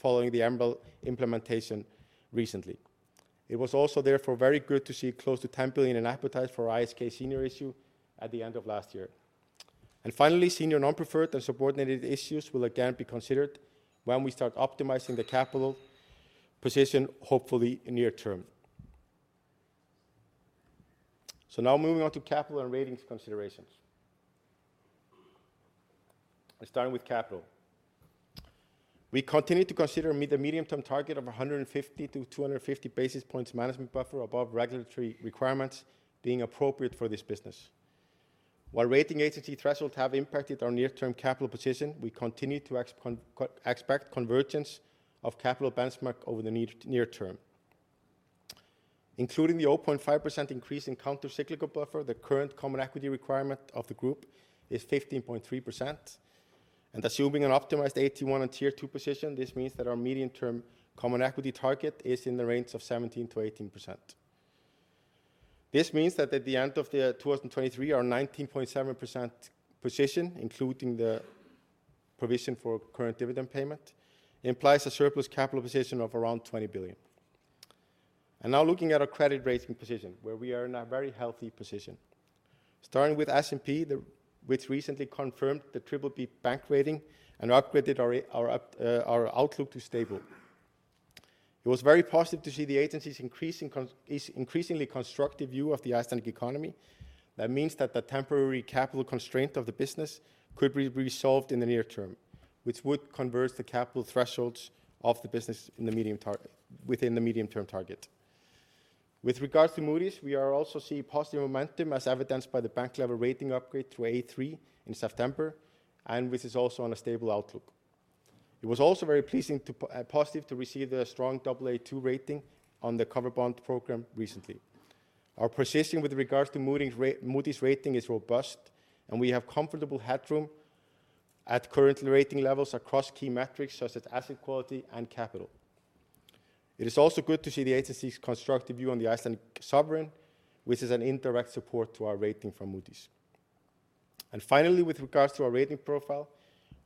Speaker 7: following the MREL implementation recently. It was also therefore very good to see close to 10 billion in appetite for ISK senior issue at the end of last year. And finally, senior non-preferred and subordinated issues will again be considered when we start optimizing the capital position, hopefully near term. So now moving on to capital and ratings considerations. Starting with capital, we continue to consider the medium-term target of 150-250 basis points management buffer above regulatory requirements being appropriate for this business. While rating agency thresholds have impacted our near-term capital position, we continue to expect convergence of capital benchmark over the near term. Including the 0.5% increase in countercyclical buffer, the current common equity requirement of the group is 15.3%. Assuming an optimized CET1 and Tier 2 position, this means that our medium-term common equity target is in the range of 17%-18%. This means that at the end of 2023, our 19.7% position, including the provision for current dividend payment, implies a surplus capital position of around 20 billion. Now looking at our credit rating position, where we are in a very healthy position. Starting with S&P, which recently confirmed the BBB bank rating and upgraded our outlook to stable. It was very positive to see the agency's increasingly constructive view of the Icelandic economy. That means that the temporary capital constraint of the business could be resolved in the near term, which would convert the capital thresholds of the business within the medium-term target. With regards to Moody's, we are also seeing positive momentum as evidenced by the bank-level rating upgrade to A3 in September, and this is also on a stable outlook. It was also very positive to receive the strong AA2 rating on the cover bond program recently. Our position with regards to Moody's rating is robust, and we have comfortable headroom at current rating levels across key metrics such as asset quality and capital. It is also good to see the agency's constructive view on the Icelandic sovereign, which is an indirect support to our rating from Moody's. Finally, with regards to our rating profile,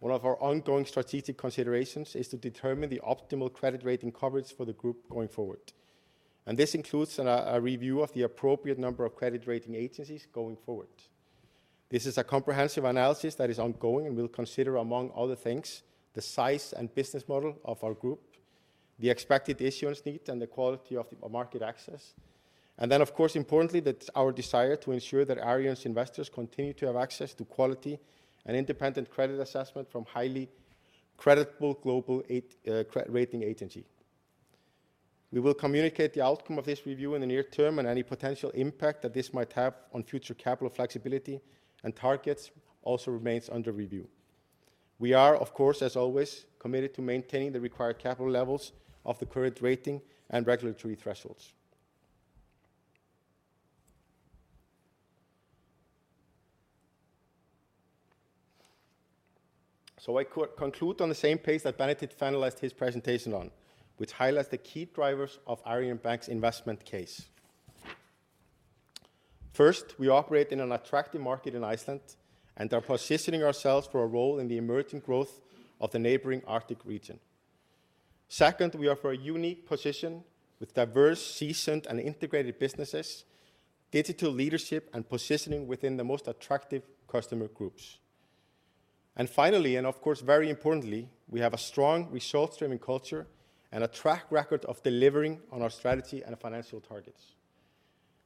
Speaker 7: one of our ongoing strategic considerations is to determine the optimal credit rating coverage for the group going forward. This includes a review of the appropriate number of credit rating agencies going forward. This is a comprehensive analysis that is ongoing and will consider, among other things, the size and business model of our group, the expected issuance need, and the quality of market access. Then, of course, importantly, our desire to ensure that Arion's investors continue to have access to quality and independent credit assessment from a highly credible global rating agency. We will communicate the outcome of this review in the near term and any potential impact that this might have on future capital flexibility and targets also remains under review. We are, of course, as always, committed to maintaining the required capital levels of the current rating and regulatory thresholds. I conclude on the same pace that Benedikt finalized his presentation on, which highlights the key drivers of Arion Bank's investment case. First, we operate in an attractive market in Iceland and are positioning ourselves for a role in the emerging growth of the neighboring Arctic region. Second, we are for a unique position with diverse, seasoned, and integrated businesses, digital leadership, and positioning within the most attractive customer groups. Finally, and of course very importantly, we have a strong results-driven culture and a track record of delivering on our strategy and financial targets.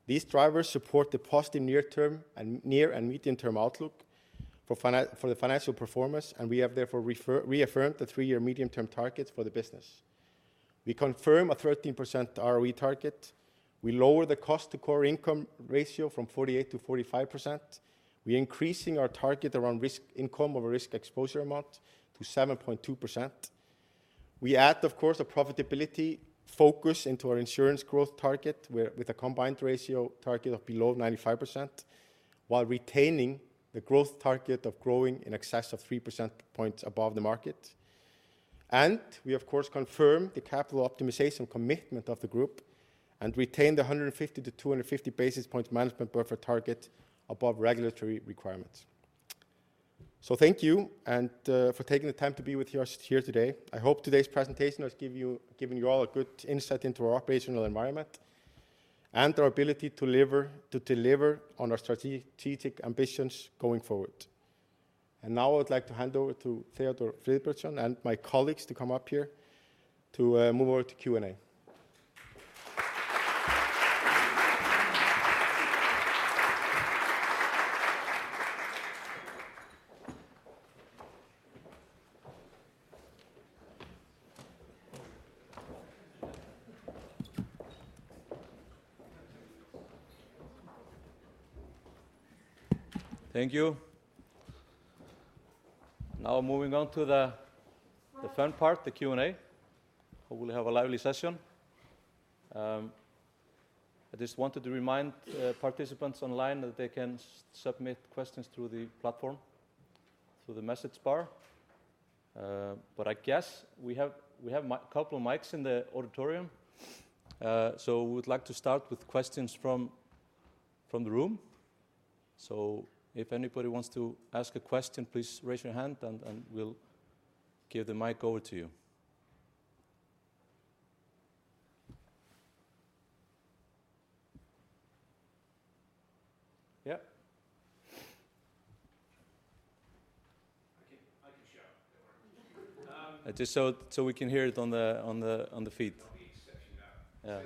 Speaker 7: These drivers support the positive near-term and medium-term outlook for the financial performance, and we have therefore reaffirmed the three-year medium-term targets for the business. We confirm a 13% ROE target. We lower the cost-to-core income ratio from 48% to 45%. We are increasing our target around core income over a risk exposure amount to 7.2%. We add, of course, a profitability focus into our insurance growth target with a combined ratio target of below 95% while retaining the growth target of growing in excess of 3 percentage points above the market. And we, of course, confirm the capital optimization commitment of the group and retain the 150-250 basis points management buffer target above regulatory requirements. So thank you for taking the time to be here today. I hope today's presentation has given you all a good insight into our operational environment and our ability to deliver on our strategic ambitions going forward. And now I would like to hand over to Theodór Friðbertsson and my colleagues to come up here to move over to Q&A.
Speaker 8: Thank you. Now moving on to the fun part, the Q&A. Hopefully, we'll have a lively session. I just wanted to remind participants online that they can submit questions through the platform, through the message bar. But I guess we have a couple of mics in the auditorium. So we would like to start with questions from the room. So if anybody wants to ask a question, please raise your hand, and we'll give the mic over to you. Yeah? I can share. So we can hear it on the feed. That'll be exceptional now.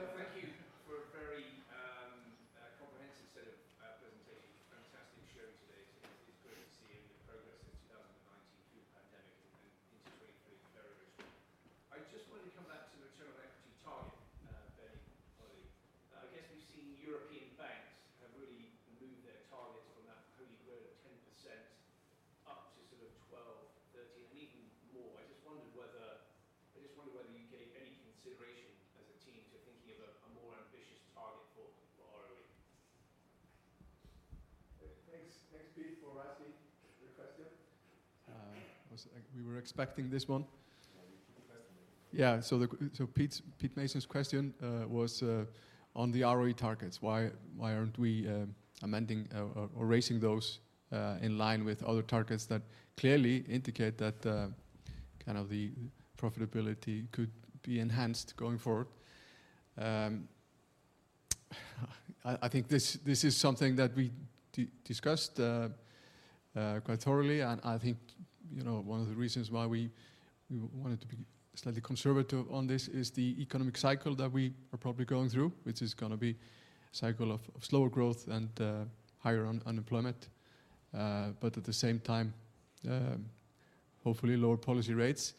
Speaker 9: Thank you for a very comprehensive set of presentations. Fantastic show today. It's great to see the progress since 2019 through the pandemic and into 2023. Very, very strong. I just wanted to come back to the return on equity target, Benny, finally. I guess we've seen European banks have really moved their targets from that holy grail of 10% up to sort of 12%, 13%, and even more. I just wondered whether you gave any consideration as a team to thinking of a more ambitious target for ROE. Thanks, Pete, for asking the question.
Speaker 1: We were expecting this one. Yeah, you keep the question, then. Yeah. So Pete Mason's question was on the ROE targets. Why aren't we amending or raising those in line with other targets that clearly indicate that kind of the profitability could be enhanced going forward? I think this is something that we discussed quite thoroughly. I think one of the reasons why we wanted to be slightly conservative on this is the economic cycle that we are probably going through, which is going to be a cycle of slower growth and higher unemployment, but at the same time, hopefully, lower policy rates.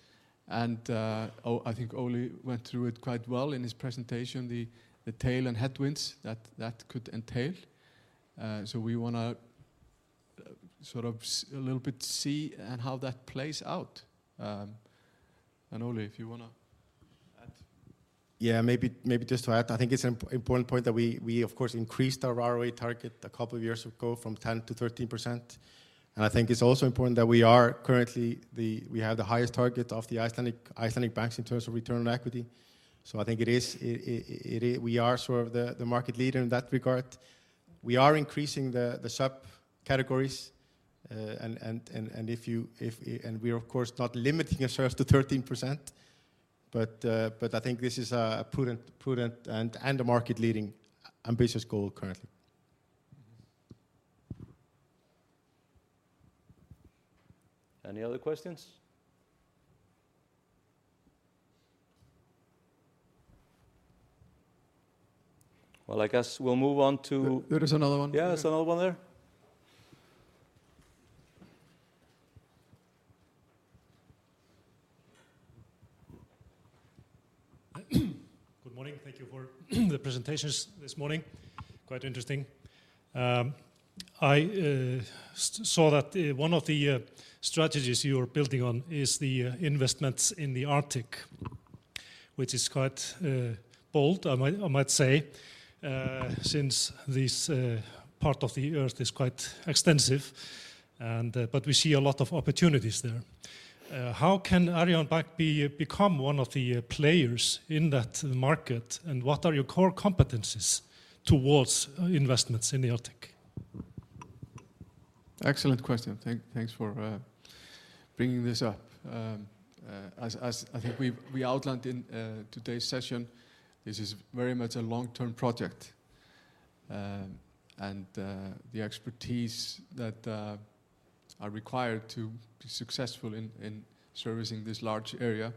Speaker 1: And I think Ole went through it quite well in his presentation, the tailwinds and headwinds that could entail. So we want to sort of a little bit see how that plays out. And Ole, if you want to add.
Speaker 7: Yeah, maybe just to add. I think it's an important point that we, of course, increased our ROE target a couple of years ago from 10%-13%. I think it's also important that we currently have the highest target of the Icelandic banks in terms of return on equity. So I think we are sort of the market leader in that regard. We are increasing the subcategories. And we are, of course, not limiting ourselves to 13%. But I think this is a prudent and a market-leading ambitious goal currently.
Speaker 8: Any other questions? Well, I guess we'll move on to.
Speaker 1: There is another one.
Speaker 8: Yeah, there's another one there.
Speaker 10: Good morning. Thank you for the presentations this morning. Quite interesting. I saw that one of the strategies you are building on is the investments in the Arctic, which is quite bold, I might say, since this part of the Earth is quite extensive. But we see a lot of opportunities there. How can Arion Bank become one of the players in that market, and what are your core competencies towards investments in the Arctic?
Speaker 1: Excellent question. Thanks for bringing this up. As I think we outlined in today's session, this is very much a long-term project. The expertise that are required to be successful in servicing this large area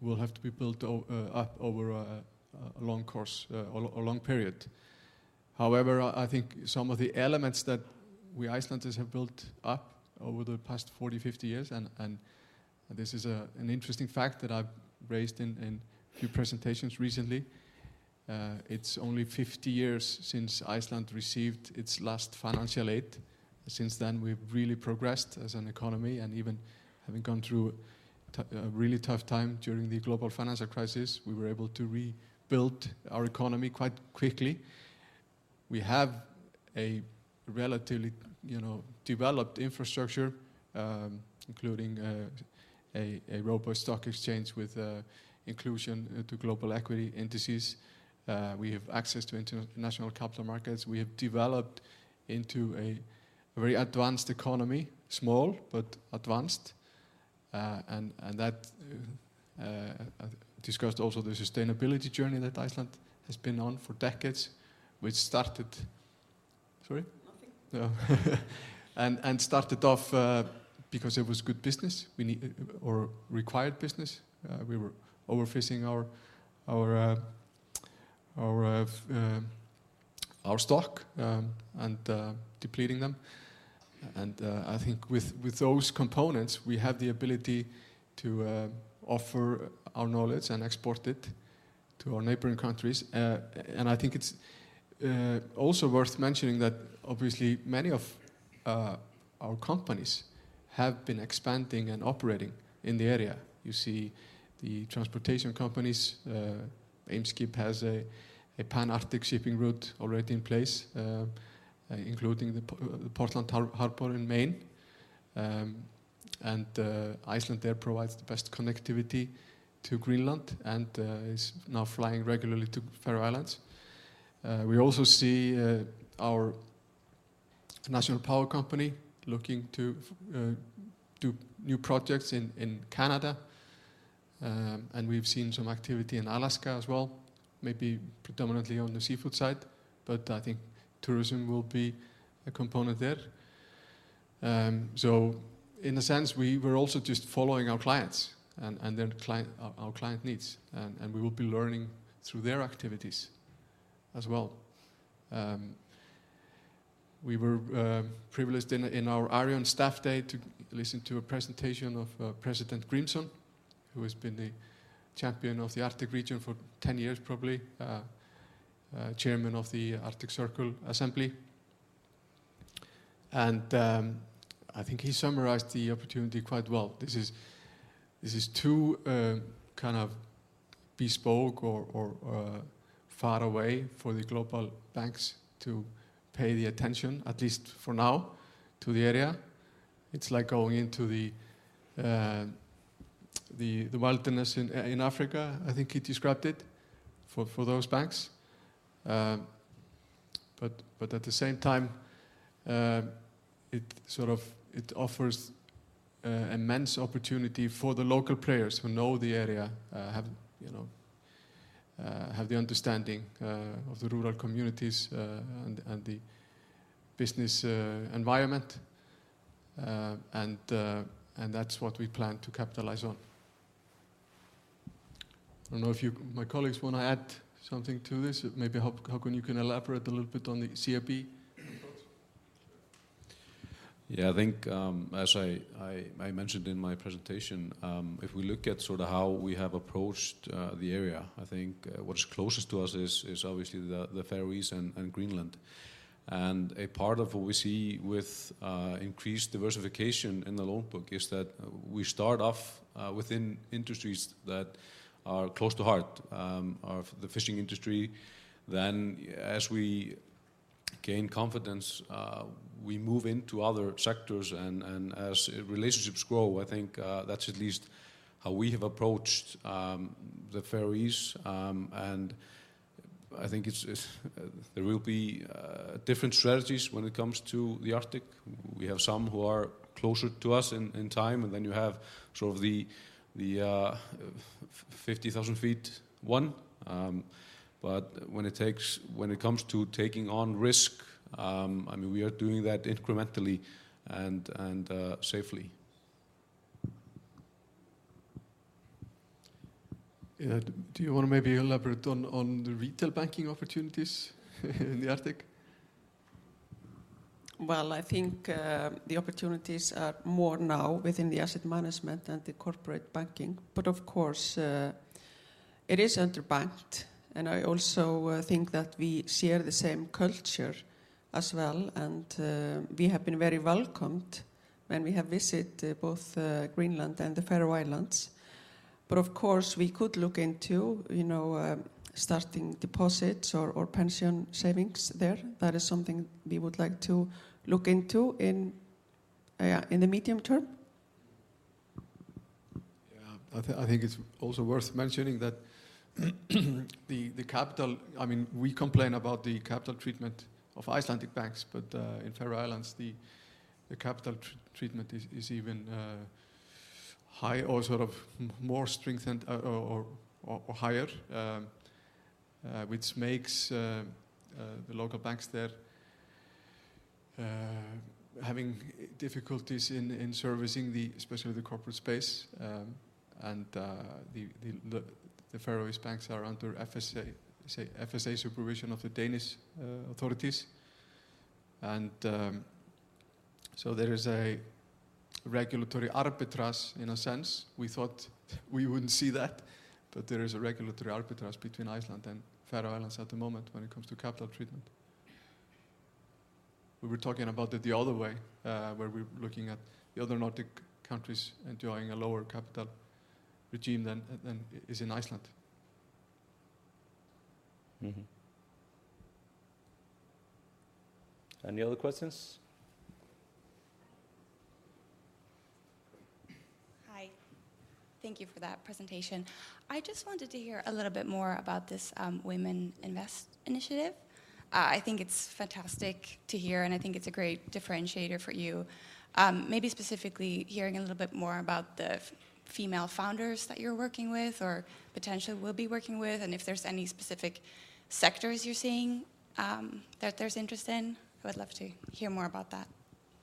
Speaker 1: will have to be built up over a long course, a long period. However, I think some of the elements that we Icelanders have built up over the past 40-50 years, and this is an interesting fact that I've raised in a few presentations recently. It's only 50 years since Iceland received its last financial aid. Since then, we've really progressed as an economy. Even having gone through a really tough time during the global financial crisis, we were able to rebuild our economy quite quickly. We have a relatively developed infrastructure, including a robust stock exchange with inclusion to global equity indices. We have access to international capital markets. We have developed into a very advanced economy, small but advanced. And that discussed also the sustainability journey that Iceland has been on for decades, which started off because it was good business or required business. We were overfishing our stock and depleting them. And I think with those components, we have the ability to offer our knowledge and export it to our neighboring countries. And I think it's also worth mentioning that, obviously, many of our companies have been expanding and operating in the area. You see the transportation companies. Eimskip has a Pan-Arctic shipping route already in place, including the Portland Harbor in Maine. Icelandair there provides the best connectivity to Greenland and is now flying regularly to Faroe Islands. We also see our national power company looking to do new projects in Canada. We've seen some activity in Alaska as well, maybe predominantly on the seafood side. But I think tourism will be a component there. In a sense, we're also just following our clients and our client needs. We will be learning through their activities as well. We were privileged in our Arion Staff Day to listen to a presentation of President Grímsson, who has been the champion of the Arctic region for 10 years, probably, chairman of the Arctic Circle Assembly. I think he summarized the opportunity quite well. This is too kind of bespoke or far away for the global banks to pay the attention, at least for now, to the area. It's like going into the wilderness in Africa, I think he described it, for those banks. But at the same time, it sort of offers immense opportunity for the local players who know the area, have the understanding of the rural communities and the business environment. That's what we plan to capitalize on. I don't know if you, my colleagues, want to add something to this. Maybe Hákon, you can elaborate a little bit on the CIB?
Speaker 5: Yeah. I think, as I mentioned in my presentation, if we look at sort of how we have approached the area, I think what is closest to us is, obviously, the Faroese and Greenland. And a part of what we see with increased diversification in the loan book is that we start off within industries that are close to heart, the fishing industry. Then, as we gain confidence, we move into other sectors. As relationships grow, I think that's at least how we have approached the Faroese. I think there will be different strategies when it comes to the Arctic. We have some who are closer to us in time. Then you have sort of the 50,000-foot one. But when it comes to taking on risk, I mean, we are doing that incrementally and safely.
Speaker 1: Do you want to maybe elaborate on the retail banking opportunities in the Arctic?
Speaker 3: Well, I think the opportunities are more now within the asset management and the corporate banking. Of course, it is interbanked. I also think that we share the same culture as well. We have been very welcomed when we have visited both Greenland and the Faroe Islands. But, of course, we could look into starting deposits or pension savings there. That is something we would like to look into in the medium term.
Speaker 1: Yeah. I think it's also worth mentioning that the capital I mean, we complain about the capital treatment of Icelandic banks. But in Faroe Islands, the capital treatment is even high or sort of more strengthened or higher, which makes the local banks there having difficulties in servicing, especially the corporate space. And the Faroese banks are under FSA supervision of the Danish authorities. And so there is a regulatory arbitrage, in a sense. We thought we wouldn't see that. But there is a regulatory arbitrage between Iceland and Faroe Islands at the moment when it comes to capital treatment. We were talking about it the other way, where we're looking at the other Nordic countries enjoying a lower capital regime than is in Iceland. Any other questions?
Speaker 11: Hi. Thank you for that presentation. I just wanted to hear a little bit more about this Women Invest initiative. I think it's fantastic to hear. And I think it's a great differentiator for you, maybe specifically hearing a little bit more about the female founders that you're working with or potentially will be working with, and if there's any specific sectors you're seeing that there's interest in. I would love to hear more about that.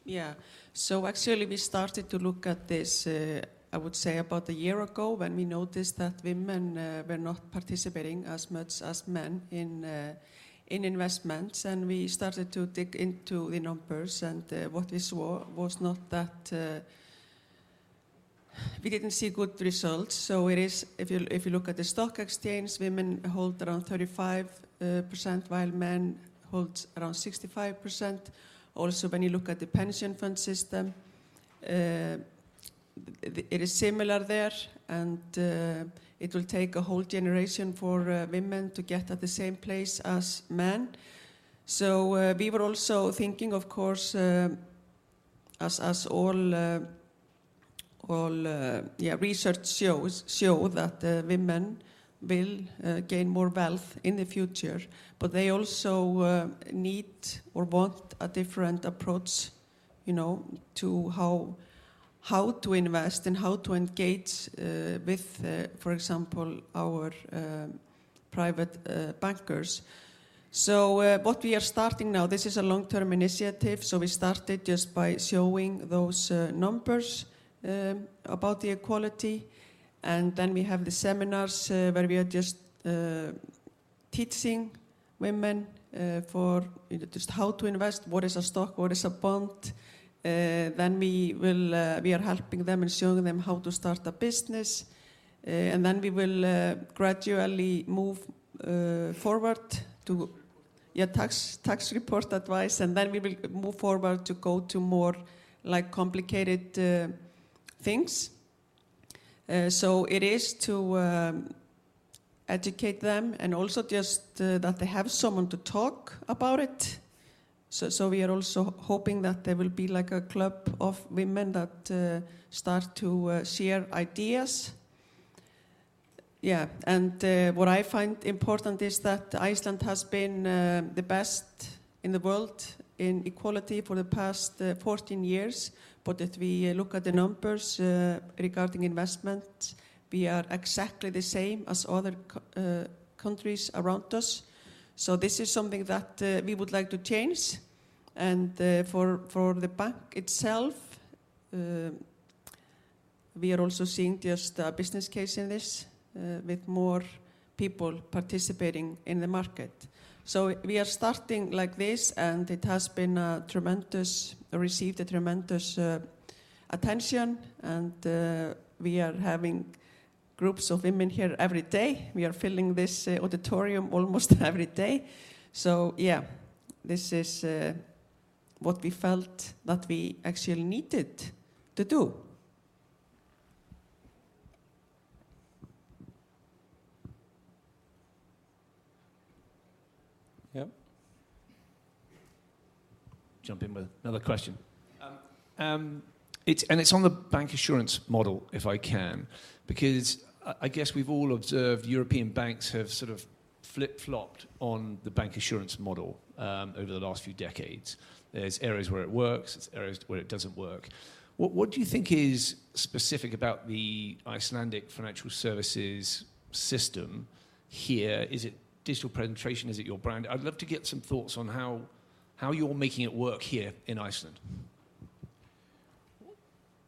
Speaker 3: Yeah. So actually, we started to look at this, I would say, about a year ago when we noticed that women were not participating as much as men in investments. And we started to dig into the numbers. What we saw was not that we didn't see good results. If you look at the stock exchange, women hold around 35% while men hold around 65%. Also, when you look at the pension fund system, it is similar there. It will take a whole generation for women to get at the same place as men. We were also thinking, of course, as all research shows, that women will gain more wealth in the future. But they also need or want a different approach to how to invest and how to engage with, for example, our private bankers. What we are starting now, this is a long-term initiative. We started just by showing those numbers about the equality. Then we have the seminars where we are just teaching women just how to invest, what is a stock, what is a bond. Then we are helping them and showing them how to start a business. And then we will gradually move forward to, yeah, tax report advice. And then we will move forward to go to more complicated things. So it is to educate them and also just that they have someone to talk about it. So we are also hoping that there will be a club of women that start to share ideas. Yeah. And what I find important is that Iceland has been the best in the world in equality for the past 14 years. But if we look at the numbers regarding investments, we are exactly the same as other countries around us. So this is something that we would like to change. And for the bank itself, we are also seeing just a business case in this with more people participating in the market. So we are starting like this. And it has received a tremendous attention. And we are having groups of women here every day. We are filling this auditorium almost every day. So, yeah, this is what we felt that we actually needed to do.
Speaker 10: Yep. Jump in with another question. And it's on the bancassurance model, if I can, because I guess we've all observed European banks have sort of flip-flopped on the bancassurance model over the last few decades. There's areas where it works. There's areas where it doesn't work. What do you think is specific about the Icelandic financial services system here? Is it digital penetration? Is it your brand? I'd love to get some thoughtson how you're making it work here in Iceland.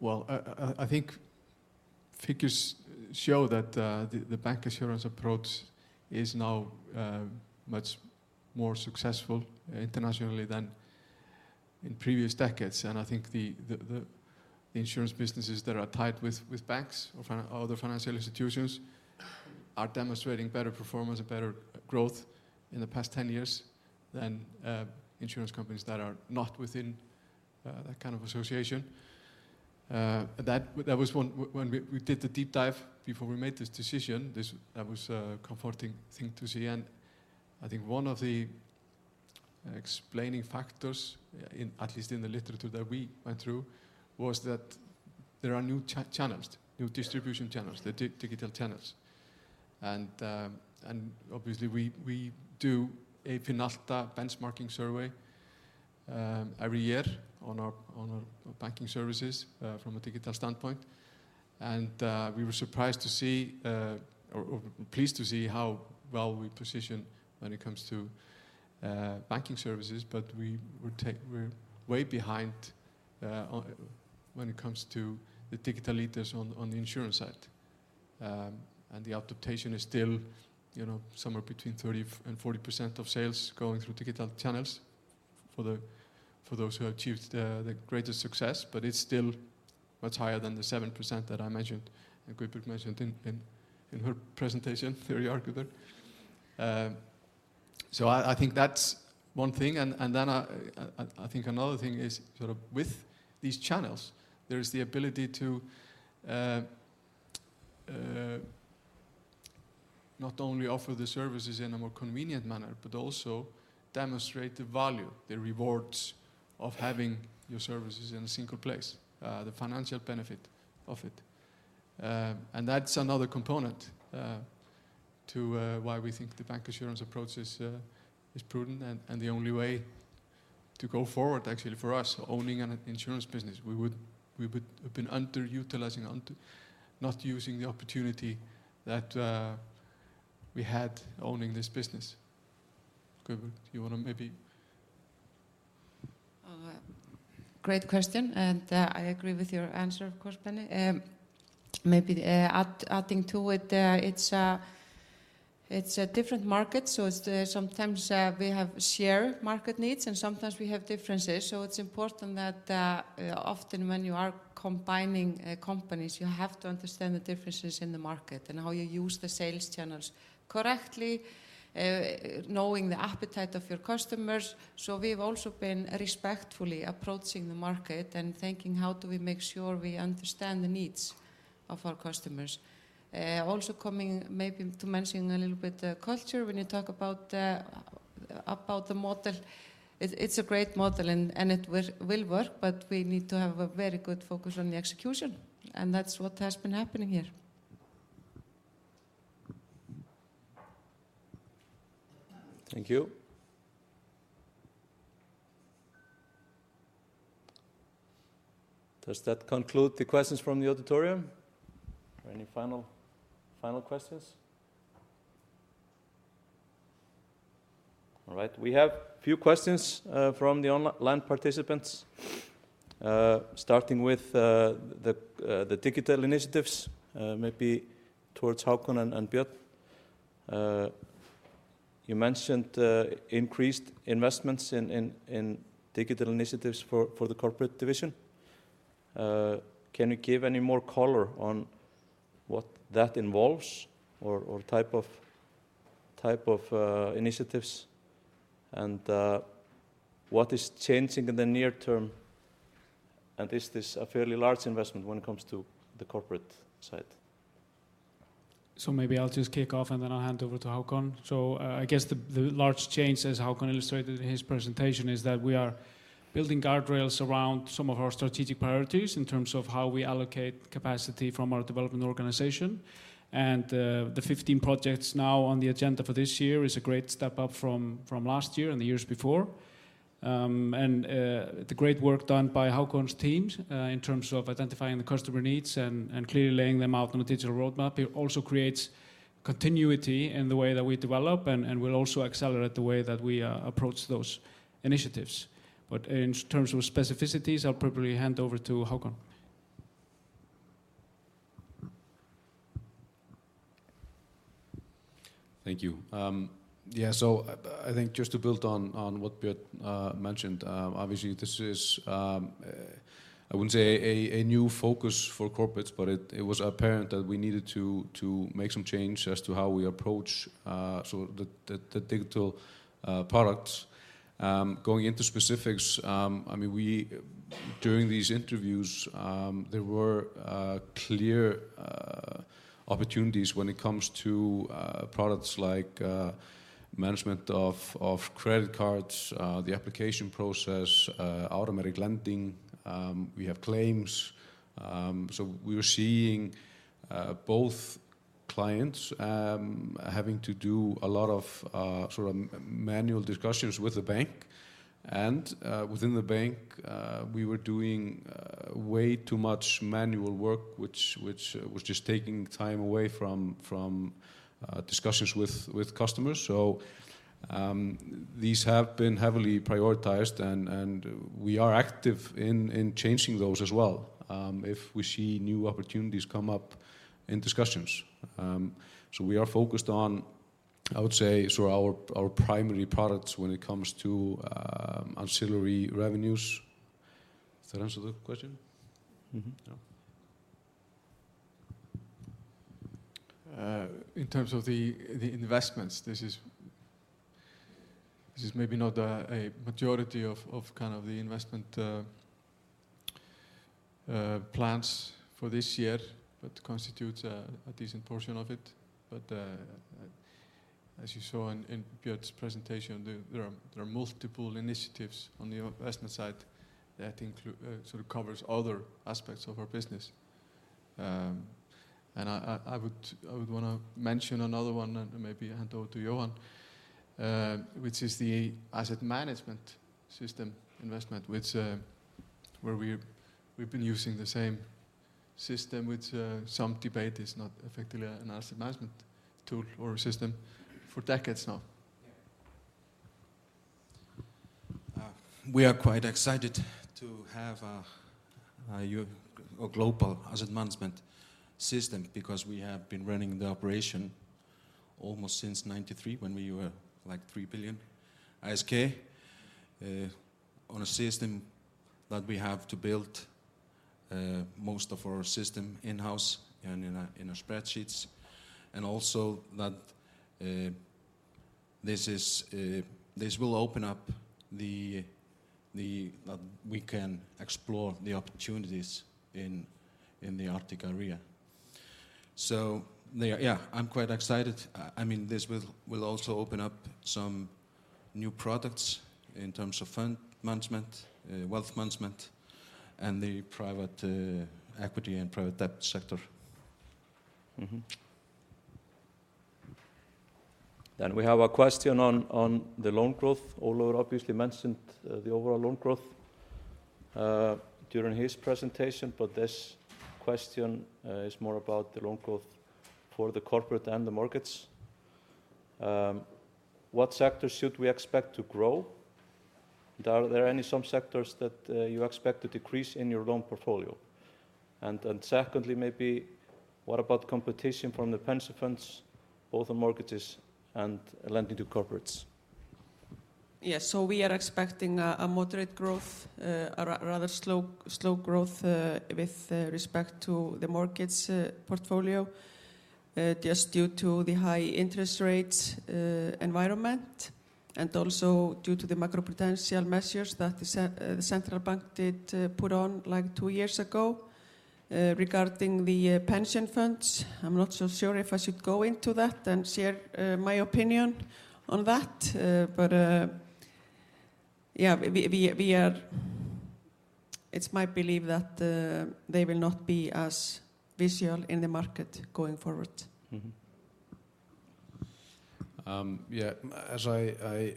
Speaker 1: Well, I think figures show that the bancassurance approach is now much more successful internationally than in previous decades. I think the insurance businesses that are tied with banks or other financial institutions are demonstrating better performance and better growth in the past 10 years than insurance companies that are not within that kind of association. That was when we did the deep dive before we made this decision. That was a comforting thing to see. I think one of the explaining factors, at least in the literature that we went through, was that there are new distribution channels, the digital channels. Obviously, we do a Finalta benchmarking survey every year on our banking services from a digital standpoint. We were surprised to see or pleased to see how well we position when it comes to banking services. But we're way behind when it comes to the digital leaders on the insurance side. The adaptation is still somewhere between 30%-40% of sales going through digital channels for those who achieved the greatest success. But it's still much higher than the 7% that I mentioned and Guobjorg mentioned in her presentation, theory argueber. So I think that's one thing. And then I think another thing is sort of with these channels, there is the ability to not only offer the services in a more convenient manner but also demonstrate the value, the rewards of having your services in a single place, the financial benefit of it. And that's another component to why we think the bancassurance approach is prudent. And the only way to go forward, actually, for us owning an insurance business, we would have been underutilizing, not using the opportunity that we had owning this business. Ioa, you want to maybe?
Speaker 3: Great question. And I agree with your answer, of course, Benny. Maybe adding to it, it's a different market. So sometimes we have shared market needs. And sometimes we have differences. So it's important that often, when you are combining companies, you have to understand the differences in the market and how you use the sales channels correctly, knowing the appetite of your customers. So we have also been respectfully approaching the market and thinking, how do we make sure we understand the needs of our customers? Also coming maybe to mention a little bit the culture when you talk about the model. It's a great model. And it will work. But we need to have a very good focus on the execution. And that's what has been happening here.
Speaker 8: Thank you. Does that conclude the questions from the auditorium or any final questions? All right. We have a few questions from the online participants, starting with the digital initiatives, maybe towards Hákon and Björn. You mentioned increased investments in digital initiatives for the corporate division. Can you give any more color on what that involves or type of initiatives and what is changing in the near term? Is this a fairly large investment when it comes to the corporate side?
Speaker 2: Maybe I'll just kick off. Then I'll hand over to Hákon. I guess the large change, as Hákon illustrated in his presentation, is that we are building guardrails around some of our strategic priorities in terms of how we allocate capacity from our development organization. The 15 projects now on the agenda for this year is a great step up from last year and the years before. The great work done by Hákon's team in terms of identifying the customer needs and clearly laying them out on a digital roadmap also creates continuity in the way that we develop and will also accelerate the way that we approach those initiatives. In terms of specificities, I'll probably hand over to Hákon.
Speaker 5: Thank you. Yeah. I think just to build on what Björn mentioned, obviously, this is, I wouldn't say, a new focus for corporates. It was apparent that we needed to make some change as to how we approach sort of the digital products. Going into specifics, I mean, during these interviews, there were clear opportunities when it comes to products like management of credit cards, the application process, automatic lending. We have claims. So we were seeing both clients having to do a lot of sort of manual discussions with the bank. Within the bank, we were doing way too much manual work, which was just taking time away from discussions with customers. These have been heavily prioritized. We are active in changing those as well if we see new opportunities come up in discussions. We are focused on, I would say, sort of our primary products when it comes to ancillary revenues. Does that answer the question? In terms of the investments, this is maybe not a majority of kind of the investment plans for this year but constitutes a decent portion of it. As you saw in Björn's presentation, there are multiple initiatives on the investment side that sort of cover other aspects of our business. I would want to mention another one and maybe hand over to Bjórn, which is the asset management system investment, where we've been using the same system, which some debate is not effectively an asset management tool or system for decades now.
Speaker 2: We are quite excited to have a global asset management system because we have been running the operation almost since 1993 when we were like 3 billion ISK on a system that we have to build most of our system in-house and in our spreadsheets. And also that this will open up the that we can explore the opportunities in the Arctic area. So, yeah, I'm quite excited. I mean, this will also open up some new products in terms of fund management, wealth management, and the private equity and private debt sector.
Speaker 8: We have a question on the loan growth. Olafur obviously mentioned the overall loan growth during his presentation. But this question is more about the loan growth for the corporate and the markets. What sectors should we expect to grow? Are there any sectors that you expect to decrease in your loan portfolio? And secondly, maybe, what about competition from the pension funds, both in mortgages and lending to corporates?
Speaker 3: Yes. So we are expecting a moderate growth, a rather slow growth with respect to the markets portfolio just due to the high interest rate environment and also due to the macroprudential measures that the Central Bank did put on like two years ago regarding the pension funds. I'm not so sure if I should go into that and share my opinion on that. But, yeah, it's my belief that they will not be as visual in the market going forward. Yeah.
Speaker 1: As I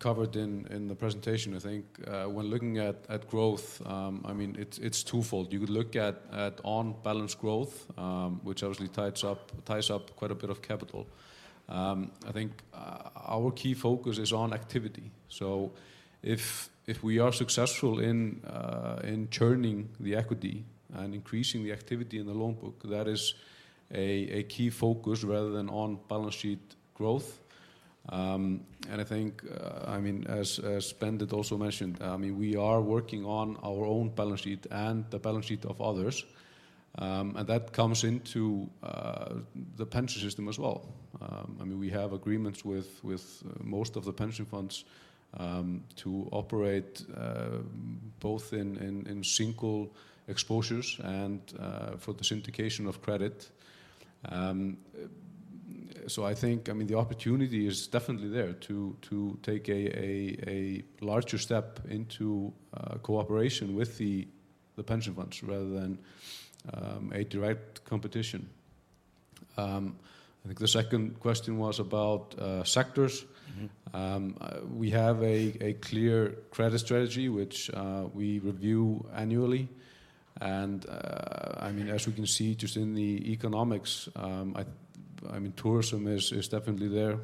Speaker 1: covered in the presentation, I think when looking at growth, I mean, it's twofold. You could look at on-balance growth, which obviously ties up quite a bit of capital. I think our key focus is on activity. So if we are successful in churning the equity and increasing the activity in the loan book, that is a key focus rather than on balance sheet growth. And I think, I mean, as Ben did also mention, I mean, we are working on our own balance sheet and the balance sheet of others. And that comes into the pension system as well. I mean, we have agreements with most of the pension funds to operate both in single exposures and for the syndication of credit. So I think, I mean, the opportunity is definitely there to take a larger step into cooperation with the pension funds rather than a direct competition. I think the second question was about sectors. We have a clear credit strategy, which we review annually. And, I mean, as we can see just in the economics, I mean, tourism is definitely there.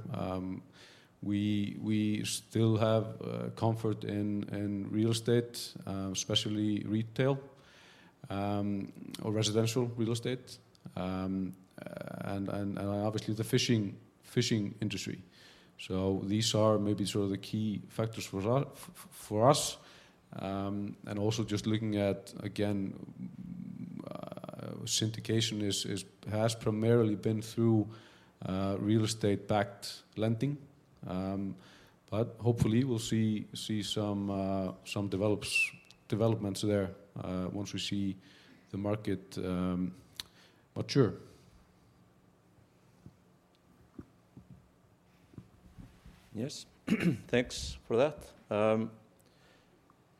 Speaker 1: We still have comfort in real estate, especially retail or residential real estate, and obviously, the fishing industry. So these are maybe sort of the key factors for us. And also just looking at, again, syndication has primarily been through real estate-backed lending. But hopefully, we'll see some developments there once we see the market mature.
Speaker 8: Yes. Thanks for that.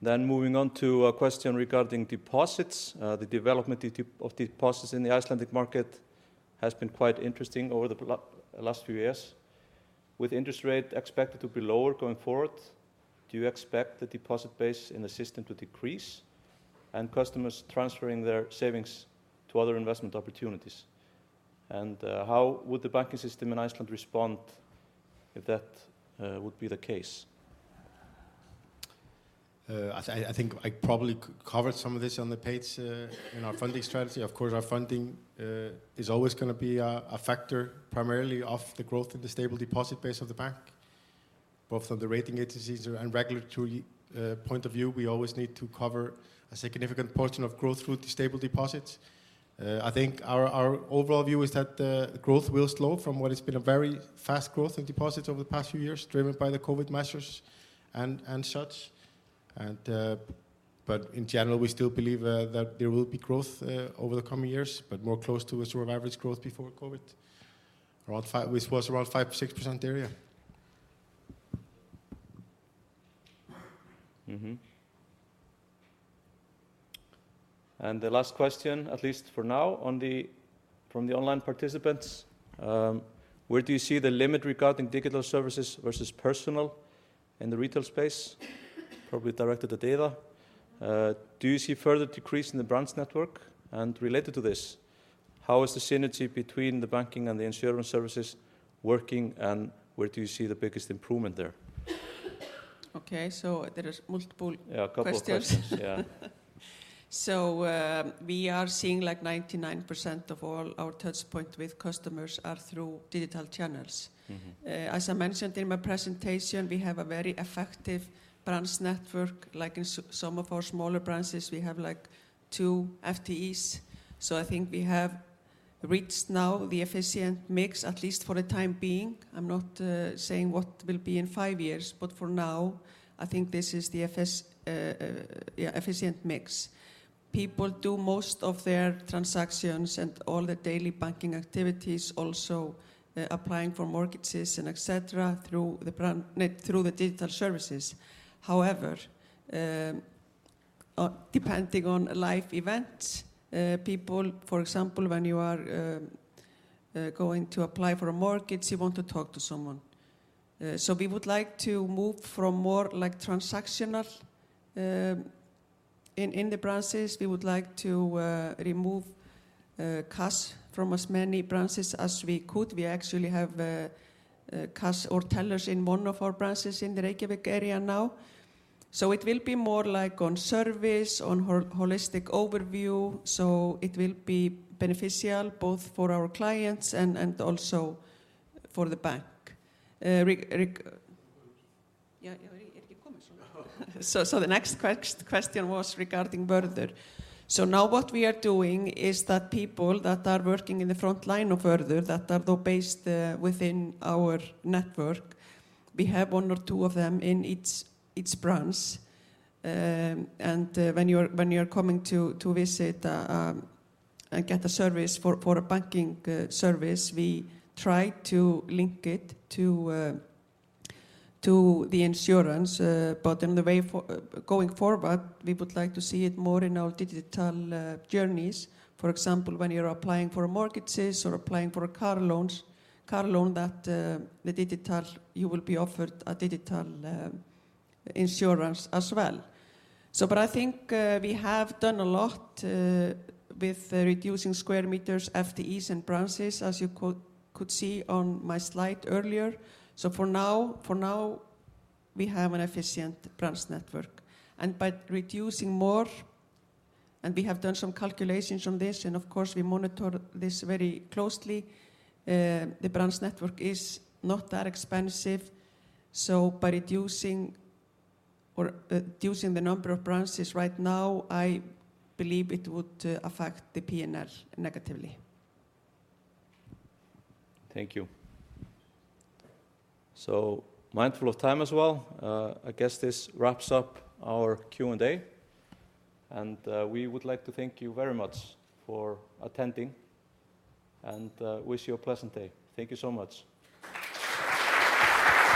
Speaker 8: Then moving on to a question regarding deposits. The development of deposits in the Icelandic market has been quite interesting over the last few years. With interest rates expected to be lower going forward, do you expect the deposit base in the system to decrease and customers transferring their savings to other investment opportunities? And how would the banking system in Iceland respond if that would be the case?
Speaker 6: I think I probably covered some of this on the page in our funding strategy. Of course, our funding is always going to be a factor primarily of the growth in the stable deposit base of the bank. Both from the rating agencies and regulatory point of view, we always need to cover a significant portion of growth through the stable deposits. I think our overall view is that growth will slow from what has been a very fast growth in deposits over the past few years driven by the COVID measures and such. But in general, we still believe that there will be growth over the coming years but more close to a sort of average growth before COVID, which was around 5%-6% area.
Speaker 8: And the last question, at least for now, from the online participants, where do you see the limit regarding digital services versus personal in the retail space, probably directed to Íða? Do you see further decrease in the branch network? And related to this, how is the synergy between the banking and the insurance services working? And where do you see the biggest improvement there?
Speaker 3: Okay. So there are multiple questions. Yeah, a couple of questions. Yeah. So we are seeing like 99% of all our touchpoints with customers are through digital channels. As I mentioned in my presentation, we have a very effective branch network. Like in some of our smaller branches, we have like two FTEs. So I think we have reached now the efficient mix, at least for the time being. I'm not saying what will be in five years. But for now, I think this is the efficient mix. People do most of their transactions and all the daily banking activities, also applying for mortgages and etc., through the digital services. However, depending on life events, people, for example, when you are going to apply for a mortgage, you want to talk to someone. So we would like to move from more transactional in the branches. We would like to remove cash from as many branches as we could. We actually have cash or tellers in one of our branches in the Reykjavík area now. So it will be more like on service, on holistic overview. So it will be beneficial both for our clients and also for the bank. Já, ég ekki kominn svona. So the next question was regarding Vörður. So now what we are doing is that people that are working in the front line of Vörður, that are though based within our network, we have one or two of them in each branch. And when you are coming to visit and get a service, for a banking service, we try to link it to the insurance. But in the way going forward, we would like to see it more in our digital journeys. For example, when you are applying for mortgages or applying for a car loan, you will be offered a digital insurance as well. But I think we have done a lot with reducing square meters, FTEs, and branches, as you could see on my slide earlier. So for now, we have an efficient branch network. By reducing more, we have done some calculations on this. Of course, we monitor this very closely. The branch network is not that expensive. So by reducing the number of branches right now, I believe it would affect the P&L negatively.
Speaker 8: Thank you. Mindful of time as well, I guess this wraps up our Q&A. We would like to thank you very much for attending and wish you a pleasant day. Thank you so much.